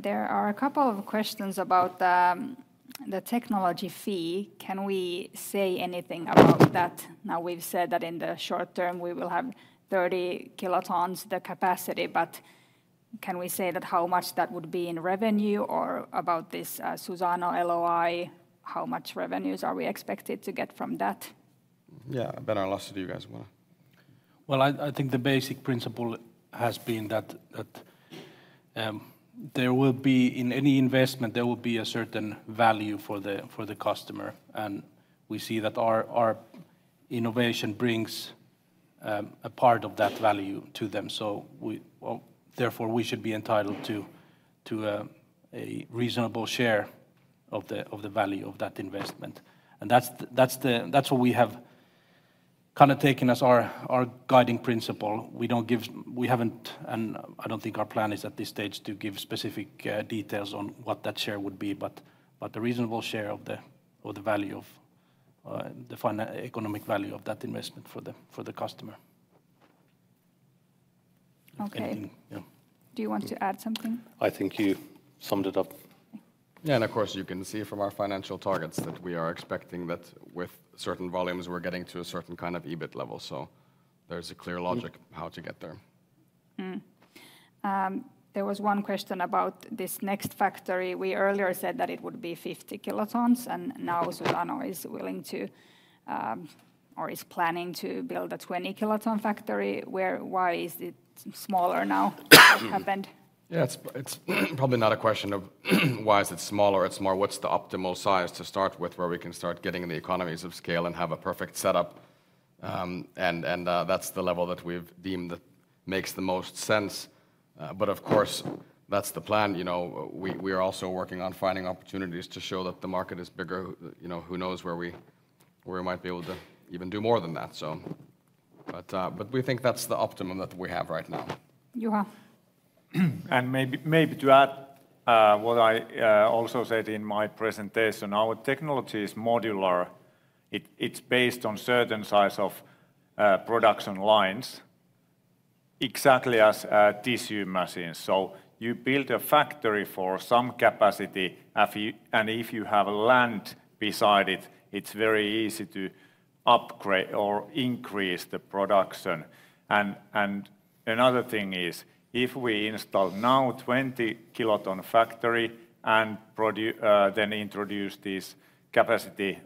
There are a couple of questions about the technology fee. Can we say anything about that? Now, we've said that in the short term we will have 30 kilotons the capacity, but can we say that how much that would be in revenue, or about this Suzano LOI, how much revenues are we expected to get from that? Yeah, but I'll ask to you guys as well. Well, I think the basic principle has been that there will be... in any investment, there will be a certain value for the customer, and we see that our innovation brings a part of that value to them, so we, well, therefore, we should be entitled to a reasonable share of the value of that investment. And that's what we have kind of taken as our guiding principle. We don't give- we haven't, and I don't think our plan is at this stage, to give specific details on what that share would be, but a reasonable share of the value of the final economic value of that investment for the customer. Okay. Yeah. Do you want to add something? I think you summed it up. Yeah, and of course, you can see from our financial targets that we are expecting that with certain volumes, we're getting to a certain kind of EBIT level, so there's a clear logic- Mm... how to get there. There was one question about this next factory. We earlier said that it would be 50 kilotons, and now Suzano is willing to, or is planning to build a 20-kiloton factory. Where, why is it smaller now? What happened? Yeah, it's probably not a question of why is it smaller, it's more, what's the optimal size to start with, where we can start getting the economies of scale and have a perfect setup? That's the level that we've deemed that makes the most sense. But of course, that's the plan. You know, we are also working on finding opportunities to show that the market is bigger. You know, who knows where we might be able to even do more than that, so... But we think that's the optimum that we have right now. Juha? And maybe to add what I also said in my presentation, our technology is modular. It, it's based on certain size of production lines, exactly as a tissue machine. So you build a factory for some capacity, and if you have land beside it, it's very easy to upgrade or increase the production. And another thing is, if we install now 20-kiloton factory, and then introduce this capacity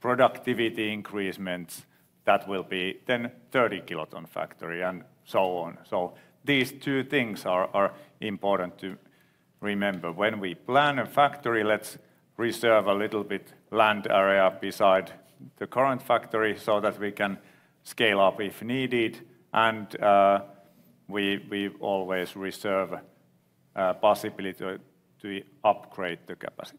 productivity increments, that will be then 30-kiloton factory, and so on. So these two things are important to remember. When we plan a factory, let's reserve a little bit land area beside the current factory, so that we can scale up if needed, and we always reserve possibility to upgrade the capacity.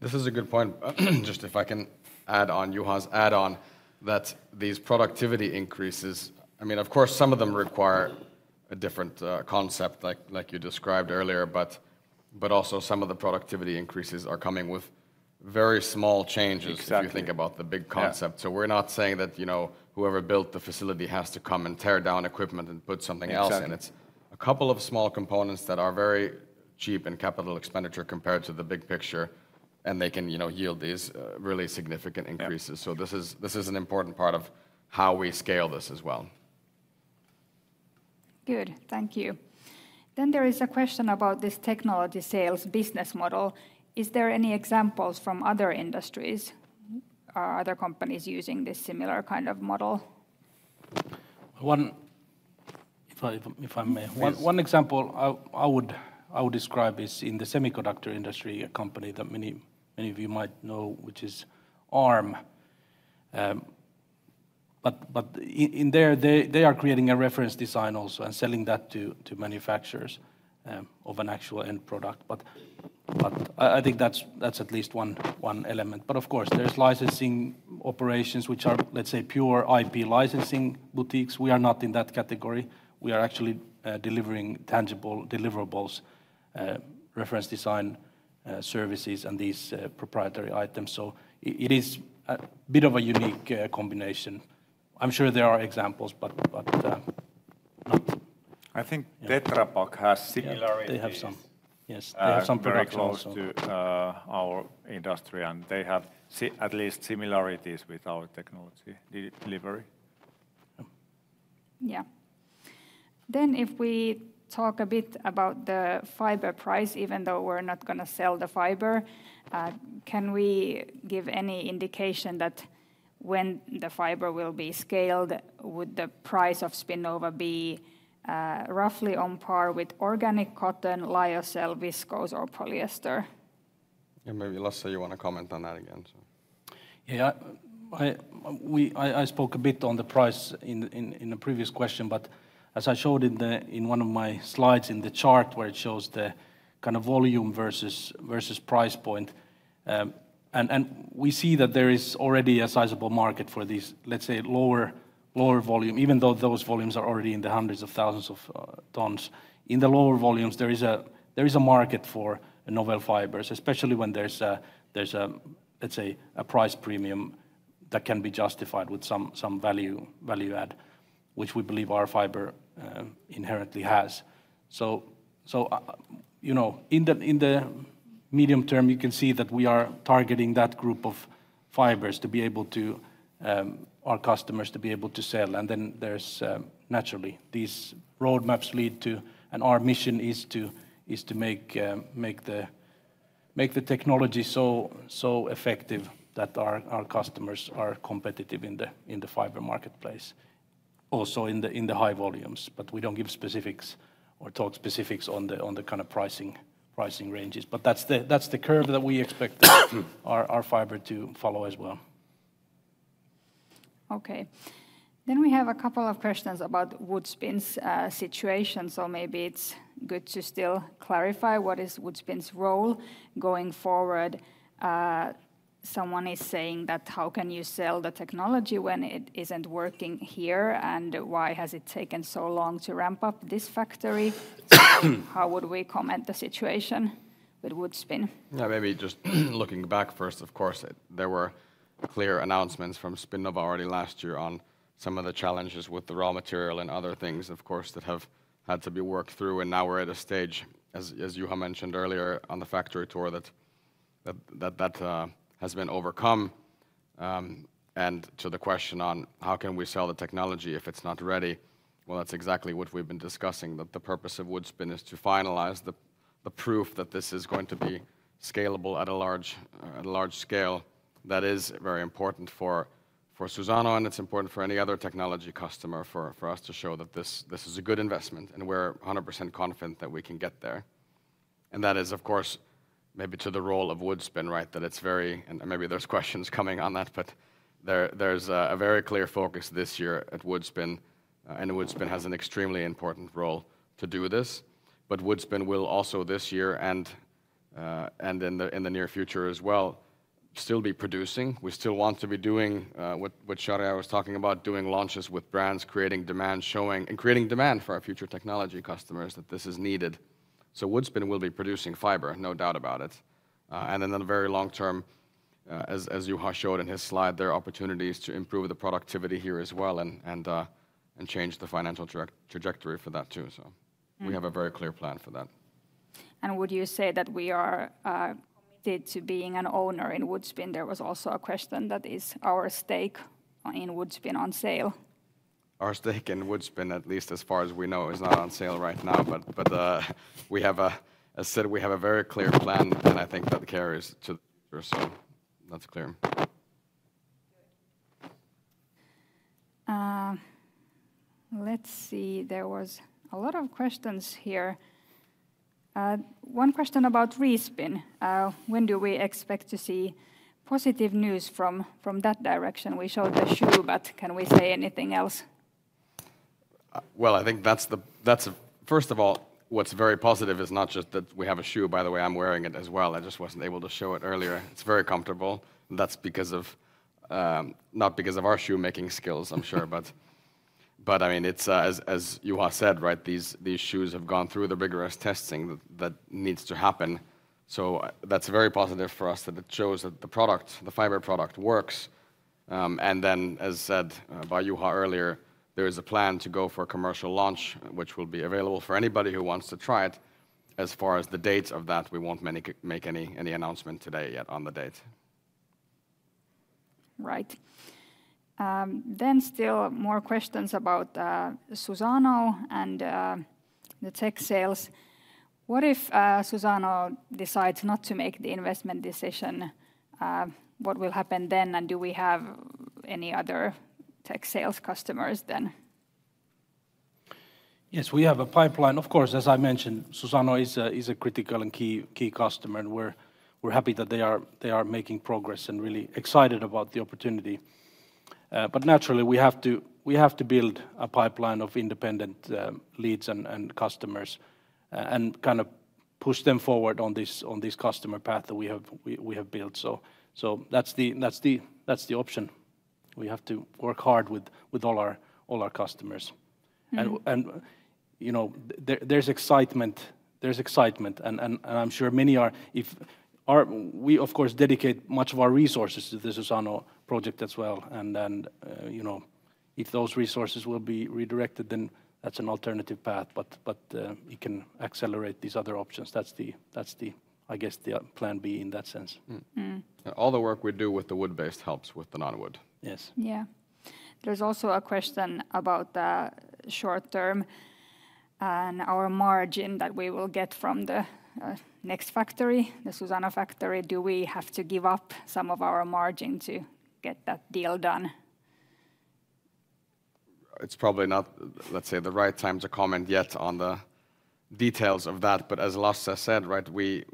This is a good point. Just if I can add on Juha's add-on, that these productivity increases, I mean, of course, some of them require a different, concept, like, like you described earlier, but, but also some of the productivity increases are coming with very small changes- Exactly... if you think about the big concept. Yeah. We're not saying that, you know, whoever built the facility has to come and tear down equipment and put something else- Exactly... in it. A couple of small components that are very cheap in capital expenditure compared to the big picture, and they can, you know, yield these, really significant increases. Yeah. This is, this is an important part of how we scale this as well. Good, thank you. There is a question about this technology sales business model. Is there any examples from other industries, or other companies using this similar kind of model?... One, if I may- Please. One example I would describe is in the semiconductor industry, a company that many of you might know, which is ARM. But in there, they are creating a reference design also, and selling that to manufacturers of an actual end product. But I think that's at least one element. But of course, there's licensing operations which are, let's say, pure IP licensing boutiques. We are not in that category. We are actually delivering tangible deliverables, reference design, services, and these proprietary items. So it is a bit of a unique combination. I'm sure there are examples, but not- I think- Yeah... Tetra Pak has similarities- They have some. Yes, they have some products also. Very close to our industry, and they have at least similarities with our technology delivery. Yeah. Then if we talk a bit about the fiber price, even though we're not gonna sell the fiber, can we give any indication that when the fiber will be scaled, would the price of Spinnova be roughly on par with organic cotton, lyocell, viscose, or polyester? Yeah, maybe, Lasse, you want to comment on that again, so? Yeah, I spoke a bit on the price in the previous question, but as I showed in one of my slides in the chart, where it shows the kind of volume versus price point, and we see that there is already a sizable market for these, let's say, lower volume, even though those volumes are already in the hundreds of thousands of tons. In the lower volumes, there is a market for novel fibers, especially when there's a let's say, a price premium that can be justified with some value add, which we believe our fiber inherently has. So, you know, in the medium term, you can see that we are targeting that group of fibers to be able to our customers to be able to sell. And then there's naturally, these roadmaps lead to, and our mission is to make the technology so effective that our customers are competitive in the fiber marketplace, also in the high volumes. But we don't give specifics or talk specifics on the kind of pricing ranges. But that's the curve that we expect our fiber to follow as well. Okay. Then we have a couple of questions about Woodspin's situation, so maybe it's good to still clarify what is Woodspin's role going forward. Someone is saying that, "How can you sell the technology when it isn't working here, and why has it taken so long to ramp up this factory?" How would we comment the situation with Woodspin? Yeah, maybe just looking back first, of course, there were clear announcements from Spinnova already last year on some of the challenges with the raw material and other things, of course, that have had to be worked through. And now we're at a stage, as Juha mentioned earlier on the factory tour, that has been overcome. And to the question on: How can we sell the technology if it's not ready? Well, that's exactly what we've been discussing, that the purpose of Woodspin is to finalize the proof that this is going to be scalable at a large scale. That is very important for Suzano, and it's important for any other technology customer, for us to show that this is a good investment, and we're 100% confident that we can get there. And that is, of course, maybe to the role of Woodspin, right? That it's very... And maybe there's questions coming on that, but there's a very clear focus this year at Woodspin, and Woodspin has an extremely important role to do this. But Woodspin will also, this year and, and in the near future as well, still be producing. We still want to be doing what Shahriare was talking about, doing launches with brands, creating demand, showing... And creating demand for our future technology customers, that this is needed. So Woodspin will be producing fiber, no doubt about it. And in the very long term, as Juha showed in his slide, there are opportunities to improve the productivity here as well, and change the financial trajectory for that, too. So- Mm... we have a very clear plan for that. Would you say that we are committed to being an owner in Woodspin? There was also a question, that is our stake in Woodspin on sale? Our stake in Woodspin, at least as far as we know, is not on sale right now. But, we have, as said, a very clear plan, and I think that carries to, so that's clear. Let's see. There was a lot of questions here. One question about Respin: when do we expect to see positive news from, from that direction? We showed the shoe, but can we say anything else? Well, I think that's... First of all, what's very positive is not just that we have a shoe, by the way, I'm wearing it as well. I just wasn't able to show it earlier. It's very comfortable, and that's because of, not because of our shoe making skills, I'm sure. But, I mean, it's, as Juha said, right, these shoes have gone through the rigorous testing that needs to happen. So that's very positive for us, that it shows that the product, the fiber product, works. And then, as said by Juha earlier, there is a plan to go for a commercial launch, which will be available for anybody who wants to try it. As far as the dates of that, we won't make any announcement today yet on the date. Right. Then still more questions about Suzano and the tech sales. What if Suzano decides not to make the investment decision? What will happen then, and do we have any other tech sales customers then? Yes, we have a pipeline. Of course, as I mentioned, Suzano is a critical and key customer, and we're happy that they are making progress and really excited about the opportunity. But naturally, we have to build a pipeline of independent leads and customers, and kind of push them forward on this customer path that we have built. So that's the option. We have to work hard with all our customers. Mm. You know, there's excitement, and I'm sure many are... We of course dedicate much of our resources to the Suzano project as well, and then, you know, if those resources will be redirected, then that's an alternative path. But, it can accelerate these other options. That's the, I guess, the plan B in that sense. Mm. Mm. And all the work we do with the wood-based helps with the non-wood. Yes. Yeah. There's also a question about the short term and our margin that we will get from the next factory, the Suzano factory. Do we have to give up some of our margin to get that deal done? It's probably not, let's say, the right time to comment yet on the details of that, but as Lasse said, right, we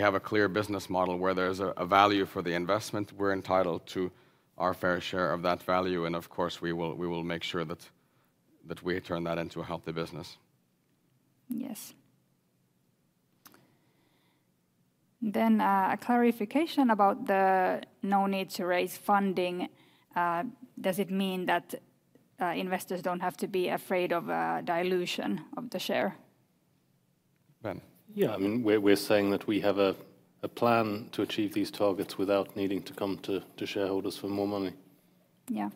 have a clear business model where there's a value for the investment. We're entitled to our fair share of that value, and of course, we will make sure that we turn that into a healthy business. Yes. A clarification about the no need to raise funding. Does it mean that investors don't have to be afraid of a dilution of the share? Ben? Yeah, I mean, we're saying that we have a plan to achieve these targets without needing to come to shareholders for more money. Yeah.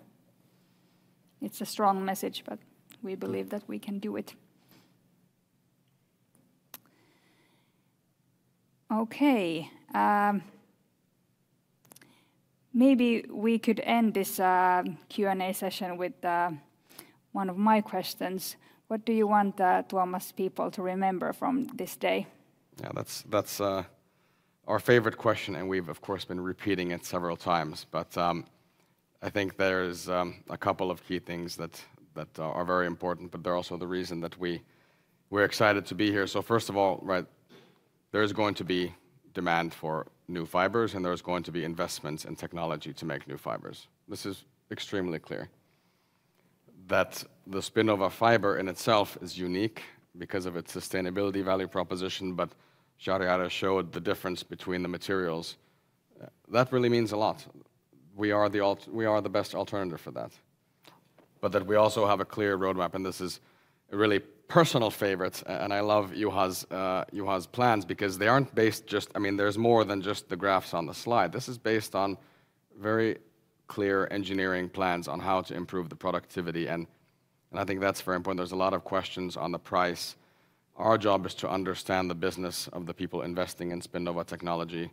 It's a strong message, but- Mm... we believe that we can do it. Okay, maybe we could end this Q&A session with one of my questions. What do you want Tuomas' people to remember from this day? Yeah, that's our favorite question, and we've of course been repeating it several times. But I think there's a couple of key things that are very important, but they're also the reason that we're excited to be here. So first of all, right, there is going to be demand for new fibers, and there is going to be investments in technology to make new fibers. This is extremely clear. That the Spinnova fiber in itself is unique because of its sustainability value proposition, but Juha showed the difference between the materials. That really means a lot. We are the best alternative for that. But that we also have a clear roadmap, and this is a really personal favorite, and I love Juha's plans because they aren't based just... I mean, there's more than just the graphs on the slide. This is based on very clear engineering plans on how to improve the productivity, and I think that's very important. There's a lot of questions on the price. Our job is to understand the business of the people investing in Spinnova technology,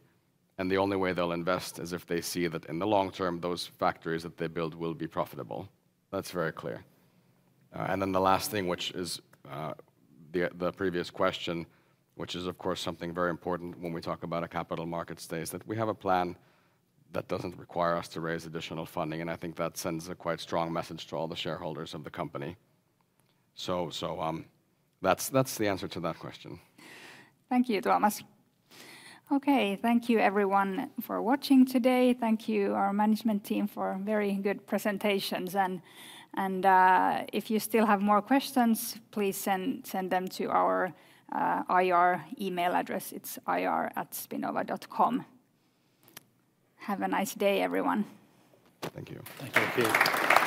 and the only way they'll invest is if they see that in the long term, those factories that they build will be profitable. That's very clear. And then the last thing, which is the previous question, which is, of course, something very important when we talk about a capital market stage, that we have a plan that doesn't require us to raise additional funding, and I think that sends a quite strong message to all the shareholders of the company. So that's the answer to that question. Thank you, Tuomas. Okay, thank you everyone for watching today. Thank you, our management team, for very good presentations. And if you still have more questions, please send them to our IR email address. It's ir@spinnova.com. Have a nice day, everyone. Thank you. Thank you.